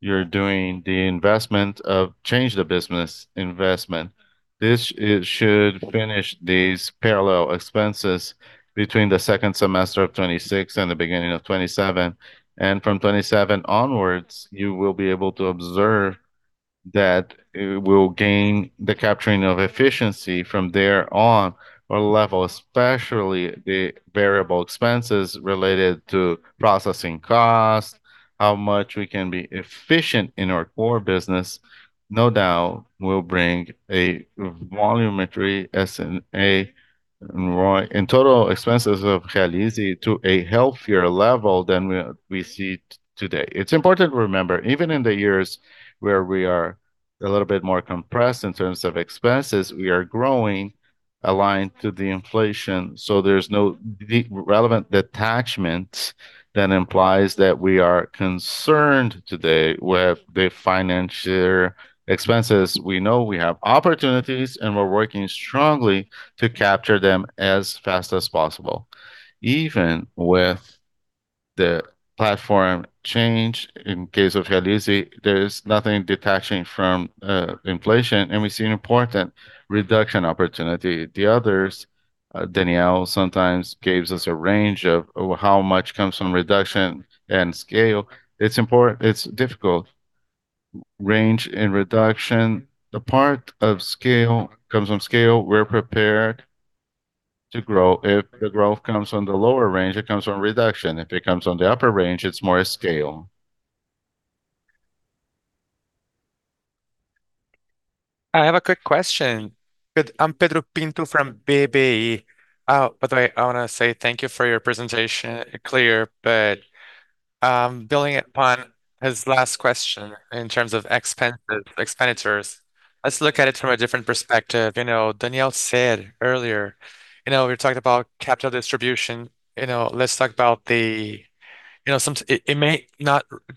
you're doing the investment of change the business investment. This should finish these parallel expenses between the second semester of 2026 and the beginning of 2027. And from 2027 onwards, you will be able to observe that it will gain the capturing of efficiency from there on or level, especially the variable expenses related to processing costs, how much we can be efficient in our core business. No doubt will bring a volumetry SG&A and total expenses of Realize to a healthier level than we see today. It's important to remember, even in the years where we are a little bit more compressed in terms of expenses, we are growing aligned to the inflation. So there's no relevant detachment that implies that we are concerned today with the financial expenses. We know we have opportunities and we're working strongly to capture them as fast as possible. Even with the platform change in case of Realize, there's nothing detaching from inflation and we see an important reduction opportunity. The others, Daniel sometimes gives us a range of how much comes from reduction and scale. It's important. It's difficult. Range and reduction. The part of scale comes from scale. We're prepared to grow. If the growth comes on the lower range, it comes from reduction. If it comes on the upper range, it's more scale. I have a quick question. Good. I'm Pedro Pinto from BBI. By the way, I want to say thank you for your presentation. Clear, but building upon his last question in terms of expenses, expenditures, let's look at it from a different perspective. You know, Daniel said earlier, you know, we're talking about capital distribution. You know, let's talk about the, you know, sometimes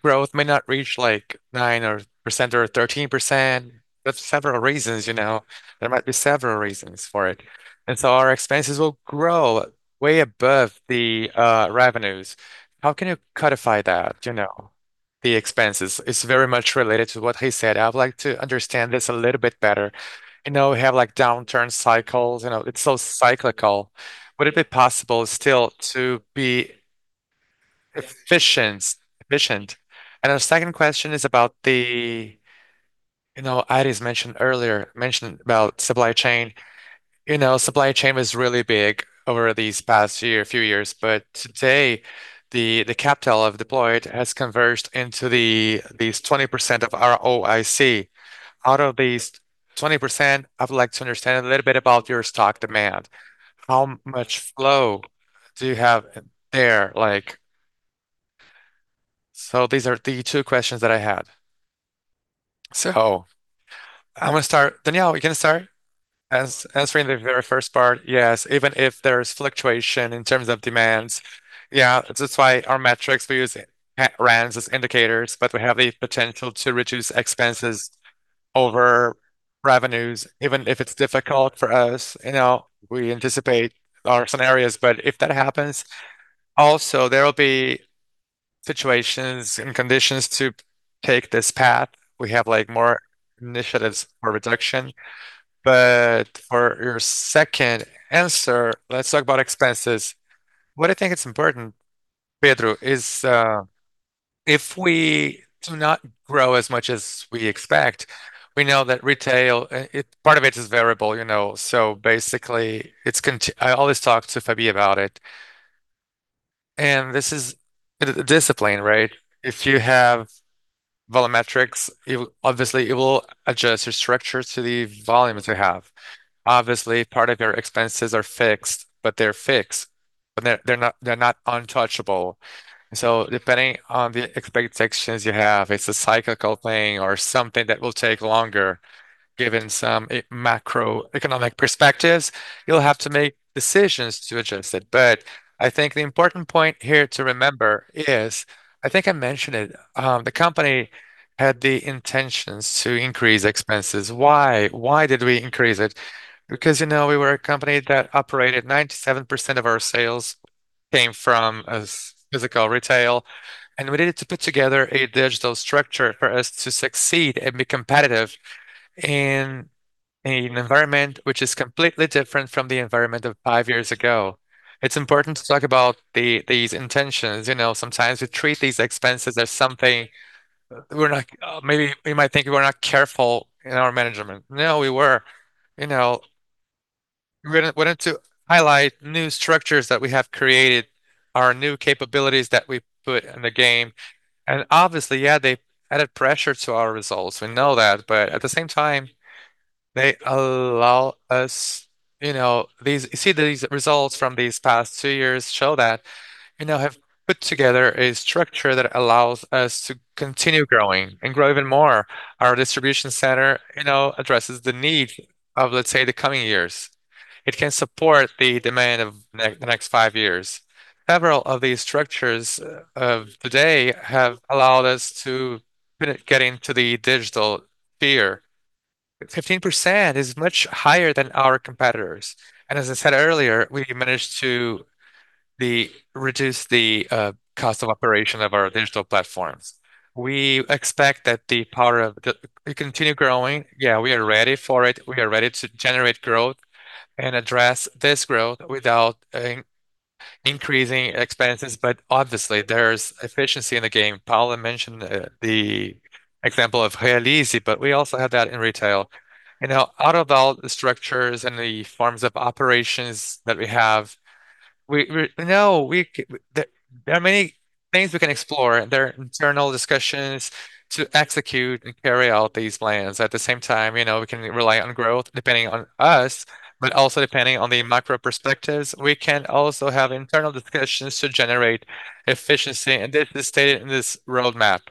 growth may not reach like 9% or 13%. There's several reasons, you know, there might be several reasons for it. And so our expenses will grow way above the revenues. How can you codify that, you know, the expenses? It's very much related to what he said. I would like to understand this a little bit better. You know, we have like downturn cycles, you know, it's so cyclical. Would it be possible still to be efficient? And our second question is about the, you know, Aires mentioned earlier about supply chain. You know, supply chain was really big over these past year, a few years, but today the capital deployed has converged into these 20% of ROIC. Out of these 20%, I would like to understand a little bit about your stock demand. How much flow do you have there? Like, so these are the two questions that I had. So I'm going to start. Daniel, you can start. Answering the very first part. Yes. Even if there's fluctuation in terms of demands. Yeah. That's why our metrics, we use trends as indicators, but we have the potential to reduce expenses over revenues, even if it's difficult for us. You know, we anticipate our scenarios, but if that happens, also there will be situations and conditions to take this path. We have like more initiatives for reduction. But for your second answer, let's talk about expenses. What I think is important, Pedro, is if we do not grow as much as we expect, we know that retail, part of it is variable, you know. So basically, I always talk to Fabio about it. And this is discipline, right? If you have volumetrics, obviously it will adjust your structure to the volumes you have. Obviously, part of your expenses are fixed, but they're fixed. They're not untouchable. So depending on the expectations you have, if it's a cyclical thing or something that will take longer, given some macroeconomic perspectives, you'll have to make decisions to adjust it. But I think the important point here to remember is, I think I mentioned it, the company had the intentions to increase expenses. Why? Why did we increase it? Because, you know, we were a company that operated, 97% of our sales came from physical retail, and we needed to put together a digital structure for us to succeed and be competitive in an environment which is completely different from the environment of five years ago. It's important to talk about these intentions. You know, sometimes we treat these expenses as something we're not, maybe we might think we're not careful in our management. No, we were. You know, we wanted to highlight new structures that we have created, our new capabilities that we put in the game. And obviously, yeah, they added pressure to our results. We know that. But at the same time, they allow us, you know, these, you see these results from these past two years show that, you know, have put together a structure that allows us to continue growing and grow even more. Our distribution center, you know, addresses the need of, let's say, the coming years. It can support the demand of the next five years. Several of these structures of today have allowed us to get into the digital sphere. 15% is much higher than our competitors. And as I said earlier, we managed to reduce the cost of operation of our digital platforms. We expect that the power of the continue growing. Yeah, we are ready for it. We are ready to generate growth and address this growth without increasing expenses. But obviously, there's efficiency in the game. Paula mentioned the example of Realize, but we also have that in retail. You know, out of all the structures and the forms of operations that we have, we know there are many things we can explore. There are internal discussions to execute and carry out these plans. At the same time, you know, we can rely on growth depending on us, but also depending on the macro perspectives. We can also have internal discussions to generate efficiency, and this is stated in this roadmap.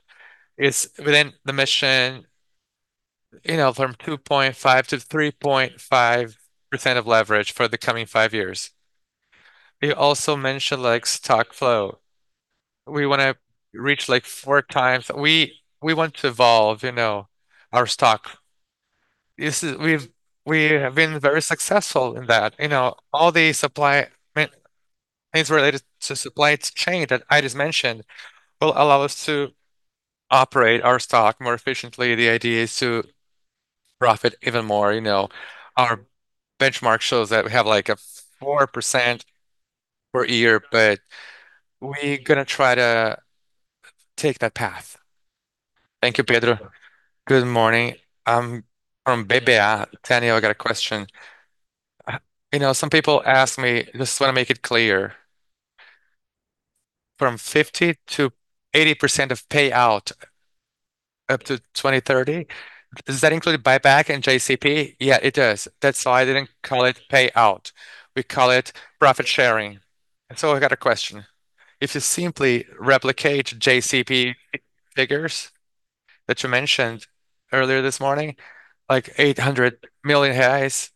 It's within the mission, you know, from 2.5%-3.5% of leverage for the coming five years. You also mentioned like stock flow. We want to reach like four times. We want to evolve, you know, our stock. We have been very successful in that. You know, all the supply things related to supply chain that I just mentioned will allow us to operate our stock more efficiently. The idea is to profit even more. You know, our benchmark shows that we have like a 4% per year, but we're going to try to take that path. Thank you, Pedro. Good morning. I'm from BBI. Daniel, I got a question. You know, some people ask me, just want to make it clear. From 50%-80% of payout up to 2030, does that include buyback and JCP? Yeah, it does. That's why I didn't call it payout. We call it profit sharing and so I got a question. If you simply replicate JCP figures that you mentioned earlier this morning, like 800 million reais,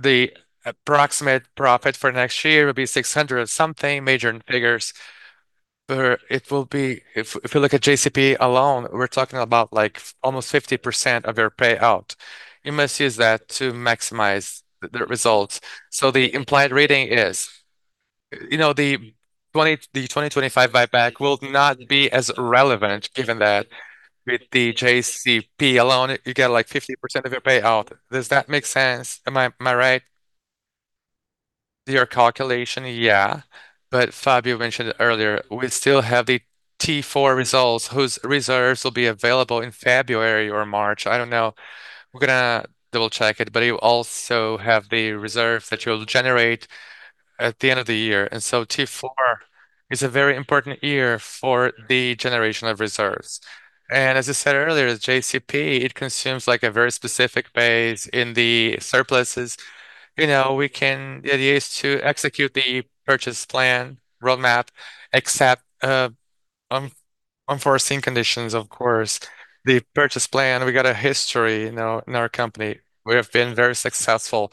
the approximate profit for next year will be 600 million. But it will be, if you look at JCP alone, we're talking about like almost 50% of your payout. You must use that to maximize the results. So the implied reading is, you know, the 2025 buyback will not be as relevant given that with the JCP alone, you get like 50% of your payout. Does that make sense? Am I right? Your calculation, yeah. But Fabio mentioned earlier, we still have the Q4 results whose reserves will be available in February or March. I don't know. We're going to double-check it, but you also have the reserves that you'll generate at the end of the year. And so Q4 is a very important year for the generation of reserves. And as I said earlier, JCP, it consumes like a very specific base in the surpluses. You know, we can use to execute the purchase plan roadmap, except unforeseen conditions, of course. The purchase plan, we got a history, you know, in our company. We have been very successful.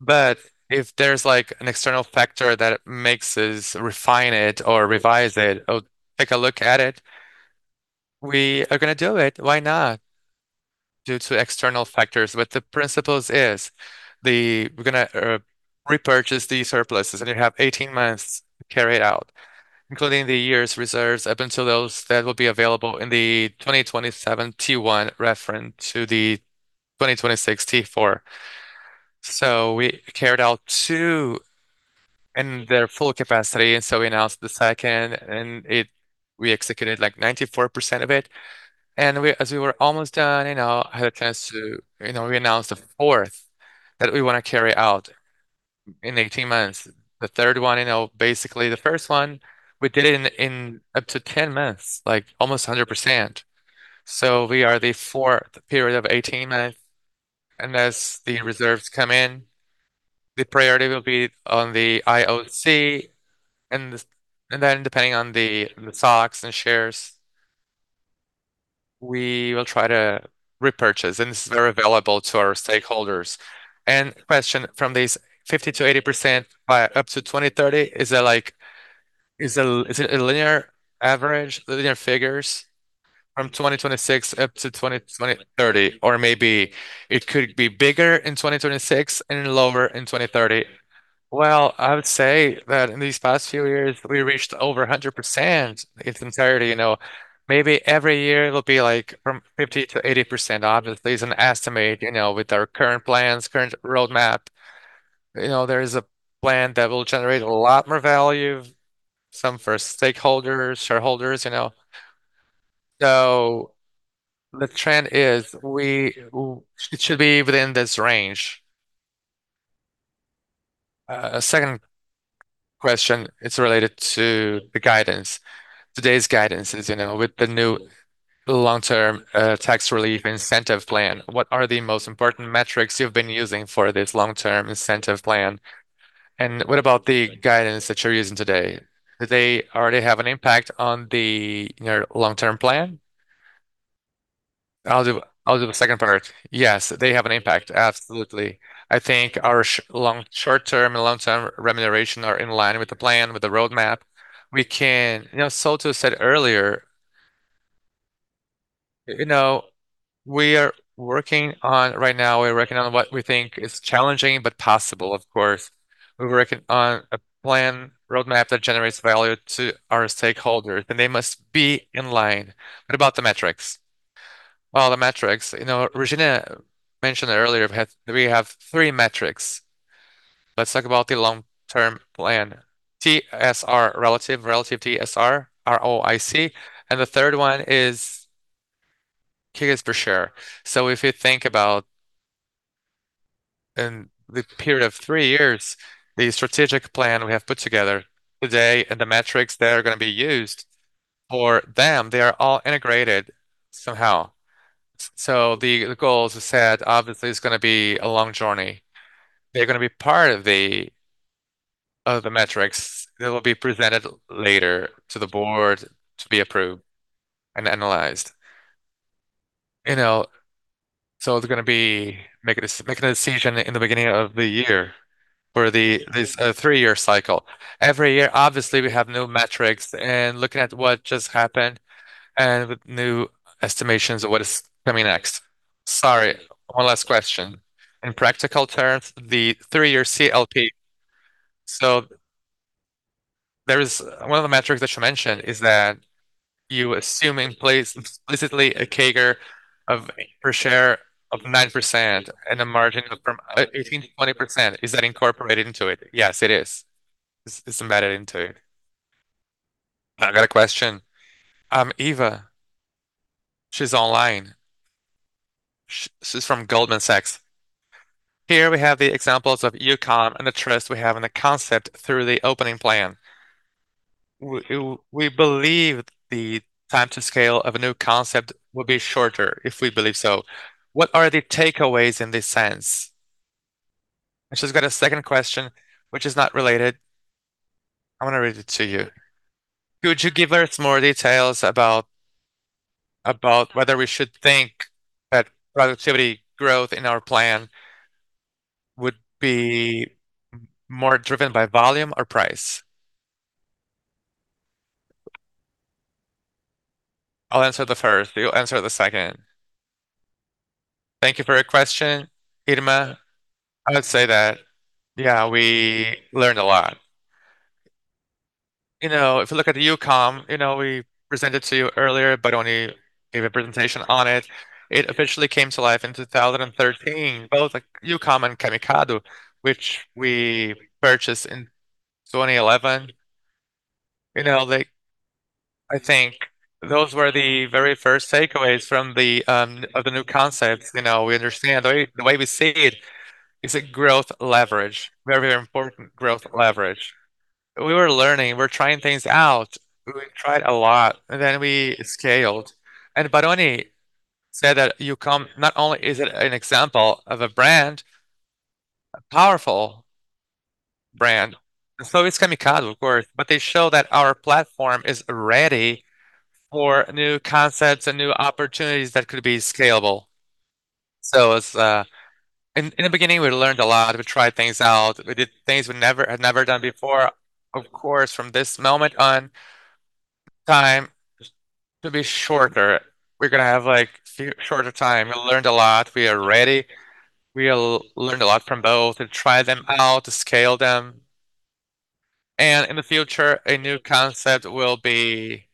But if there's like an external factor that makes us refine it or revise it or take a look at it, we are going to do it. Why not? Due to external factors. But the principles is we're going to repurchase the surpluses and you have 18 months to carry it out, including the years reserves up until those that will be available in the 2027 T1 reference to the 2026 T4. So we carried out two in their full capacity. And so we announced the second and we executed like 94% of it. And as we were almost done, you know, I had a chance to, you know, we announced the fourth that we want to carry out in 18 months. The third one, you know, basically the first one, we did it in up to 10 months, like almost 100%. So we are the fourth period of 18 months. And as the reserves come in, the priority will be on the IOC. And then depending on the stocks and shares, we will try to repurchase. And this is very available to our stakeholders. And question from these 50%-80% by up to 2030, is it like is it a linear average, linear figures from 2026 up to 2030? Or maybe it could be bigger in 2026 and lower in 2030. Well, I would say that in these past few years, we reached over 100% in its entirety. You know, maybe every year it'll be like from 50%-80%. Obviously, it's an estimate, you know, with our current plans, current roadmap. You know, there is a plan that will generate a lot more value, some for stakeholders, shareholders, you know. So the trend is we it should be within this range. A second question, it's related to the guidance. Today's guidance is, you know, with the new long-term tax relief incentive plan. What are the most important metrics you've been using for this long-term incentive plan? And what about the guidance that you're using today? Do they already have an impact on the long-term plan? I'll do the second part. Yes, they have an impact. Absolutely. I think our long-term and long-term remuneration are in line with the plan, with the roadmap. We can, you know, as we said earlier, you know, we're working on what we think is challenging, but possible, of course. We're working on a plan, roadmap that generates value to our stakeholders, and they must be in line. What about the metrics? The metrics, you know, Regina mentioned earlier, we have three metrics. Let's talk about the long-term plan. TSR, relative, relative TSR, ROIC, and the third one is Earnings per share. If you think about in the period of three years, the strategic plan we have put together today and the metrics that are going to be used for them, they are all integrated somehow. The goals we set, obviously, it's going to be a long journey. They're going to be part of the metrics. They will be presented later to the board to be approved and analyzed. You know, so it's going to be making a decision in the beginning of the year for this three-year cycle. Every year, obviously, we have new metrics and looking at what just happened and with new estimations of what is coming next. Sorry, one last question. In practical terms, the three-year CLP. So there is one of the metrics that you mentioned is that you assume in place explicitly a CAGR of per share of 9% and a margin of from 18%-20%. Is that incorporated into it? Yes, it is. It's embedded into it. I got a question. Irma, she's online. She's from Goldman Sachs. Here we have the examples of Youcom and the trust we have in the concept through the opening plan. We believe the time to scale of a new concept will be shorter if we believe so. What are the takeaways in this sense? I just got a second question, which is not related. I'm going to read it to you. Could you give us more details about whether we should think that productivity growth in our plan would be more driven by volume or price? I'll answer the first. You'll answer the second. Thank you for your question, Irma. I would say that, yeah, we learned a lot. You know, if you look at the Youcom, you know, we presented to you earlier, but only gave a presentation on it. It officially came to life in 2013, both Youcom and Camicado, which we purchased in 2011. You know, I think those were the very first takeaways from the new concepts. You know, we understand the way we see it is a growth leverage, very, very important growth leverage. We were learning, we're trying things out. We tried a lot, and then we scaled. And Barone said that Youcom not only is it an example of a brand, a powerful brand. So it's Camicado, of course, but they show that our platform is ready for new concepts and new opportunities that could be scalable. So it's in the beginning, we learned a lot. We tried things out. We did things we never had done before. Of course, from this moment on, time to be shorter. We're going to have like shorter time. We learned a lot. We are ready. We learned a lot from both to try them out, to scale them. And in the future, a new concept will be,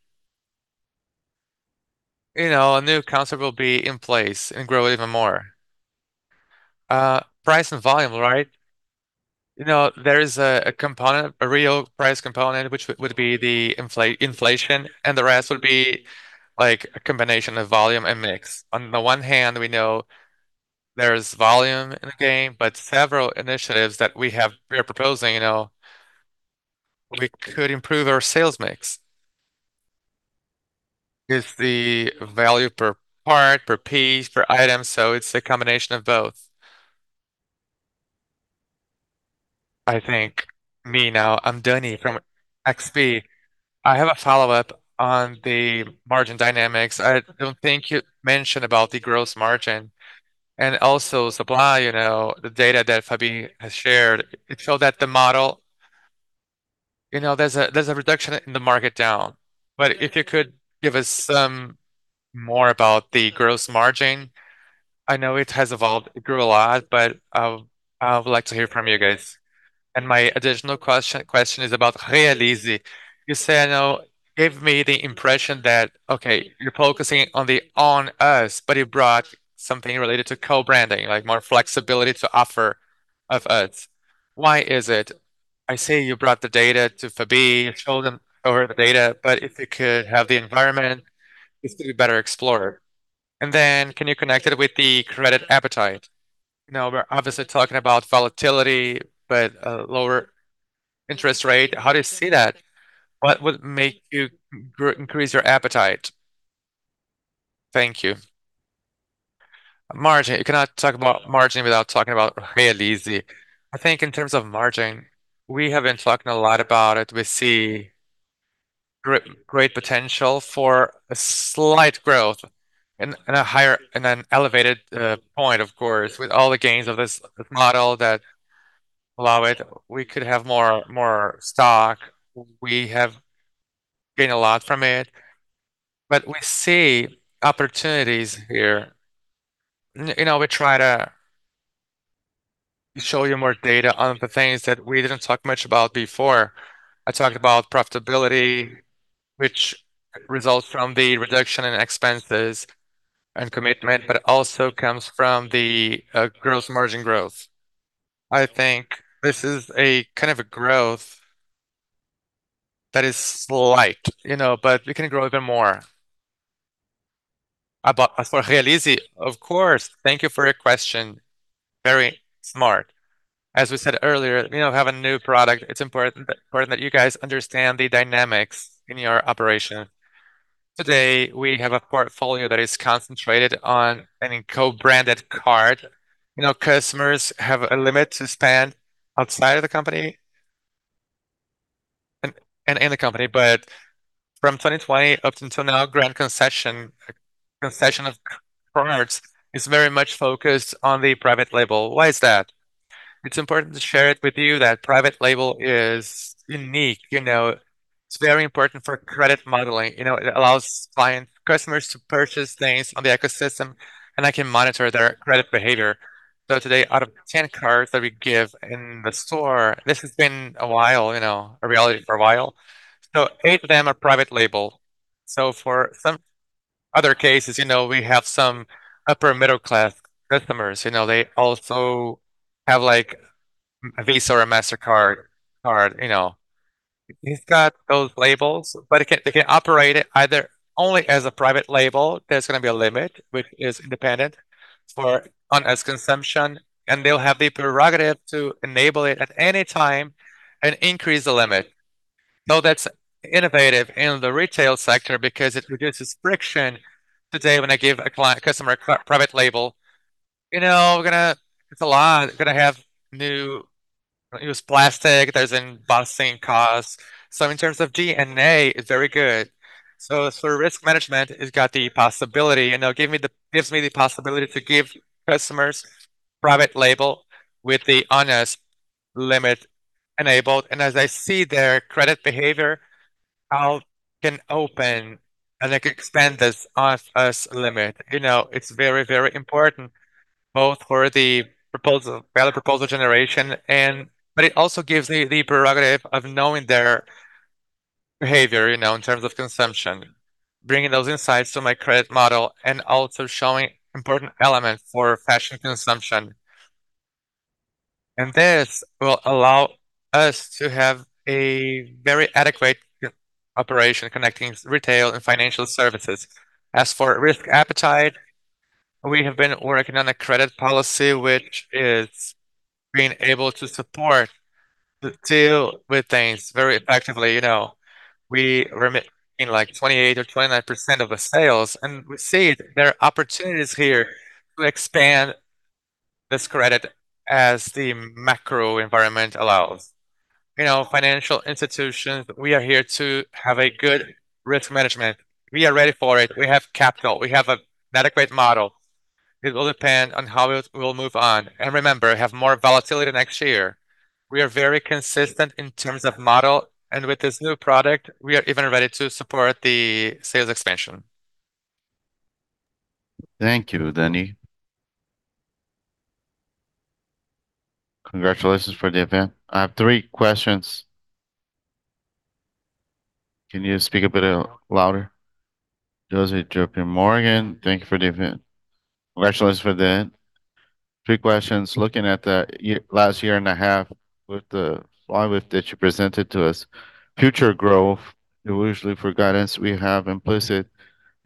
you know, a new concept will be in place and grow even more. Price and volume, right? You know, there is a component, a real price component, which would be the inflation, and the rest would be like a combination of volume and mix. On the one hand, we know there's volume in the game, but several initiatives that we are proposing, you know, we could improve our sales mix. It's the value per part, per piece, per item. So it's a combination of both. Now, I'm Dani from XP. I have a follow-up on the margin dynamics. I don't think you mentioned about the gross margin and also supply, you know, the data that Fabi has shared. It showed that the model, you know, there's a reduction in the market down. But if you could give us some more about the gross margin, I know it has evolved. It grew a lot, but I would like to hear from you guys. And my additional question is about Realize. You say, I know, gave me the impression that, okay, you're focusing on the ones, but you brought something related to co-branding, like more flexibility to offer to us. Why is it? I see you brought the data to Fabi. You showed them over the data, but if you could have the environment, it's to be better explored, and then can you connect it with the credit appetite? You know, we're obviously talking about volatility, but a lower interest rate. How do you see that? What would make you increase your appetite? Thank you. Margin, you cannot talk about margin without talking about Realize. I think in terms of margin, we have been talking a lot about it. We see great potential for a slight growth and a higher and an elevated point, of course, with all the gains of this model that allow it. We could have more stock. We have gained a lot from it, but we see opportunities here. You know, we try to show you more data on the things that we didn't talk much about before. I talked about profitability, which results from the reduction in expenses and commitment, but also comes from the gross margin growth. I think this is a kind of a growth that is slight, you know, but we can grow even more. About as for Realize, of course, thank you for your question. Very smart. As we said earlier, you know, we have a new product. It's important that you guys understand the dynamics in your operation. Today, we have a portfolio that is concentrated on a co-branded card. You know, customers have a limit to spend outside of the company and in the company, but from 2020 up until now, grand concession of cards is very much focused on the private label. Why is that? It's important to share it with you that private label is unique. You know, it's very important for credit modeling. You know, it allows client customers to purchase things on the ecosystem and I can monitor their credit behavior. So today, out of 10 cards that we give in the store, this has been a while, you know, a reality for a while. So eight of them are private label. So for some other cases, you know, we have some upper middle-class customers. You know, they also have like a Visa or a Mastercard card. You know, he's got those labels, but they can operate it either only as a private label. There's going to be a limit, which is independent for on-as consumption, and they'll have the prerogative to enable it at any time and increase the limit. So that's innovative in the retail sector because it reduces friction. Today, when I give a client customer a private label, you know, we're going to it's a lot. We're going to have new use plastic. There's an embossing cost. In terms of DNA, it's very good. For risk management, it's got the possibility, you know, gives me the possibility to give customers private label with the on us limit enabled. As I see their credit behavior, I can open and I can expand this on us limit. You know, it's very, very important both for the value proposition generation, but it also gives me the prerogative of knowing their behavior, you know, in terms of consumption, bringing those insights to my credit model and also showing important elements for fashion consumption. This will allow us to have a very adequate operation connecting retail and financial services. As for risk appetite, we have been working on a credit policy, which is being able to support the deal with things very effectively. You know, we remain like 28% or 29% of the sales, and we see there are opportunities here to expand this credit as the macro environment allows. You know, financial institutions, we are here to have a good risk management. We are ready for it. We have capital. We have an adequate model. It will depend on how we will move on, and remember, we have more volatility next year. We are very consistent in terms of model, and with this new product, we are even ready to support the sales expansion. Thank you, Dani. Congratulations for the event. I have three questions. Can you speak a bit louder? Joseph, J.P. Morgan, thank you for the event. Congratulations for the event. Three questions. Looking at the last year and a half with the slide that you presented to us, future growth, the usual for guidance, we have implied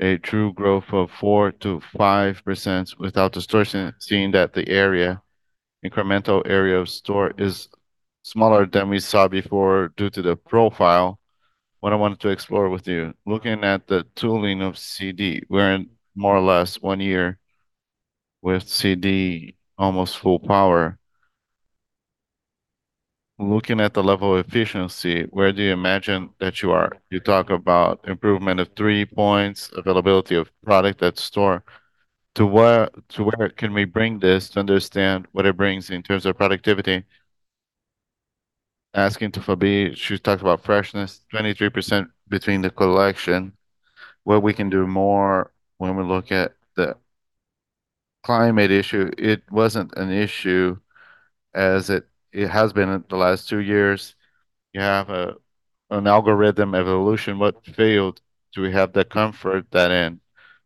a true growth of 4%-5% without distortion, seeing that the incremental area of store is smaller than we saw before due to the profile. What I wanted to explore with you, looking at the tooling of CD, we're in more or less one year with CD almost full power. Looking at the level of efficiency, where do you imagine that you are? You talk about improvement of three points, availability of product at store. To where can we bring this to understand what it brings in terms of productivity? Asking to Fabi, she talked about freshness, 23% between the collection, where we can do more when we look at the climate issue. It wasn't an issue as it has been in the last two years. You have an algorithm evolution. What failed? Do we have the comfort that in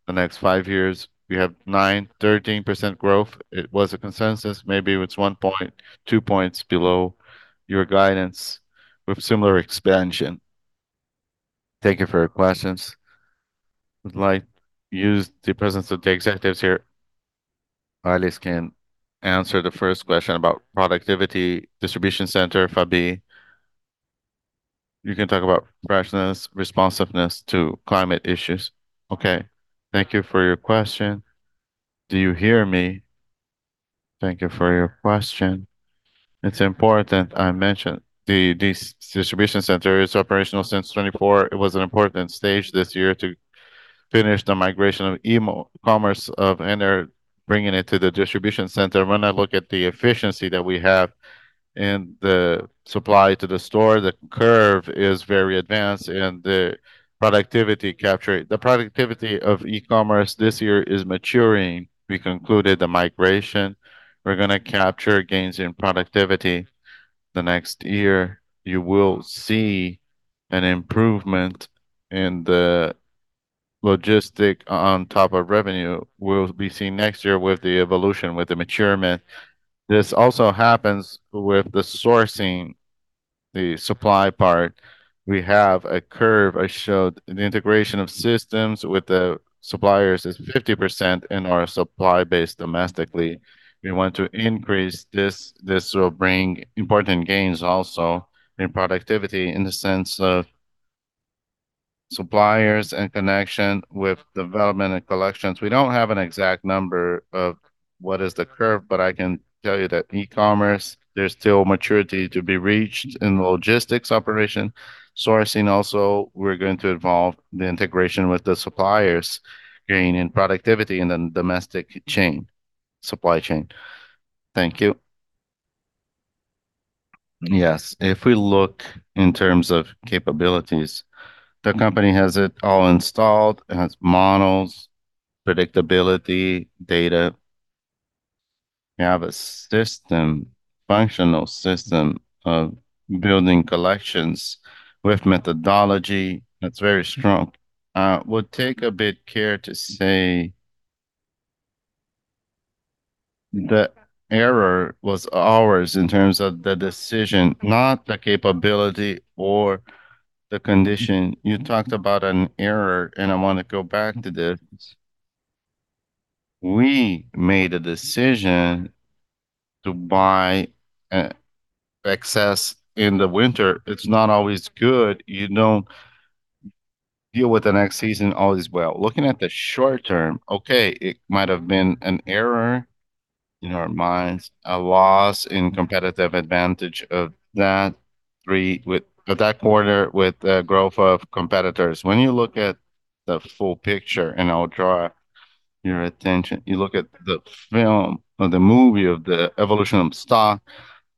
the next five years, we have 9%-13% growth? It was a consensus. Maybe it's one point, two points below your guidance with similar expansion. Thank you for your questions. Would like to use the presence of the executives here. I at least can answer the first question about productivity, distribution center, Fabi. You can talk about freshness, responsiveness to climate issues. Okay. Thank you for your question. Do you hear me? Thank you for your question. It's important I mentioned the distribution center is operational since 2024. It was an important stage this year to finish the migration of e-commerce, and they're bringing it to the distribution center. When I look at the efficiency that we have in the supply to the store, the curve is very advanced and the productivity captured. The productivity of e-commerce this year is maturing. We concluded the migration. We're going to capture gains in productivity. The next year, you will see an improvement in the logistics on top of revenue. We'll be seeing next year with the evolution, with the maturation. This also happens with the sourcing, the supply part. We have a curve. I showed the integration of systems with the suppliers is 50% in our supply base domestically. We want to increase this. This will bring important gains also in productivity in the sense of suppliers and connection with development and collections. We don't have an exact number of what is the curve, but I can tell you that e-commerce, there's still maturity to be reached in the logistics operation. Sourcing also, we're going to involve the integration with the suppliers, gain in productivity in the domestic chain, supply chain. Thank you. Yes. If we look in terms of capabilities, the company has it all installed. It has models, predictability, data. We have a system, functional system of building collections with methodology. It's very strong. I would take a bit care to say the error was ours in terms of the decision, not the capability or the condition. You talked about an error, and I want to go back to this. We made a decision to buy an excess in the winter. It's not always good. You don't deal with the next season always well. Looking at the short term, okay, it might have been an error in our minds, a loss in competitive advantage of Q3 with that quarter with the growth of competitors. When you look at the full picture and I'll draw your attention, you look at the film or the movie of the evolution of stock,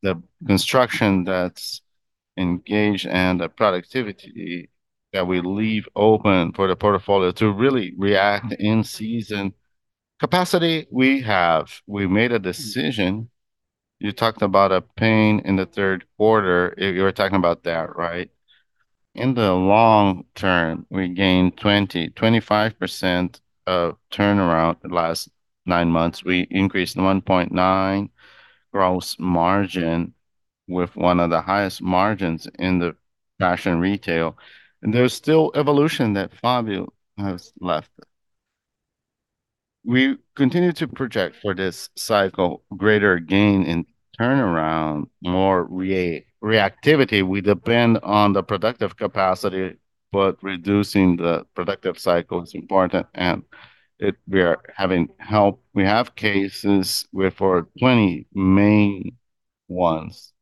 the construction that's engaged and the productivity that we leave open for the portfolio to really react in season. Capacity we have, we made a decision. You talked about a pain in the third quarter. You were talking about that, right? In the long term, we gained 20-25% of turnaround the last nine months. We increased 1.9 gross margin with one of the highest margins in the fashion retail, and there's still evolution that Fabio has left. We continue to project for this cycle, greater gain in turnaround, more reactivity. We depend on the productive capacity, but reducing the productive cycle is important and it we are having help. We have cases where for 20 main ones,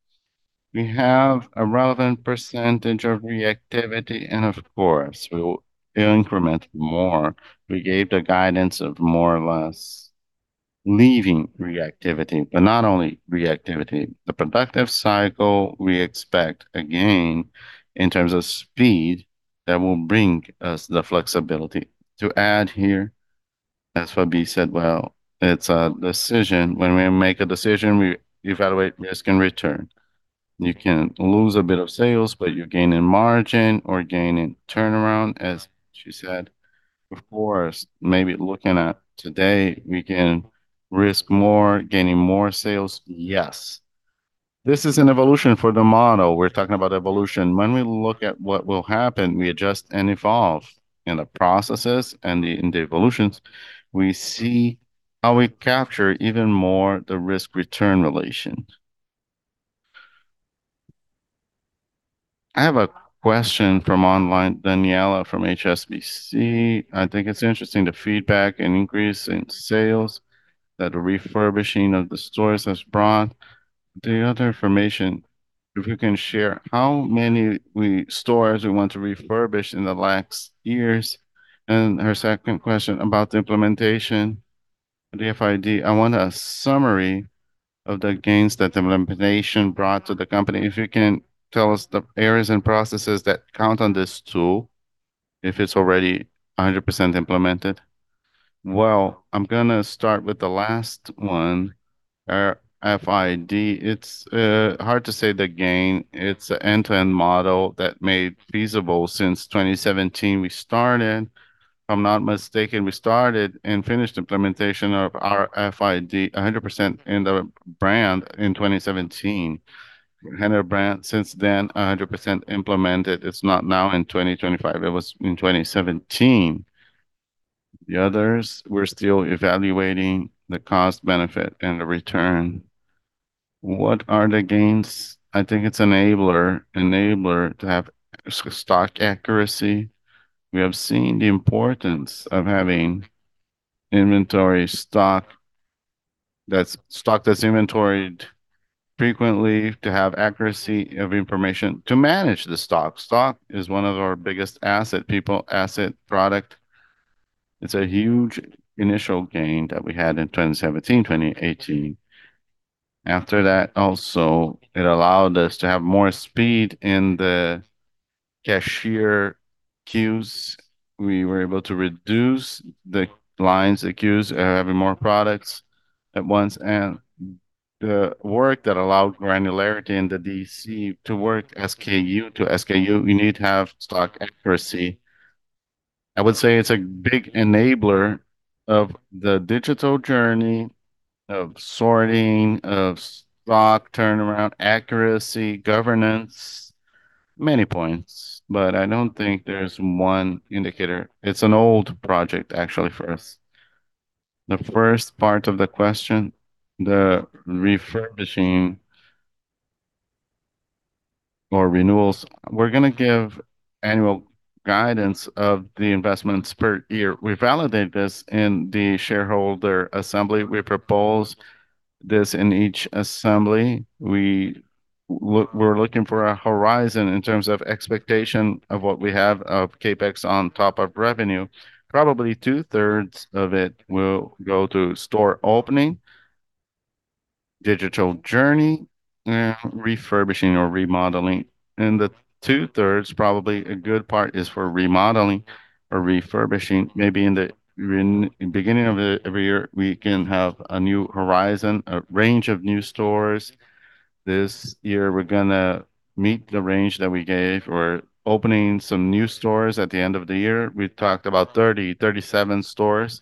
we have a relevant percentage of reactivity and of course, we will increment more. We gave the guidance of more or less leaving reactivity, but not only reactivity. The productive cycle we expect again in terms of speed that will bring us the flexibility. To add here, as Fabi said, well, it's a decision. When we make a decision, we evaluate risk and return. You can lose a bit of sales, but you gain in margin or gain in turnaround, as she said. Of course, maybe looking at today, we can risk more, gaining more sales. Yes. This is an evolution for the model. We're talking about evolution. When we look at what will happen, we adjust and evolve in the processes and the evolutions. We see how we capture even more the risk-return relation. I have a question from online, Daniela from HSBC. I think it's interesting, the feedback and increase in sales that the refurbishing of the stores has brought. The other information, if you can share how many stores we want to refurbish in the last years. And her second question about the implementation, the RFID: I want a summary of the gains that the implementation brought to the company. If you can tell us the areas and processes that count on this tool, if it's already 100% implemented. Well, I'm going to start with the last one, RFID. It's hard to say the gain. It's an end-to-end model that made feasible since 2017. We started, if I'm not mistaken, we started and finished implementation of RFID 100% in the brand in 2017. Renner brand since then 100% implemented. It's not now in 2025. It was in 2017. The others we're still evaluating the cost-benefit and the return. What are the gains? I think it's an enabler to have stock accuracy. We have seen the importance of having inventory stock that's stock that's inventoried frequently to have accuracy of information to manage the stock. Stock is one of our biggest asset people, asset product. It's a huge initial gain that we had in 2017, 2018. After that, also it allowed us to have more speed in the cashier queues. We were able to reduce the lines, the queues of having more products at once. And the work that allowed granularity in the DC to work SKU to SKU, you need to have stock accuracy. I would say it's a big enabler of the digital journey of sorting of stock turnaround, accuracy, governance, many points, but I don't think there's one indicator. It's an old project actually for us. The first part of the question, the refurbishing or renewals, we're going to give annual guidance of the investments per year. We validate this in the shareholder assembly. We propose this in each assembly. We're looking for a horizon in terms of expectation of what we have of CapEx on top of revenue. Probably two-thirds of it will go to store opening, digital journey, and refurbishing or remodeling, and the two-thirds, probably a good part is for remodeling or refurbishing. Maybe in the beginning of every year, we can have a new horizon, a range of new stores. This year, we're going to meet the range that we gave for opening some new stores at the end of the year. We talked about 30-37 stores,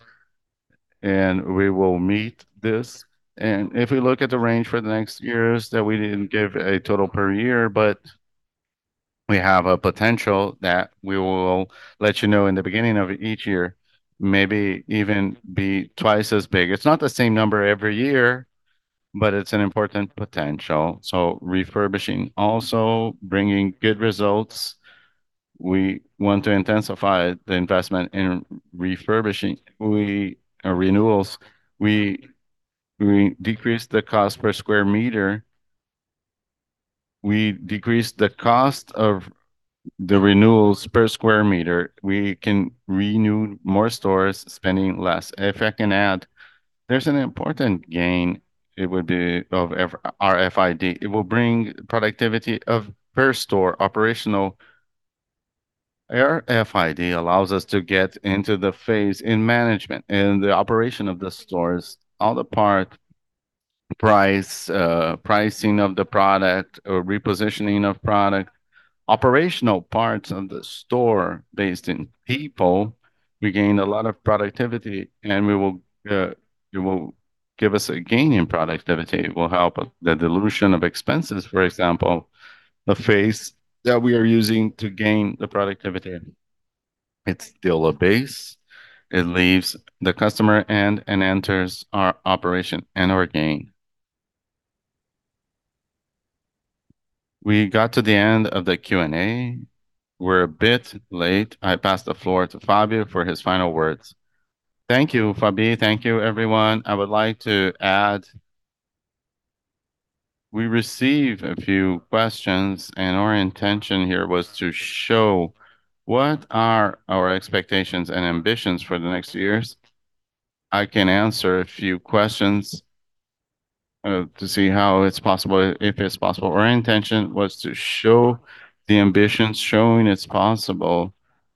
and we will meet this. And if we look at the range for the next years that we didn't give a total per year, but we have a potential that we will let you know in the beginning of each year, maybe even be twice as big. It's not the same number every year, but it's an important potential. So refurbishing also bringing good results. We want to intensify the investment in refurbishing. We are renewals. We decrease the cost per square meter. We decrease the cost of the renewals per square meter. We can renew more stores spending less. If I can add, there's an important gain. It would be of RFID. It will bring productivity of per store operational. RFID allows us to get into the Phase in management and the operation of the stores, all the part price, pricing of the product or repositioning of product, operational parts of the store based in people. We gain a lot of productivity and we will, it will give us a gain in productivity. It will help the dilution of expenses, for example, the phase that we are using to gain the productivity. It's still a base. It leaves the customer and enters our operation and our gain. We got to the end of the Q&A. We're a bit late. I passed the floor to Fabio for his final words. Thank you, Fabi. Thank you, everyone. I would like to add, we received a few questions and our intention here was to show what are our expectations and ambitions for the next years. I can answer a few questions to see how it's possible, if it's possible. Our intention was to show the ambition showing it's possible.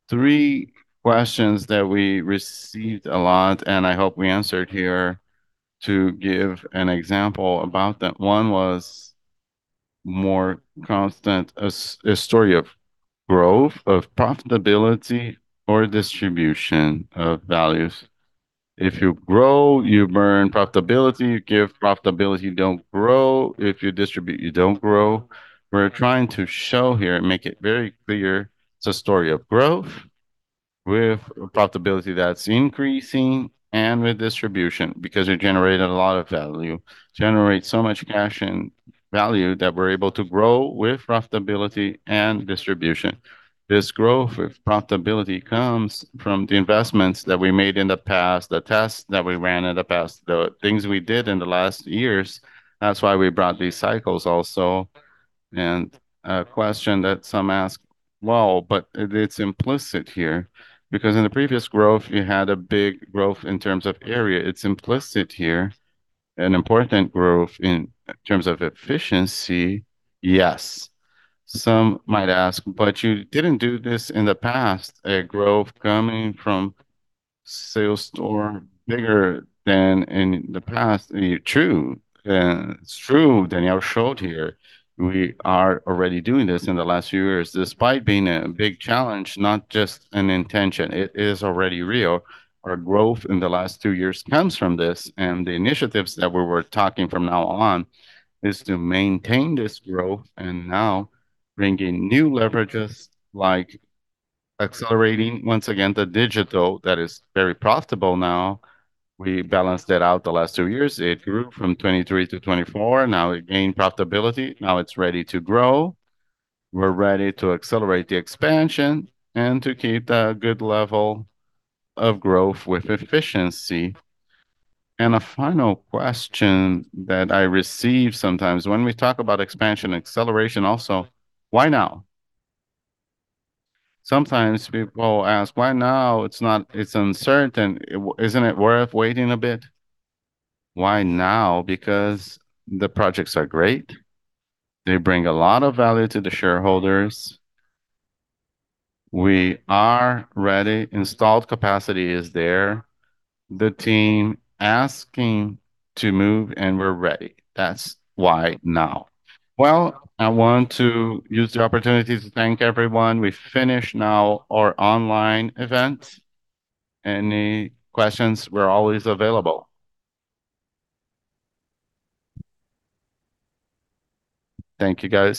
Three questions that we received a lot and I hope we answered here to give an example about that. One was more constant, a story of growth, of profitability or distribution of values. If you grow, you burn profitability. You give profitability, you don't grow. If you distribute, you don't grow. We're trying to show here and make it very clear. It's a story of growth with profitability that's increasing and with distribution because you generated a lot of value, generate so much cash and value that we're able to grow with profitability and distribution. This growth with profitability comes from the investments that we made in the past, the tests that we ran in the past, the things we did in the last years. That's why we brought these cycles also, and a question that some ask, well, but it's implicit here because in the previous growth, you had a big growth in terms of area. It's implicit here. An important growth in terms of efficiency, yes. Some might ask, but you didn't do this in the past. A growth coming from sales store bigger than in the past. True. It's true, Daniel showed here. We are already doing this in the last few years despite being a big challenge, not just an intention. It is already real. Our growth in the last two years comes from this and the initiatives that we were talking from now on is to maintain this growth and now bringing new leverages like accelerating once again the digital that is very profitable now. We balanced it out the last two years. It grew from 2023 to 2024. Now it gained profitability. Now it's ready to grow. We're ready to accelerate the expansion and to keep that good level of growth with efficiency. A final question that I receive sometimes when we talk about expansion, acceleration also, why now? Sometimes people ask, why now? It's not, it's uncertain. Isn't it worth waiting a bit? Why now? Because the projects are great. They bring a lot of value to the shareholders. We are ready. Installed capacity is there. The team asking to move and we're ready. That's why now. I want to use the opportunity to thank everyone. We finish now our online event. Any questions? We're always available. Thank you guys.